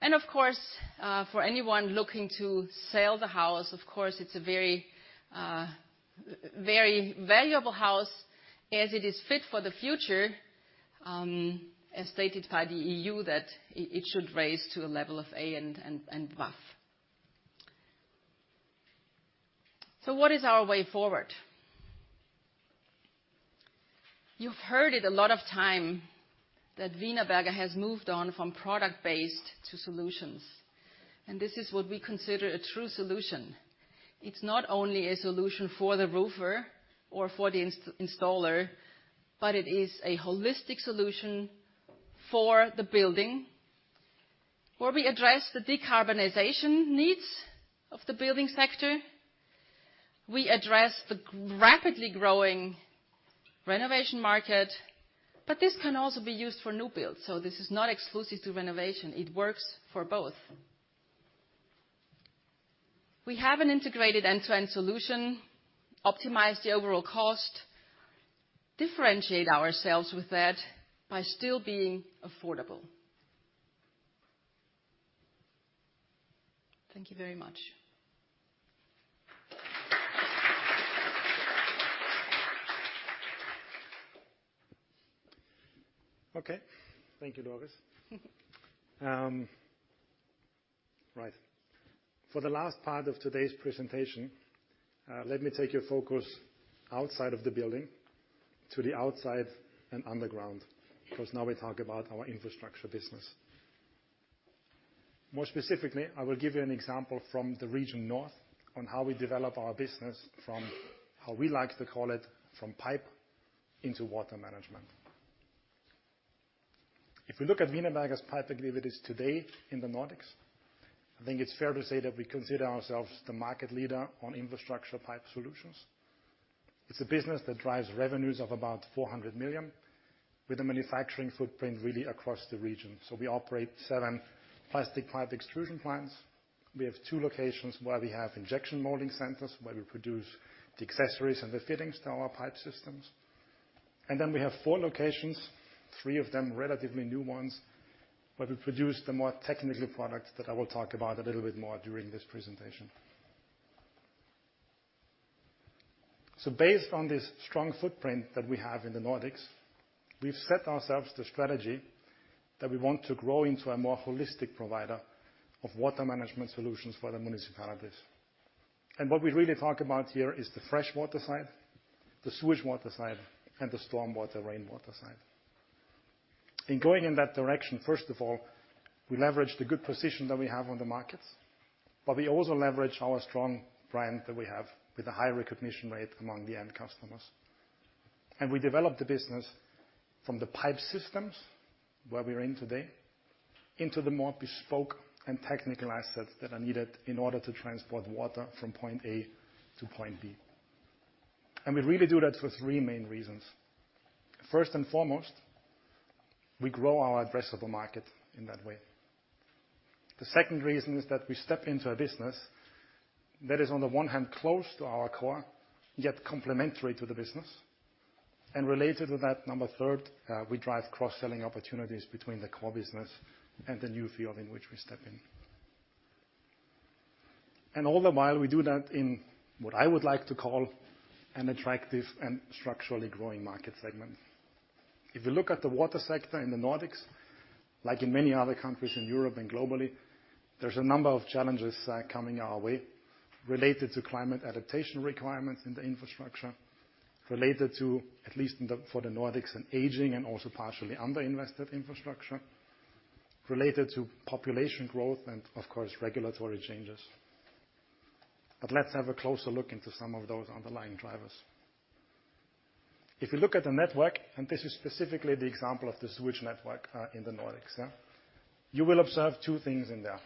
And of course, for anyone looking to sell the house, of course, it's a very, very valuable house, as it is fit for the future, as stated by the EU, that it should raise to a level of A and, and, and uncertain. So what is our way forward? You've heard it a lot of time, that Wienerberger has moved on from product-based to solutions, and this is what we consider a true solution. It's not only a solution for the roofer or for the installer, but it is a holistic solution for the building, where we address the decarbonization needs of the building sector, we address the rapidly growing renovation market, but this can also be used for new builds, so this is not exclusive to renovation. It works for both. We have an integrated end-to-end solution, optimize the overall cost, differentiate ourselves with that by still being affordable. Thank you very much. Okay. Thank you, Doris. Right. For the last part of today's presentation, let me take your focus outside of the building to the outside and underground, because now we talk about our infrastructure business. More specifically, I will give you an example from the Region North, on how we develop our business from, how we like to call it, from pipe into water management. If we look at Wienerberger's pipe activities today in the Nordics, I think it's fair to say that we consider ourselves the market leader on infrastructure pipe solutions. It's a business that drives revenues of about 400 million, with a manufacturing footprint really across the region. So we operate seven plastic pipe extrusion plants. We have two locations where we have injection molding centers, where we produce the accessories and the fittings to our pipe systems. Then we have four locations, three of them relatively new ones, where we produce the more technical products that I will talk about a little bit more during this presentation. Based on this strong footprint that we have in the Nordics, we've set ourselves the strategy that we want to grow into a more holistic provider of water management solutions for the municipalities. What we really talk about here is the fresh water side, the sewage water side, and the storm water, rainwater side. In going in that direction, first of all, we leverage the good position that we have on the markets, but we also leverage our strong brand that we have, with a high recognition rate among the end customers. We develop the business from the pipe systems, where we're in today, into the more bespoke and technical assets that are needed in order to transport water from point A to point B. We really do that for three main reasons. First and foremost, we grow our addressable market in that way. The second reason is that we step into a business that is, on the one hand, close to our core, yet complementary to the business. And related to that, number third, we drive cross-selling opportunities between the core business and the new field in which we step in. And all the while, we do that in, what I would like to call, an attractive and structurally growing market segment. If you look at the water sector in the Nordics, like in many other countries in Europe and globally, there's a number of challenges coming our way related to climate adaptation requirements in the infrastructure.... related to, at least in the, for the Nordics, an aging and also partially underinvested infrastructure, related to population growth and, of course, regulatory changes. But let's have a closer look into some of those underlying drivers. If you look at the network, and this is specifically the example of the sewage network in the Nordics, yeah, you will observe two things in there.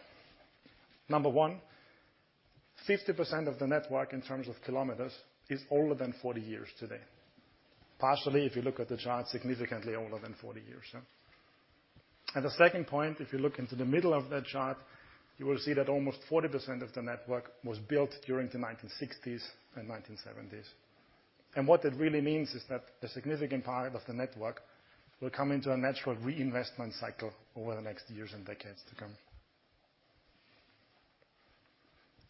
Number one, 50% of the network in terms of kilometers is older than 40 years today. Partially, if you look at the chart, significantly older than 40 years, yeah. The second point, if you look into the middle of that chart, you will see that almost 40% of the network was built during the 1960s and 1970s. And what that really means is that a significant part of the network will come into a natural reinvestment cycle over the next years and decades to come.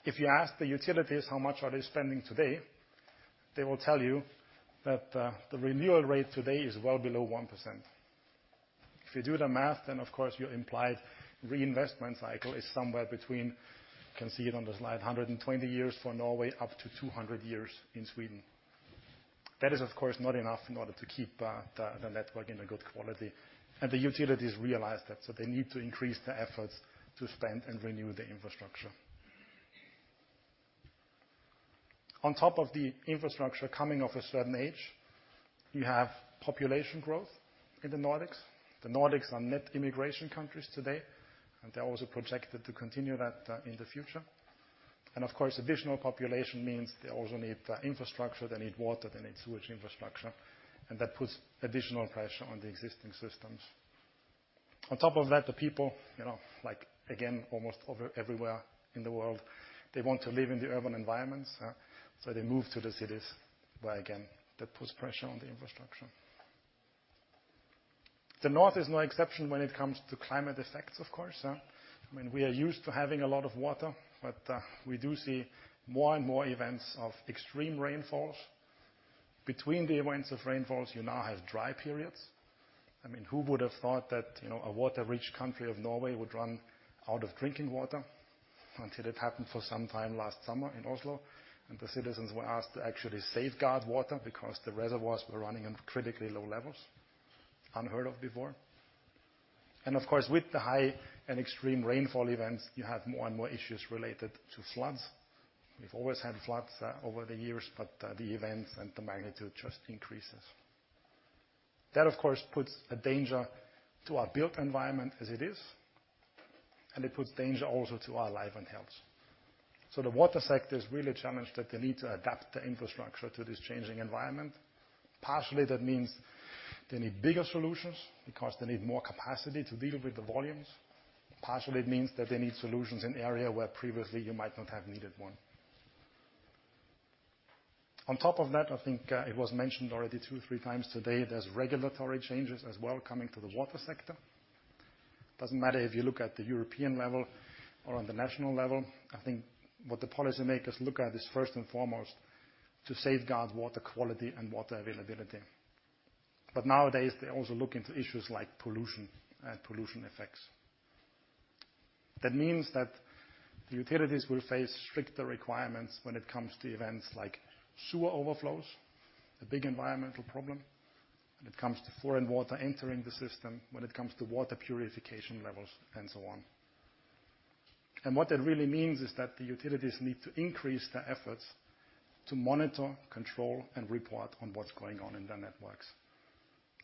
If you ask the utilities how much are they spending today, they will tell you that, the renewal rate today is well below 1%. If you do the math, then, of course, your implied reinvestment cycle is somewhere between, you can see it on the slide, 120 years for Norway, up to 200 years in Sweden. That is, of course, not enough in order to keep the network in a good quality, and the utilities realize that, so they need to increase their efforts to spend and renew the infrastructure. On top of the infrastructure coming of a certain age, you have population growth in the Nordics. The Nordics are net immigration countries today, and they're also projected to continue that in the future. And of course, additional population means they also need infrastructure, they need water, they need sewage infrastructure, and that puts additional pressure on the existing systems. On top of that, the people, you know, like, again, almost over everywhere in the world, they want to live in the urban environments, so they move to the cities, where again, that puts pressure on the infrastructure. The North is no exception when it comes to climate effects, of course. I mean, we are used to having a lot of water, but, we do see more and more events of extreme rainfalls. Between the events of rainfalls, you now have dry periods. I mean, who would have thought that, you know, a water-rich country of Norway would run out of drinking water? Until it happened for some time last summer in Oslo, and the citizens were asked to actually safeguard water because the reservoirs were running on critically low levels. Unheard of before. And of course, with the high and extreme rainfall events, you have more and more issues related to floods. We've always had floods, over the years, but, the events and the magnitude just increases. That, of course, puts a danger to our built environment as it is, and it puts danger also to our life and health. So the water sector is really challenged that they need to adapt the infrastructure to this changing environment. Partially, that means they need bigger solutions because they need more capacity to deal with the volumes. Partially, it means that they need solutions in area where previously you might not have needed one. On top of that, I think, it was mentioned already two, three times today, there's regulatory changes as well coming to the water sector. Doesn't matter if you look at the European level or on the national level, I think what the policymakers look at is first and foremost, to safeguard water quality and water availability. But nowadays, they also look into issues like pollution and pollution effects. That means that the utilities will face stricter requirements when it comes to events like sewer overflows, a big environmental problem, when it comes to foreign water entering the system, when it comes to water purification levels, and so on. What that really means is that the utilities need to increase their efforts to monitor, control, and report on what's going on in their networks.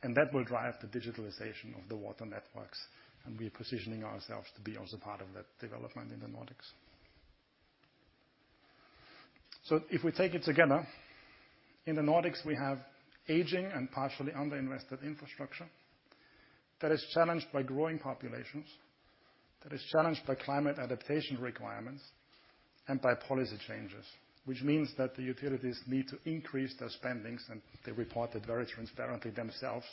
That will drive the digitalization of the water networks, and we are positioning ourselves to be also part of that development in the Nordics. So if we take it together, in the Nordics, we have aging and partially underinvested infrastructure that is challenged by growing populations, that is challenged by climate adaptation requirements, and by policy changes, which means that the utilities need to increase their spendings, and they report it very transparently themselves,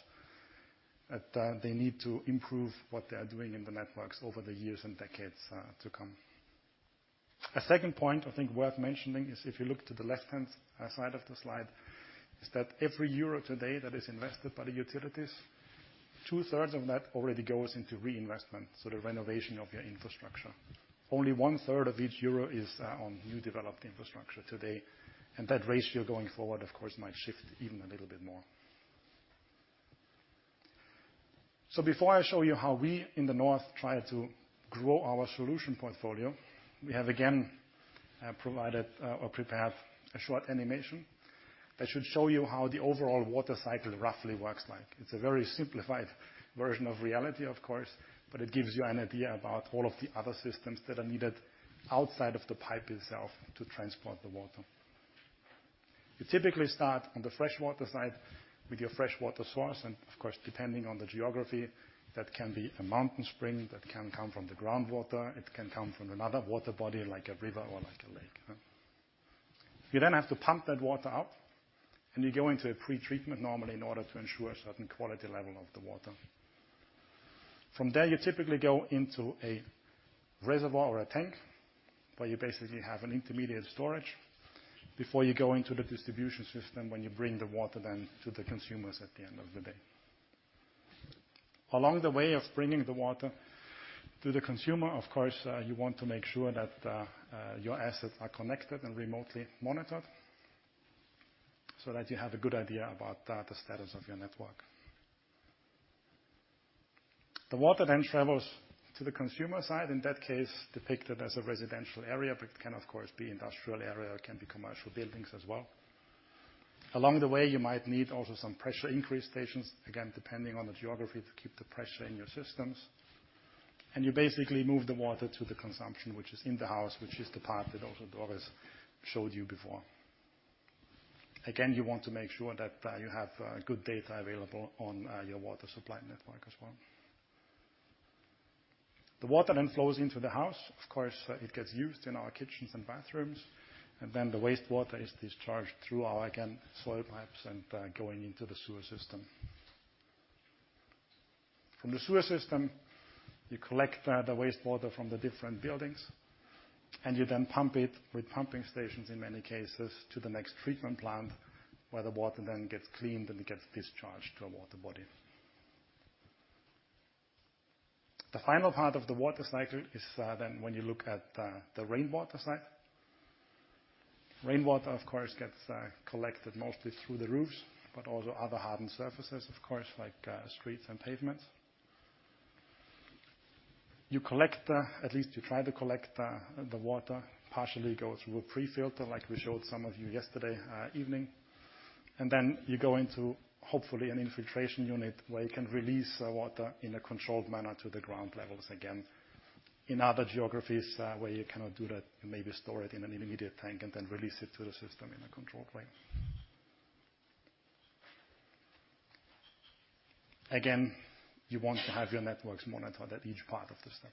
that, they need to improve what they are doing in the networks over the years and decades, to come. A second point I think worth mentioning is if you look to the left-hand, side of the slide, is that every euro today that is invested by the utilities, two-thirds of that already goes into reinvestment, so the renovation of your infrastructure. Only one-third of each euro is, on new developed infrastructure today, and that ratio going forward, of course, might shift even a little bit more. So before I show you how we in the North try to grow our solution portfolio, we have again, provided, or prepared a short animation that should show you how the overall water cycle roughly works like. It's a very simplified version of reality, of course, but it gives you an idea about all of the other systems that are needed outside of the pipe itself to transport the water. You typically start on the freshwater side with your freshwater source, and of course, depending on the geography, that can be a mountain spring, that can come from the groundwater, it can come from another water body, like a river or like a lake. You then have to pump that water out, and you go into a pretreatment normally in order to ensure a certain quality level of the water. From there, you typically go into a reservoir or a tank, where you basically have an intermediate storage before you go into the distribution system when you bring the water then to the consumers at the end of the day. Along the way of bringing the water to the consumer, of course, you want to make sure that your assets are connected and remotely monitored, so that you have a good idea about the status of your network. The water then travels to the consumer side, in that case, depicted as a residential area, but it can of course be industrial area, it can be commercial buildings as well. Along the way, you might need also some pressure increase stations, again, depending on the geography, to keep the pressure in your systems. You basically move the water to the consumption, which is in the house, which is the part that also Doris showed you before. Again, you want to make sure that you have good data available on your water supply network as well. The water then flows into the house. Of course, it gets used in our kitchens and bathrooms, and then the wastewater is discharged through our, again, soil pipes and going into the sewer system. From the sewer system, you collect the wastewater from the different buildings, and you then pump it with pumping stations, in many cases, to the next treatment plant, where the water then gets cleaned and it gets discharged to a water body. The final part of the water cycle is then when you look at the rainwater cycle. Rainwater, of course, gets collected mostly through the roofs, but also other hardened surfaces, of course, like streets and pavements. You collect—at least you try to collect the, the water, partially go through a pre-filter, like we showed some of you yesterday evening. And then you go into, hopefully, an infiltration unit, where you can release the water in a controlled manner to the ground levels. Again, in other geographies, where you cannot do that, you maybe store it in an intermediate tank and then release it to the system in a controlled way. Again, you want to have your networks monitored at each part of the step.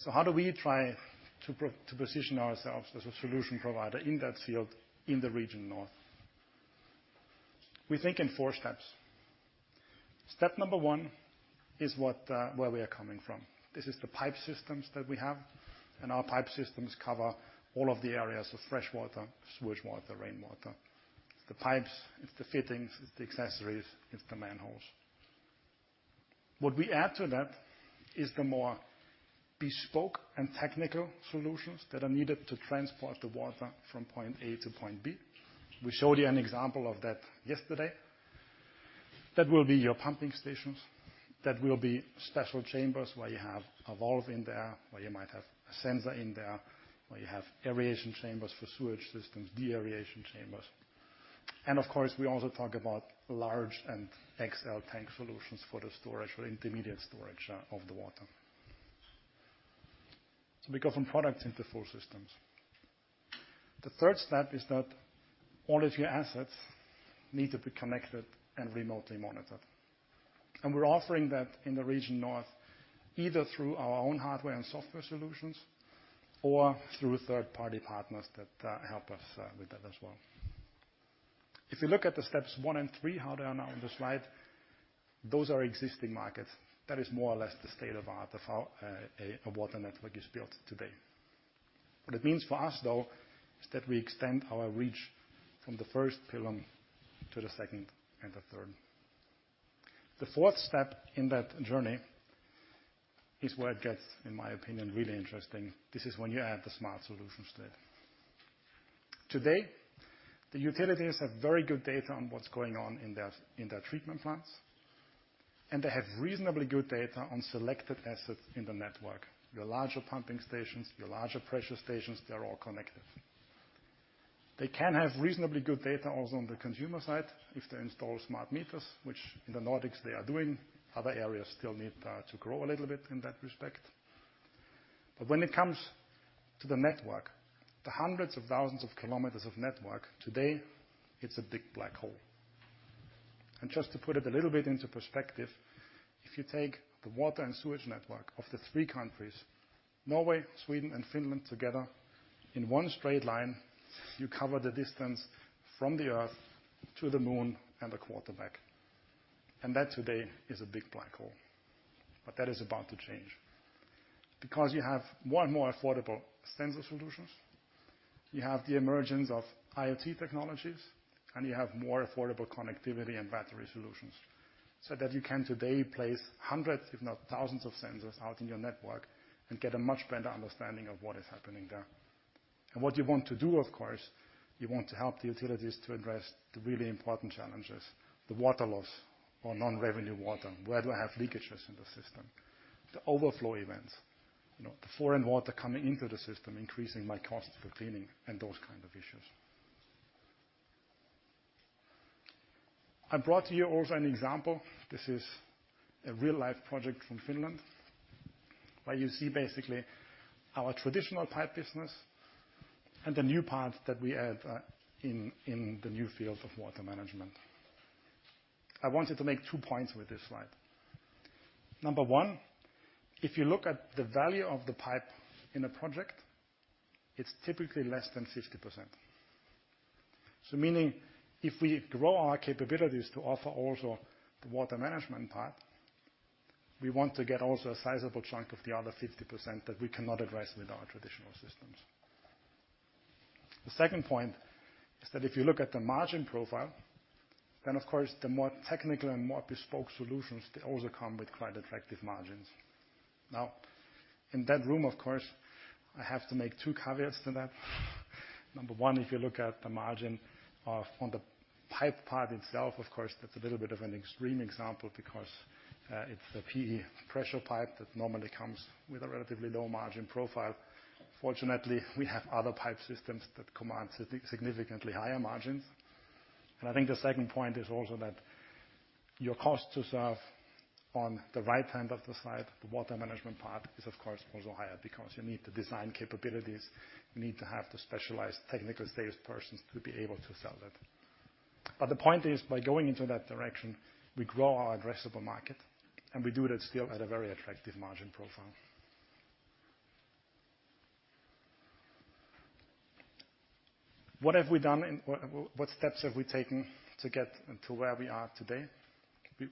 So how do we try to pro—to position ourselves as a solution provider in that field, in the region North? We think in four steps. Step number one is where we are coming from. This is the pipe systems that we have, and our pipe systems cover all of the areas of freshwater, sewage water, rainwater. It's the pipes, it's the fittings, it's the accessories, it's the manholes. What we add to that is the more bespoke and technical solutions that are needed to transport the water from point A to point B. We showed you an example of that yesterday. That will be your pumping stations, that will be special chambers, where you have a valve in there, where you might have a sensor in there, where you have aeration chambers for sewage systems, de-aeration chambers. And of course, we also talk about large and XL tank solutions for the storage, or intermediate storage, of the water. So we go from products into full systems. The third step is that all of your assets need to be connected and remotely monitored. And we're offering that in the region North, either through our own hardware and software solutions, or through third-party partners that help us with that as well. If you look at the steps one and three, how they are now on the slide, those are existing markets. That is more or less the state of the art of how a water network is built today. What it means for us, though, is that we extend our reach from the first pillar to the second and the third. The fourth step in that journey is where it gets, in my opinion, really interesting. This is when you add the smart solutions to it. Today, the utilities have very good data on what's going on in their, in their treatment plants, and they have reasonably good data on selected assets in the network. Your larger pumping stations, your larger pressure stations, they are all connected. They can have reasonably good data also on the consumer side, if they install smart meters, which in the Nordics, they are doing. Other areas still need to grow a little bit in that respect. But when it comes to the network, the hundreds of thousands of kilometers of network, today, it's a big black hole. And just to put it a little bit into perspective, if you take the water and sewage network of the three countries, Norway, Sweden, and Finland, together in one straight line, you cover the distance from the Earth to the Moon and a quarter back. That today is a big black hole. But that is about to change, because you have more and more affordable sensor solutions, you have the emergence of IoT technologies, and you have more affordable connectivity and battery solutions, so that you can today place hundreds, if not thousands of sensors out in your network and get a much better understanding of what is happening there. What you want to do, of course, you want to help the utilities to address the really important challenges: the water loss or non-revenue water. Where do I have leakages in the system? The overflow events, you know, the foreign water coming into the system, increasing my cost for cleaning, and those kind of issues. I brought to you also an example. This is a real-life project from Finland, where you see basically our traditional pipe business and the new part that we add, in the new field of water management. I wanted to make two points with this slide. Number one, if you look at the value of the pipe in a project, it's typically less than 50%. So meaning if we grow our capabilities to offer also the water management part, we want to get also a sizable chunk of the other 50% that we cannot address with our traditional systems.... The second point is that if you look at the margin profile, then of course, the more technical and more bespoke solutions, they also come with quite attractive margins. Now, in that room, of course, I have to make two caveats to that. Number one, if you look at the margin of, on the pipe part itself, of course, that's a little bit of an extreme example, because it's a PE pressure pipe that normally comes with a relatively low margin profile. Fortunately, we have other pipe systems that command significantly higher margins. And I think the second point is also that your cost to serve on the right hand of the slide, the water management part, is, of course, also higher because you need the design capabilities, you need to have the specialized technical sales persons to be able to sell that. But the point is, by going into that direction, we grow our addressable market, and we do that still at a very attractive margin profile. What have we done and what, what steps have we taken to get to where we are today?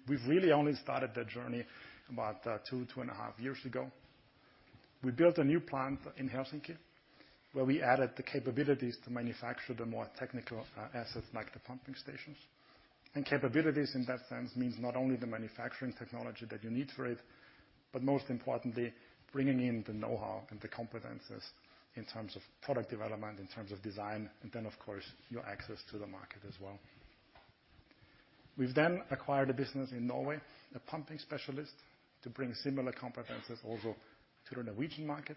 We've really only started that journey about two, two and a half years ago. We built a new plant in Helsinki, where we added the capabilities to manufacture the more technical assets, like the pumping stations. Capabilities in that sense means not only the manufacturing technology that you need for it, but most importantly, bringing in the know-how and the competences in terms of product development, in terms of design, and then, of course, your access to the market as well. We've then acquired a business in Norway, a pumping specialist, to bring similar competences also to the Norwegian market.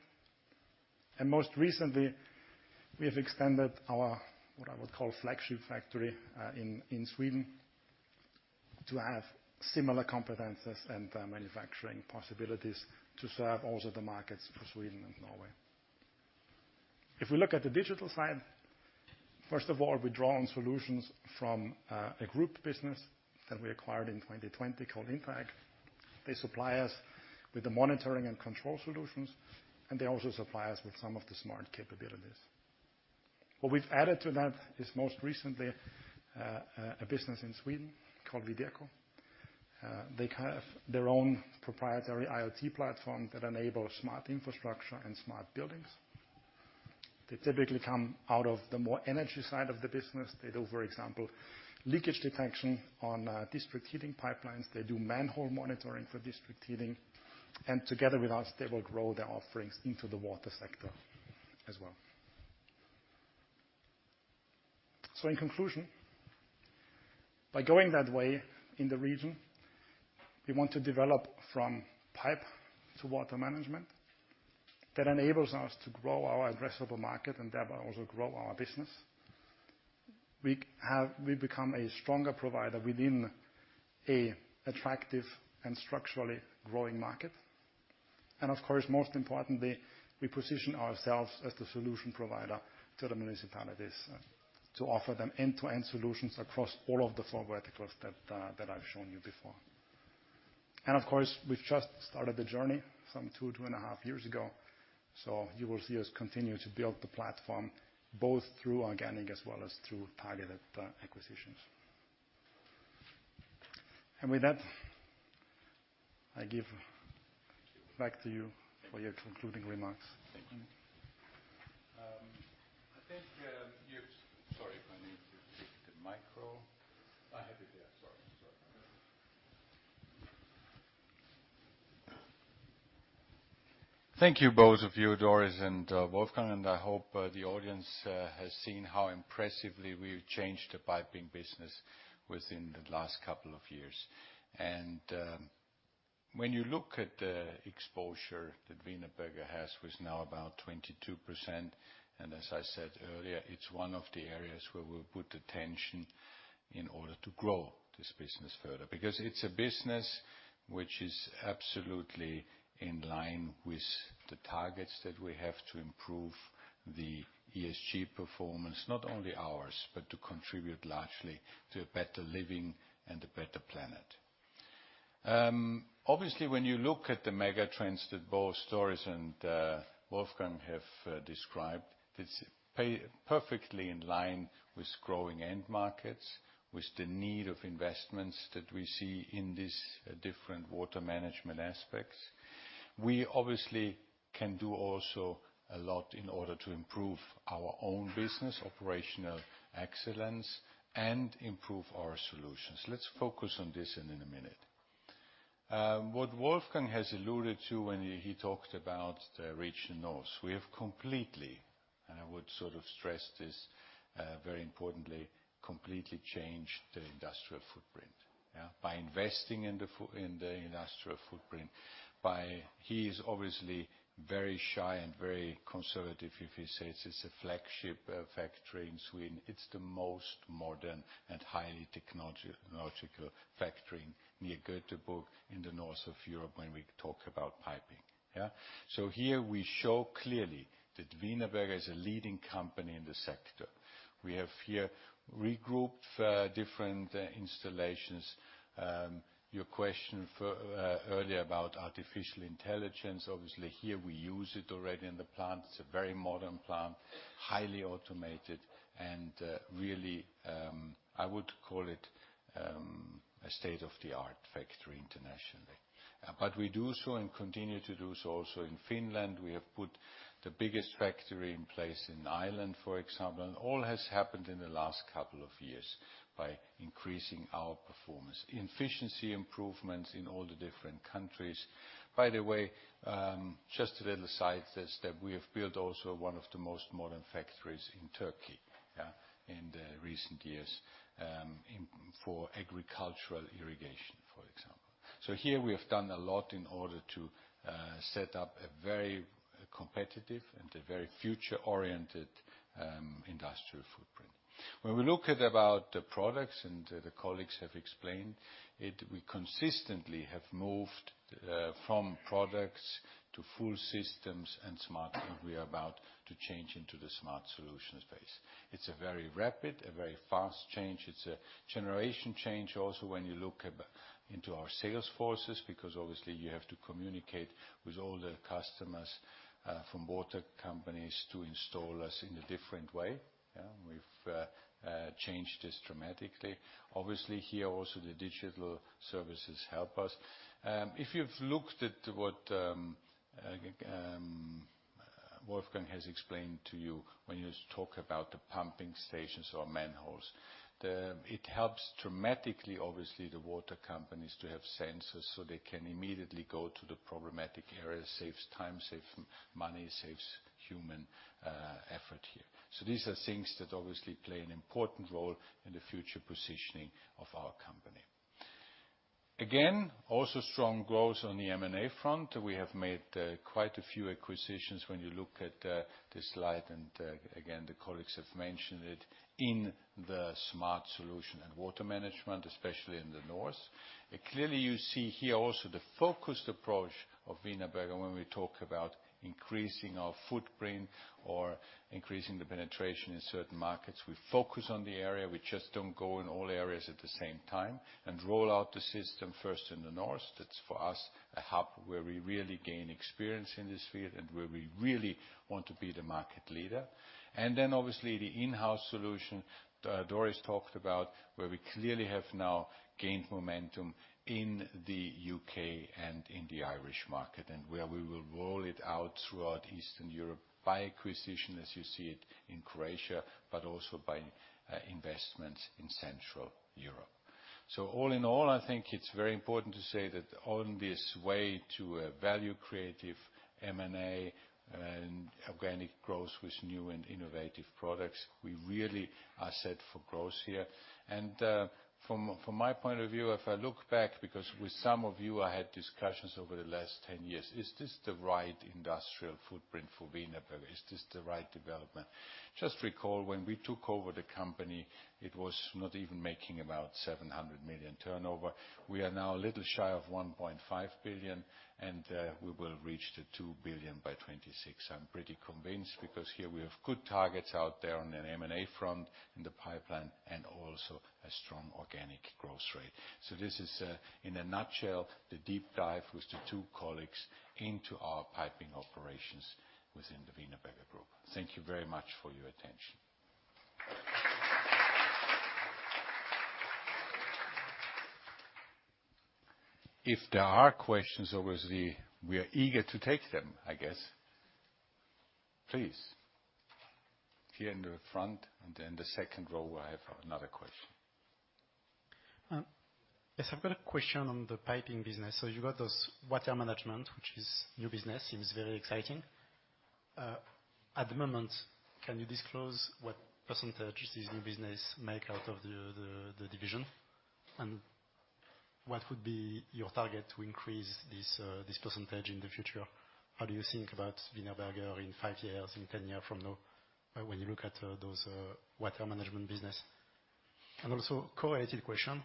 Most recently, we have extended our, what I would call, flagship factory in Sweden, to have similar competences and manufacturing possibilities to serve also the markets for Sweden and Norway. If we look at the digital side, first of all, we draw on solutions from a group business that we acquired in 2020 called InterAct. They supply us with the monitoring and control solutions, and they also supply us with some of the smart capabilities. What we've added to that is, most recently, a business in Sweden called Wideco. They have their own proprietary IoT platform that enables smart infrastructure and smart buildings. They typically come out of the more energy side of the business. They do, for example, leakage detection on district heating pipelines. They do manhole monitoring for district heating, and together with us, they will grow their offerings into the water sector as well. So in conclusion, by going that way in the region, we want to develop from pipe to water management. That enables us to grow our addressable market and thereby also grow our business. We've become a stronger provider within an attractive and structurally growing market. And of course, most importantly, we position ourselves as the solution provider to the municipalities, to offer them end-to-end solutions across all of the four verticals that I've shown you before. And of course, we've just started the journey some two, 2.5 years ago, so you will see us continue to build the platform, both through organic as well as through targeted acquisitions. And with that, I give back to you for your concluding remarks. Thank you, both of you, Doris and, Wolfgang, and I hope the audience has seen how impressively we've changed the piping business within the last couple of years. And, when you look at the exposure that Wienerberger has, with now about 22%, and as I said earlier, it's one of the areas where we'll put the tension in order to grow this business further. Because it's a business which is absolutely in line with the targets that we have to improve the ESG performance, not only ours, but to contribute largely to a better living and a better planet. Obviously, when you look at the mega trends that both Doris and Wolfgang have described, it plays perfectly in line with growing end markets, with the need of investments that we see in these different water management aspects. We obviously can do also a lot in order to improve our own business, operational excellence, and improve our solutions. Let's focus on this in a minute. What Wolfgang has alluded to when he talked about the region north, we have completely, and I would sort of stress this very importantly, completely changed the industrial footprint, yeah? By investing in the industrial footprint... He is obviously very shy and very conservative if he says it's a flagship factory in Sweden. It's the most modern and highly technological factory near Göteborg, in the north of Europe, when we talk about piping, yeah? So here we show clearly that Wienerberger is a leading company in the sector. We have here regrouped different installations. Your question for earlier about artificial intelligence, obviously, here we use it already in the plant. It's a very modern plant, highly automated. And really, I would call it a state-of-the-art factory internationally. But we do so and continue to do so also in Finland. We have put the biggest factory in place in Ireland, for example, and all has happened in the last couple of years by increasing our performance. Efficiency improvements in all the different countries. By the way, just a little aside, is that we have built also one of the most modern factories in Turkey, yeah, in the recent years, in for agricultural irrigation, for example. So here we have done a lot in order to set up a very competitive and a very future-oriented industrial footprint. When we look at about the products, and the colleagues have explained, we consistently have moved from products to full systems and smart, and we are about to change into the smart solution space. It's a very rapid, a very fast change. It's a generation change also when you look at into our sales forces, because obviously you have to communicate with all the customers from water companies to installers in a different way. Yeah, we've changed this dramatically. Obviously, here, also, the digital services help us. If you've looked at what Wolfgang has explained to you when he was talk about the pumping stations or manholes, it helps dramatically, obviously, the water companies to have sensors so they can immediately go to the problematic areas, saves time, saves money, saves human effort here. So these are things that obviously play an important role in the future positioning of our company. Again, also strong growth on the M&A front. We have made quite a few acquisitions when you look at this slide, and again, the colleagues have mentioned it, in the smart solution and water management, especially in the North. Clearly, you see here also the focused approach of Wienerberger when we talk about increasing our footprint or increasing the penetration in certain markets. We focus on the area. We just don't go in all areas at the same time and roll out the system first in the North. That's, for us, a hub where we really gain experience in this field and where we really want to be the market leader. And then, obviously, the in-house solution, Doris talked about, where we clearly have now gained momentum in the U.K. and in the Irish market, and where we will roll it out throughout Eastern Europe by acquisition, as you see it in Croatia, but also by investments in Central Europe. So all in all, I think it's very important to say that on this way to a value-creative M&A and organic growth with new and innovative products, we really are set for growth here. From my point of view, if I look back, because with some of you, I had discussions over the last 10 years, is this the right industrial footprint for Wienerberger? Is this the right development? Just recall, when we took over the company, it was not even making about 700 million turnover. We are now a little shy of 1.5 billion, and we will reach the 2 billion by 2026. I'm pretty convinced, because here we have good targets out there on an M&A front in the pipeline and also a strong organic growth rate. This is, in a nutshell, the deep dive with the two colleagues into our piping operations within the Wienerberger group. Thank you very much for your attention. If there are questions, obviously, we are eager to take them, I guess. Please, here in the front, and then the second row, I have another question. Yes, I've got a question on the piping business. So you got this water management, which is new business, seems very exciting. At the moment, can you disclose what percentage this new business make out of the division? And what would be your target to increase this, this percentage in the future? How do you think about Wienerberger in five years, in 10 year from now, when you look at, those, water management business? And also, correlated question,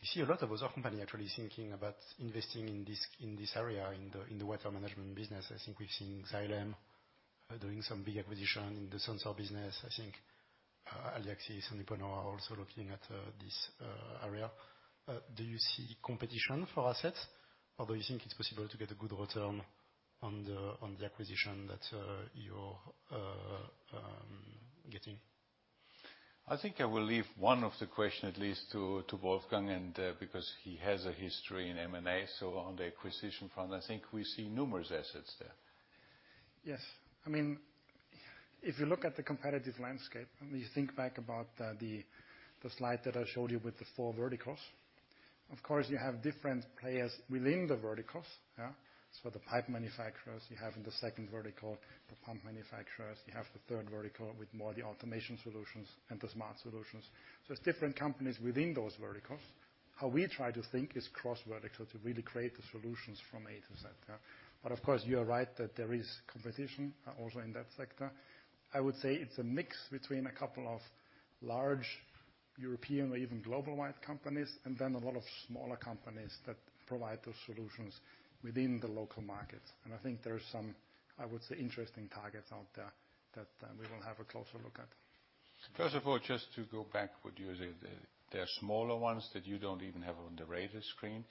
you see a lot of other company actually thinking about investing in this, in this area, in the water management business. I think we've seen Xylem doing some big acquisition in the sensor business. I think, Aliaxis and Uponor are also looking at, this, area. Do you see competition for assets? Or do you think it's possible to get a good return on the, on the acquisition that you're getting? I think I will leave one of the question at least to Wolfgang, and because he has a history in M&A. So on the acquisition front, I think we see numerous assets there. Yes. I mean, if you look at the competitive landscape, and you think back about the slide that I showed you with the four verticals, of course, you have different players within the verticals. Yeah. So the pipe manufacturers, you have in the second vertical, the pump manufacturers, you have the third vertical with more the automation solutions and the smart solutions. So it's different companies within those verticals. How we try to think is cross-vertical, to really create the solutions from A-Z, yeah. But of course, you are right that there is competition also in that sector. I would say it's a mix between a couple of large European or even global-wide companies, and then a lot of smaller companies that provide those solutions within the local markets. I think there are some, I would say, interesting targets out there that we will have a closer look at. First of all, just to go back with you, there are smaller ones that you don't even have on the radar screen,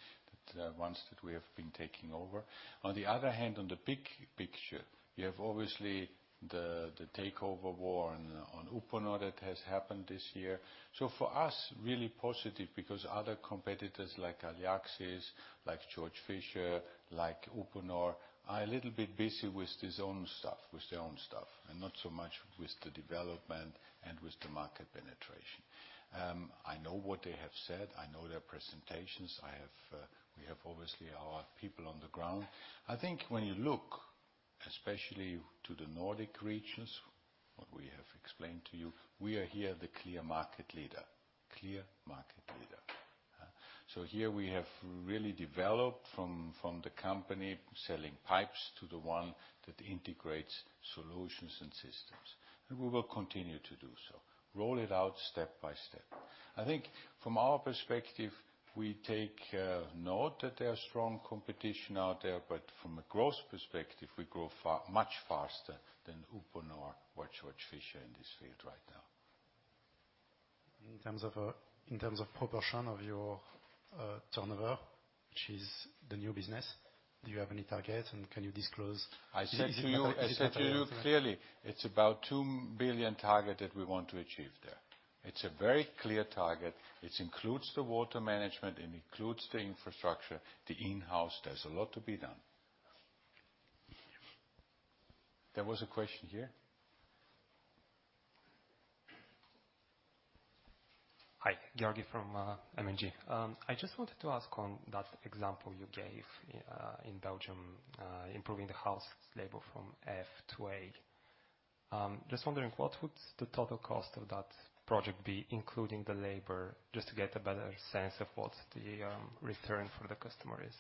the ones that we have been taking over. On the other hand, on the big picture... You have obviously the takeover war on Uponor that has happened this year. For us, really positive, because other competitors like Aliaxis, like Georg Fischer, like Uponor, are a little bit busy with their own stuff, and not so much with the development and with the market penetration. I know what they have said, I know their presentations. I have, we have obviously our people on the ground. I think when you look especially to the Nordic regions, what we have explained to you, we are here the clear market leader. Clear market leader, uh? So here we have really developed from the company selling pipes to the one that integrates solutions and systems, and we will continue to do so. Roll it out step by step. I think from our perspective, we take note that there are strong competition out there, but from a growth perspective, we grow much faster than Uponor or Georg Fischer in this field right now. In terms of proportion of your turnover, which is the new business, do you have any targets, and can you disclose- I said to you, I said to you clearly, it's about a 2 billion target that we want to achieve there. It's a very clear target, which includes the water management and includes the infrastructure, the in-house. There's a lot to be done. There was a question here. Hi, Georgie from L&G. I just wanted to ask on that example you gave in Belgium, improving the house label from F-A. Just wondering, what would the total cost of that project be, including the labor, just to get a better sense of what the return for the customer is?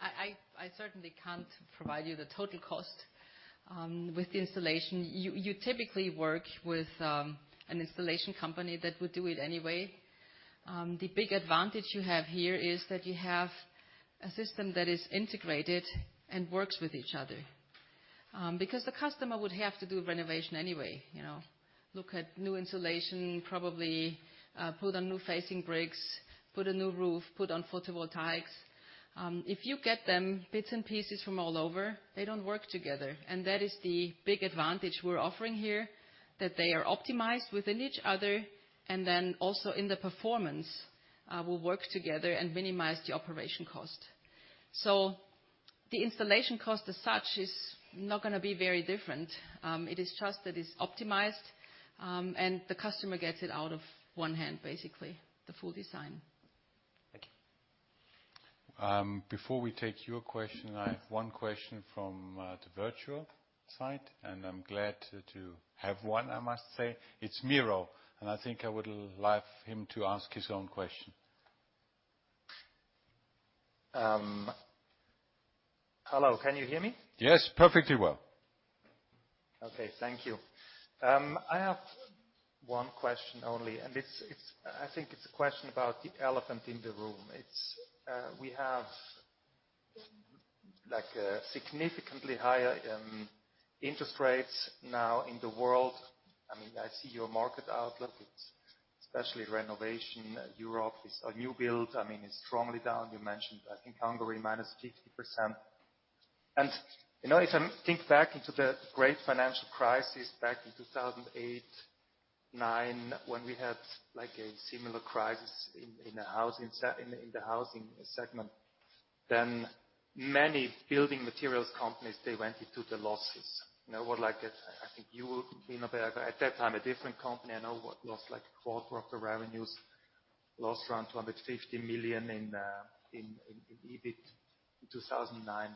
I certainly can't provide you the total cost. With the installation, you typically work with an installation company that would do it anyway. The big advantage you have here is that you have a system that is integrated and works with each other. Because the customer would have to do renovation anyway, you know, look at new insulation, probably put on new facing bricks, put a new roof, put on photovoltaics. If you get them bits and pieces from all over, they don't work together, and that is the big advantage we're offering here, that they are optimized within each other, and then also in the performance will work together and minimize the operation cost. So the installation cost as such is not gonna be very different. It is just that it's optimized, and the customer gets it out of one hand, basically, the full design. Thank you. Before we take your question, I have one question from the virtual site, and I'm glad to have one, I must say. It's Miro, and I think I would like him to ask his own question. Hello, can you hear me? Yes, perfectly well. Okay, thank you. I have one question only, and it's-- I think it's a question about the elephant in the room. It's we have, like, a significantly higher interest rates now in the world. I mean, I see your market outlook, it's especially renovation. Europe is a new build. I mean, it's strongly down. You mentioned, I think, Hungary, -50%. And, you know, if I think back into the Great Financial Crisis back in 2008-2009, when we had, like, a similar crisis in the housing segment, then many building materials companies, they went into the losses. You know, were like, I think you would be, you know, at that time, a different company. I know what lost like a quarter of the revenues, lost around 250 million in EBIT in 2009.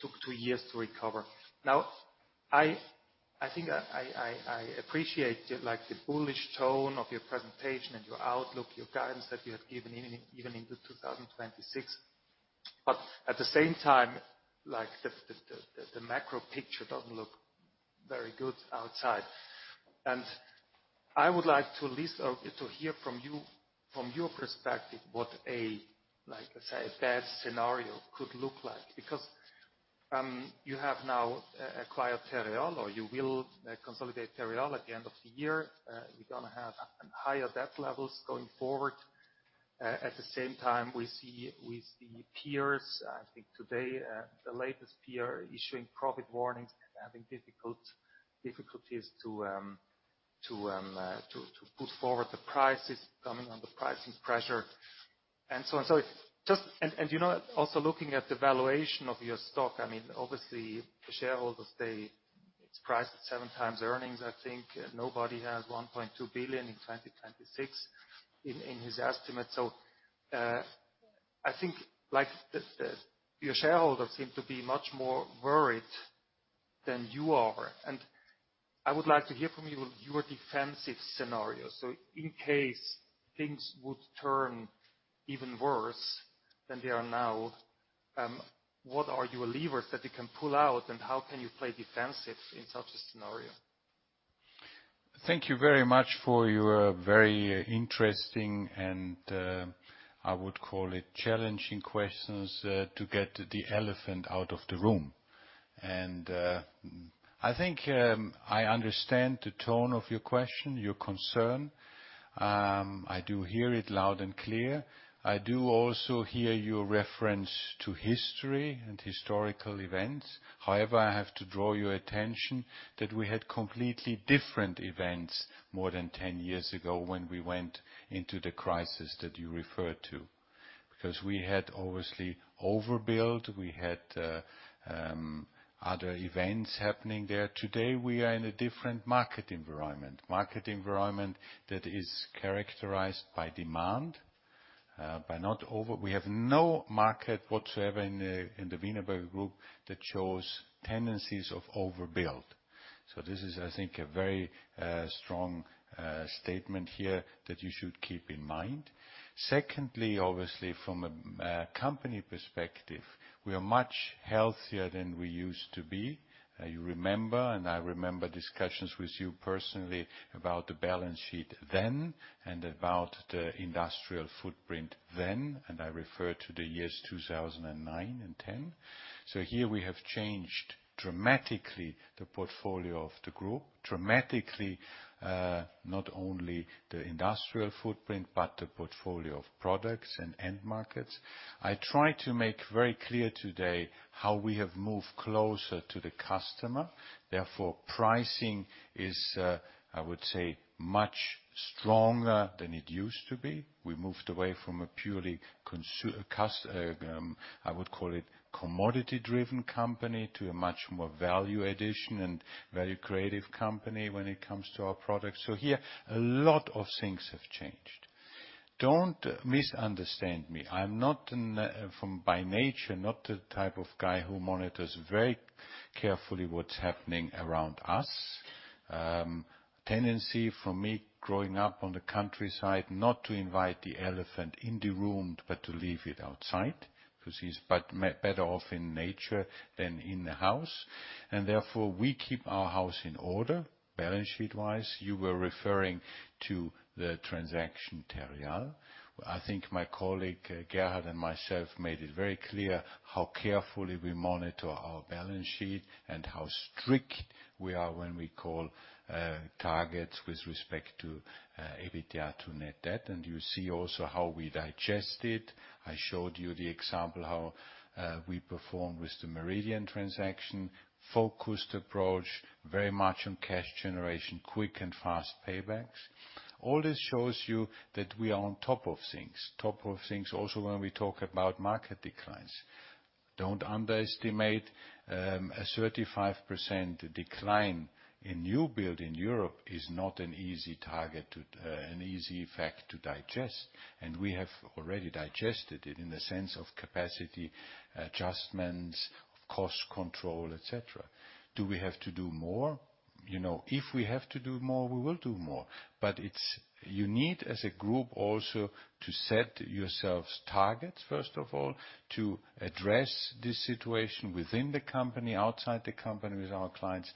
Took two years to recover. Now, I think I appreciate the like, the bullish tone of your presentation and your outlook, your guidance that you have given even into 2026. But at the same time, like, the macro picture doesn't look very good outside. And I would like to at least to hear from you, from your perspective, what a like, say, a bad scenario could look like. Because you have now acquired Terreal, or you will consolidate Terreal at the end of the year. You're gonna have higher debt levels going forward. At the same time, we see, we see peers, I think today, the latest peer issuing profit warnings and having difficulties to, to put forward the prices, coming under pricing pressure. And so, and so just-- and, and, you know, also looking at the valuation of your stock, I mean, obviously, the shareholders, they... It's priced at seven times earnings. I think nobody has 1.2 billion in 2026 in, in his estimate. So, I think, like, the, the, your shareholders seem to be much more worried than you are, and I would like to hear from you your defensive scenario. So in case things would turn even worse than they are now, what are your levers that you can pull out, and how can you play defensive in such a scenario? Thank you very much for your very interesting, and, I would call it challenging questions, to get the elephant out of the room. I think, I understand the tone of your question, your concern. I do hear it loud and clear. I do also hear your reference to history and historical events. However, I have to draw your attention that we had completely different events more than 10 years ago when we went into the crisis that you referred to. Because we had obviously overbuilt, we had, other events happening there. Today, we are in a different market environment. Market environment that is characterized by demand. We have no market whatsoever in the Wienerberger Group that shows tendencies of overbuild. So this is, I think, a very strong statement here that you should keep in mind. Secondly, obviously from a company perspective, we are much healthier than we used to be. You remember, and I remember discussions with you personally about the balance sheet then, and about the industrial footprint then, and I refer to the years 2009 and 2010. So here we have changed dramatically the portfolio of the group. Dramatically, not only the industrial footprint, but the portfolio of products and end markets. I tried to make very clear today how we have moved closer to the customer, therefore, pricing is, I would say, much stronger than it used to be. We moved away from a purely commodity-driven company to a much more value addition and very creative company when it comes to our products. So here, a lot of things have changed. Don't misunderstand me, I'm not, by nature, the type of guy who monitors very carefully what's happening around us. Tendency for me, growing up on the countryside, not to invite the elephant in the room, but to leave it outside, because he's better off in nature than in the house. Therefore, we keep our house in order, balance sheet-wise. You were referring to the transaction, Terreal. I think my colleague, Gerhard, and myself made it very clear how carefully we monitor our balance sheet and how strict we are when we call targets with respect to EBITDA to net debt. You see also how we digest it. I showed you the example how we performed with the Meridian transaction. Focused approach, very much on cash generation, quick and fast paybacks. All this shows you that we are on top of things. Top of things also, when we talk about market declines. Don't underestimate, a 35% decline in new build in Europe is not an easy target to, an easy fact to digest, and we have already digested it in the sense of capacity, adjustments, of course, control, et cetera. Do we have to do more? You know, if we have to do more, we will do more. But it's... You need, as a group, also, to set yourselves targets, first of all, to address this situation within the company, outside the company, with our clients.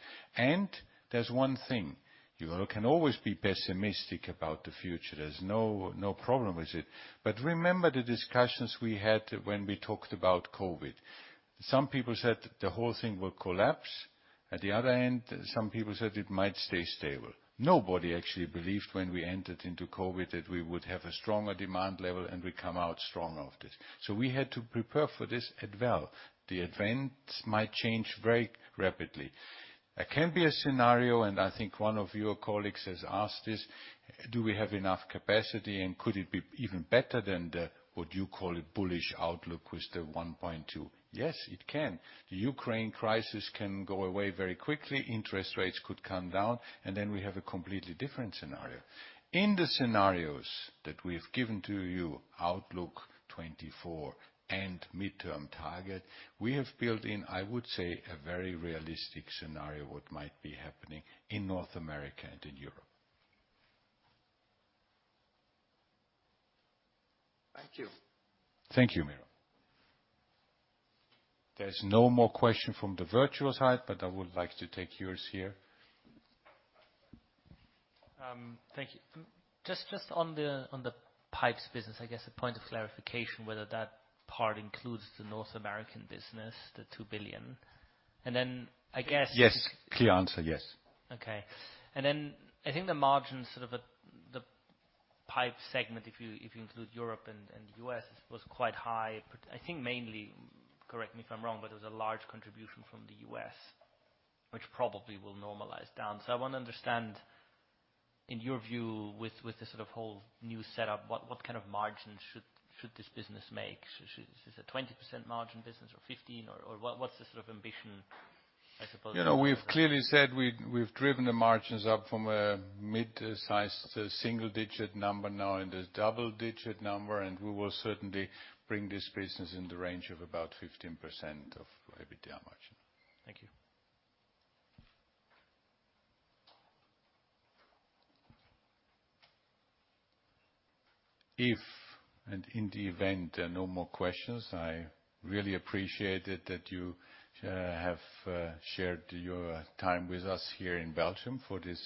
There's one thing, you can always be pessimistic about the future. There's no, no problem with it. But remember the discussions we had when we talked about COVID. Some people said the whole thing will collapse. At the other end, some people said it might stay stable. Nobody actually believed when we entered into COVID, that we would have a stronger demand level and we come out stronger of this. So we had to prepare for this as well. The events might change very rapidly. There can be a scenario, and I think one of your colleagues has asked this: Do we have enough capacity, and could it be even better than the, what you call it, bullish outlook with the 1.2? Yes, it can. The Ukraine crisis can go away very quickly, interest rates could come down, and then we have a completely different scenario. In the scenarios that we have given to you, outlook 2024 and midterm target, we have built in, I would say, a very realistic scenario, what might be happening in North America and in Europe. Thank you. Thank you, Miro. There's no more question from the virtual side, but I would like to take yours here. Thank you. Just on the pipes business, I guess a point of clarification, whether that part includes the North American business, the 2 billion. And then I guess- Yes. Clear answer, yes. Okay. And then I think the margins sort of at the pipe segment, if you, if you include Europe and, and U.S., was quite high. I think mainly, correct me if I'm wrong, but there was a large contribution from the U.S., which probably will normalize down. So I want to understand, in your view, with, with this sort of whole new setup, what, what kind of margin should, should this business make? Is this a 20% margin business or 15, or, or what, what's the sort of ambition, I suppose? You know, we've clearly said we've driven the margins up from a mid-sized single-digit number now in the double-digit number, and we will certainly bring this business in the range of about 15% EBITDA margin. Thank you. If and in the event there are no more questions, I really appreciate it that you have shared your time with us here in Belgium for this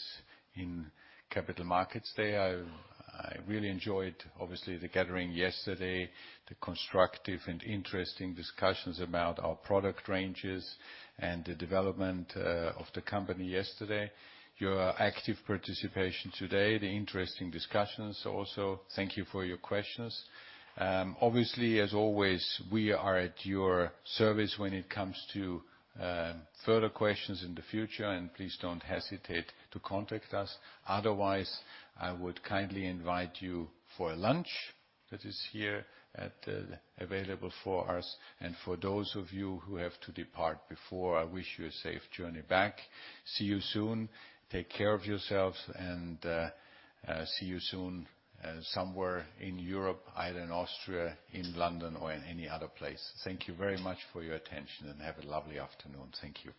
in Capital Markets Day. I really enjoyed, obviously, the gathering yesterday, the constructive and interesting discussions about our product ranges and the development of the company yesterday. Your active participation today, the interesting discussions also. Thank you for your questions. Obviously, as always, we are at your service when it comes to further questions in the future, and please don't hesitate to contact us. Otherwise, I would kindly invite you for a lunch that is here at the... available for us. And for those of you who have to depart before, I wish you a safe journey back. See you soon. Take care of yourselves, and see you soon somewhere in Europe, either in Austria, in London, or in any other place. Thank you very much for your attention, and have a lovely afternoon. Thank you.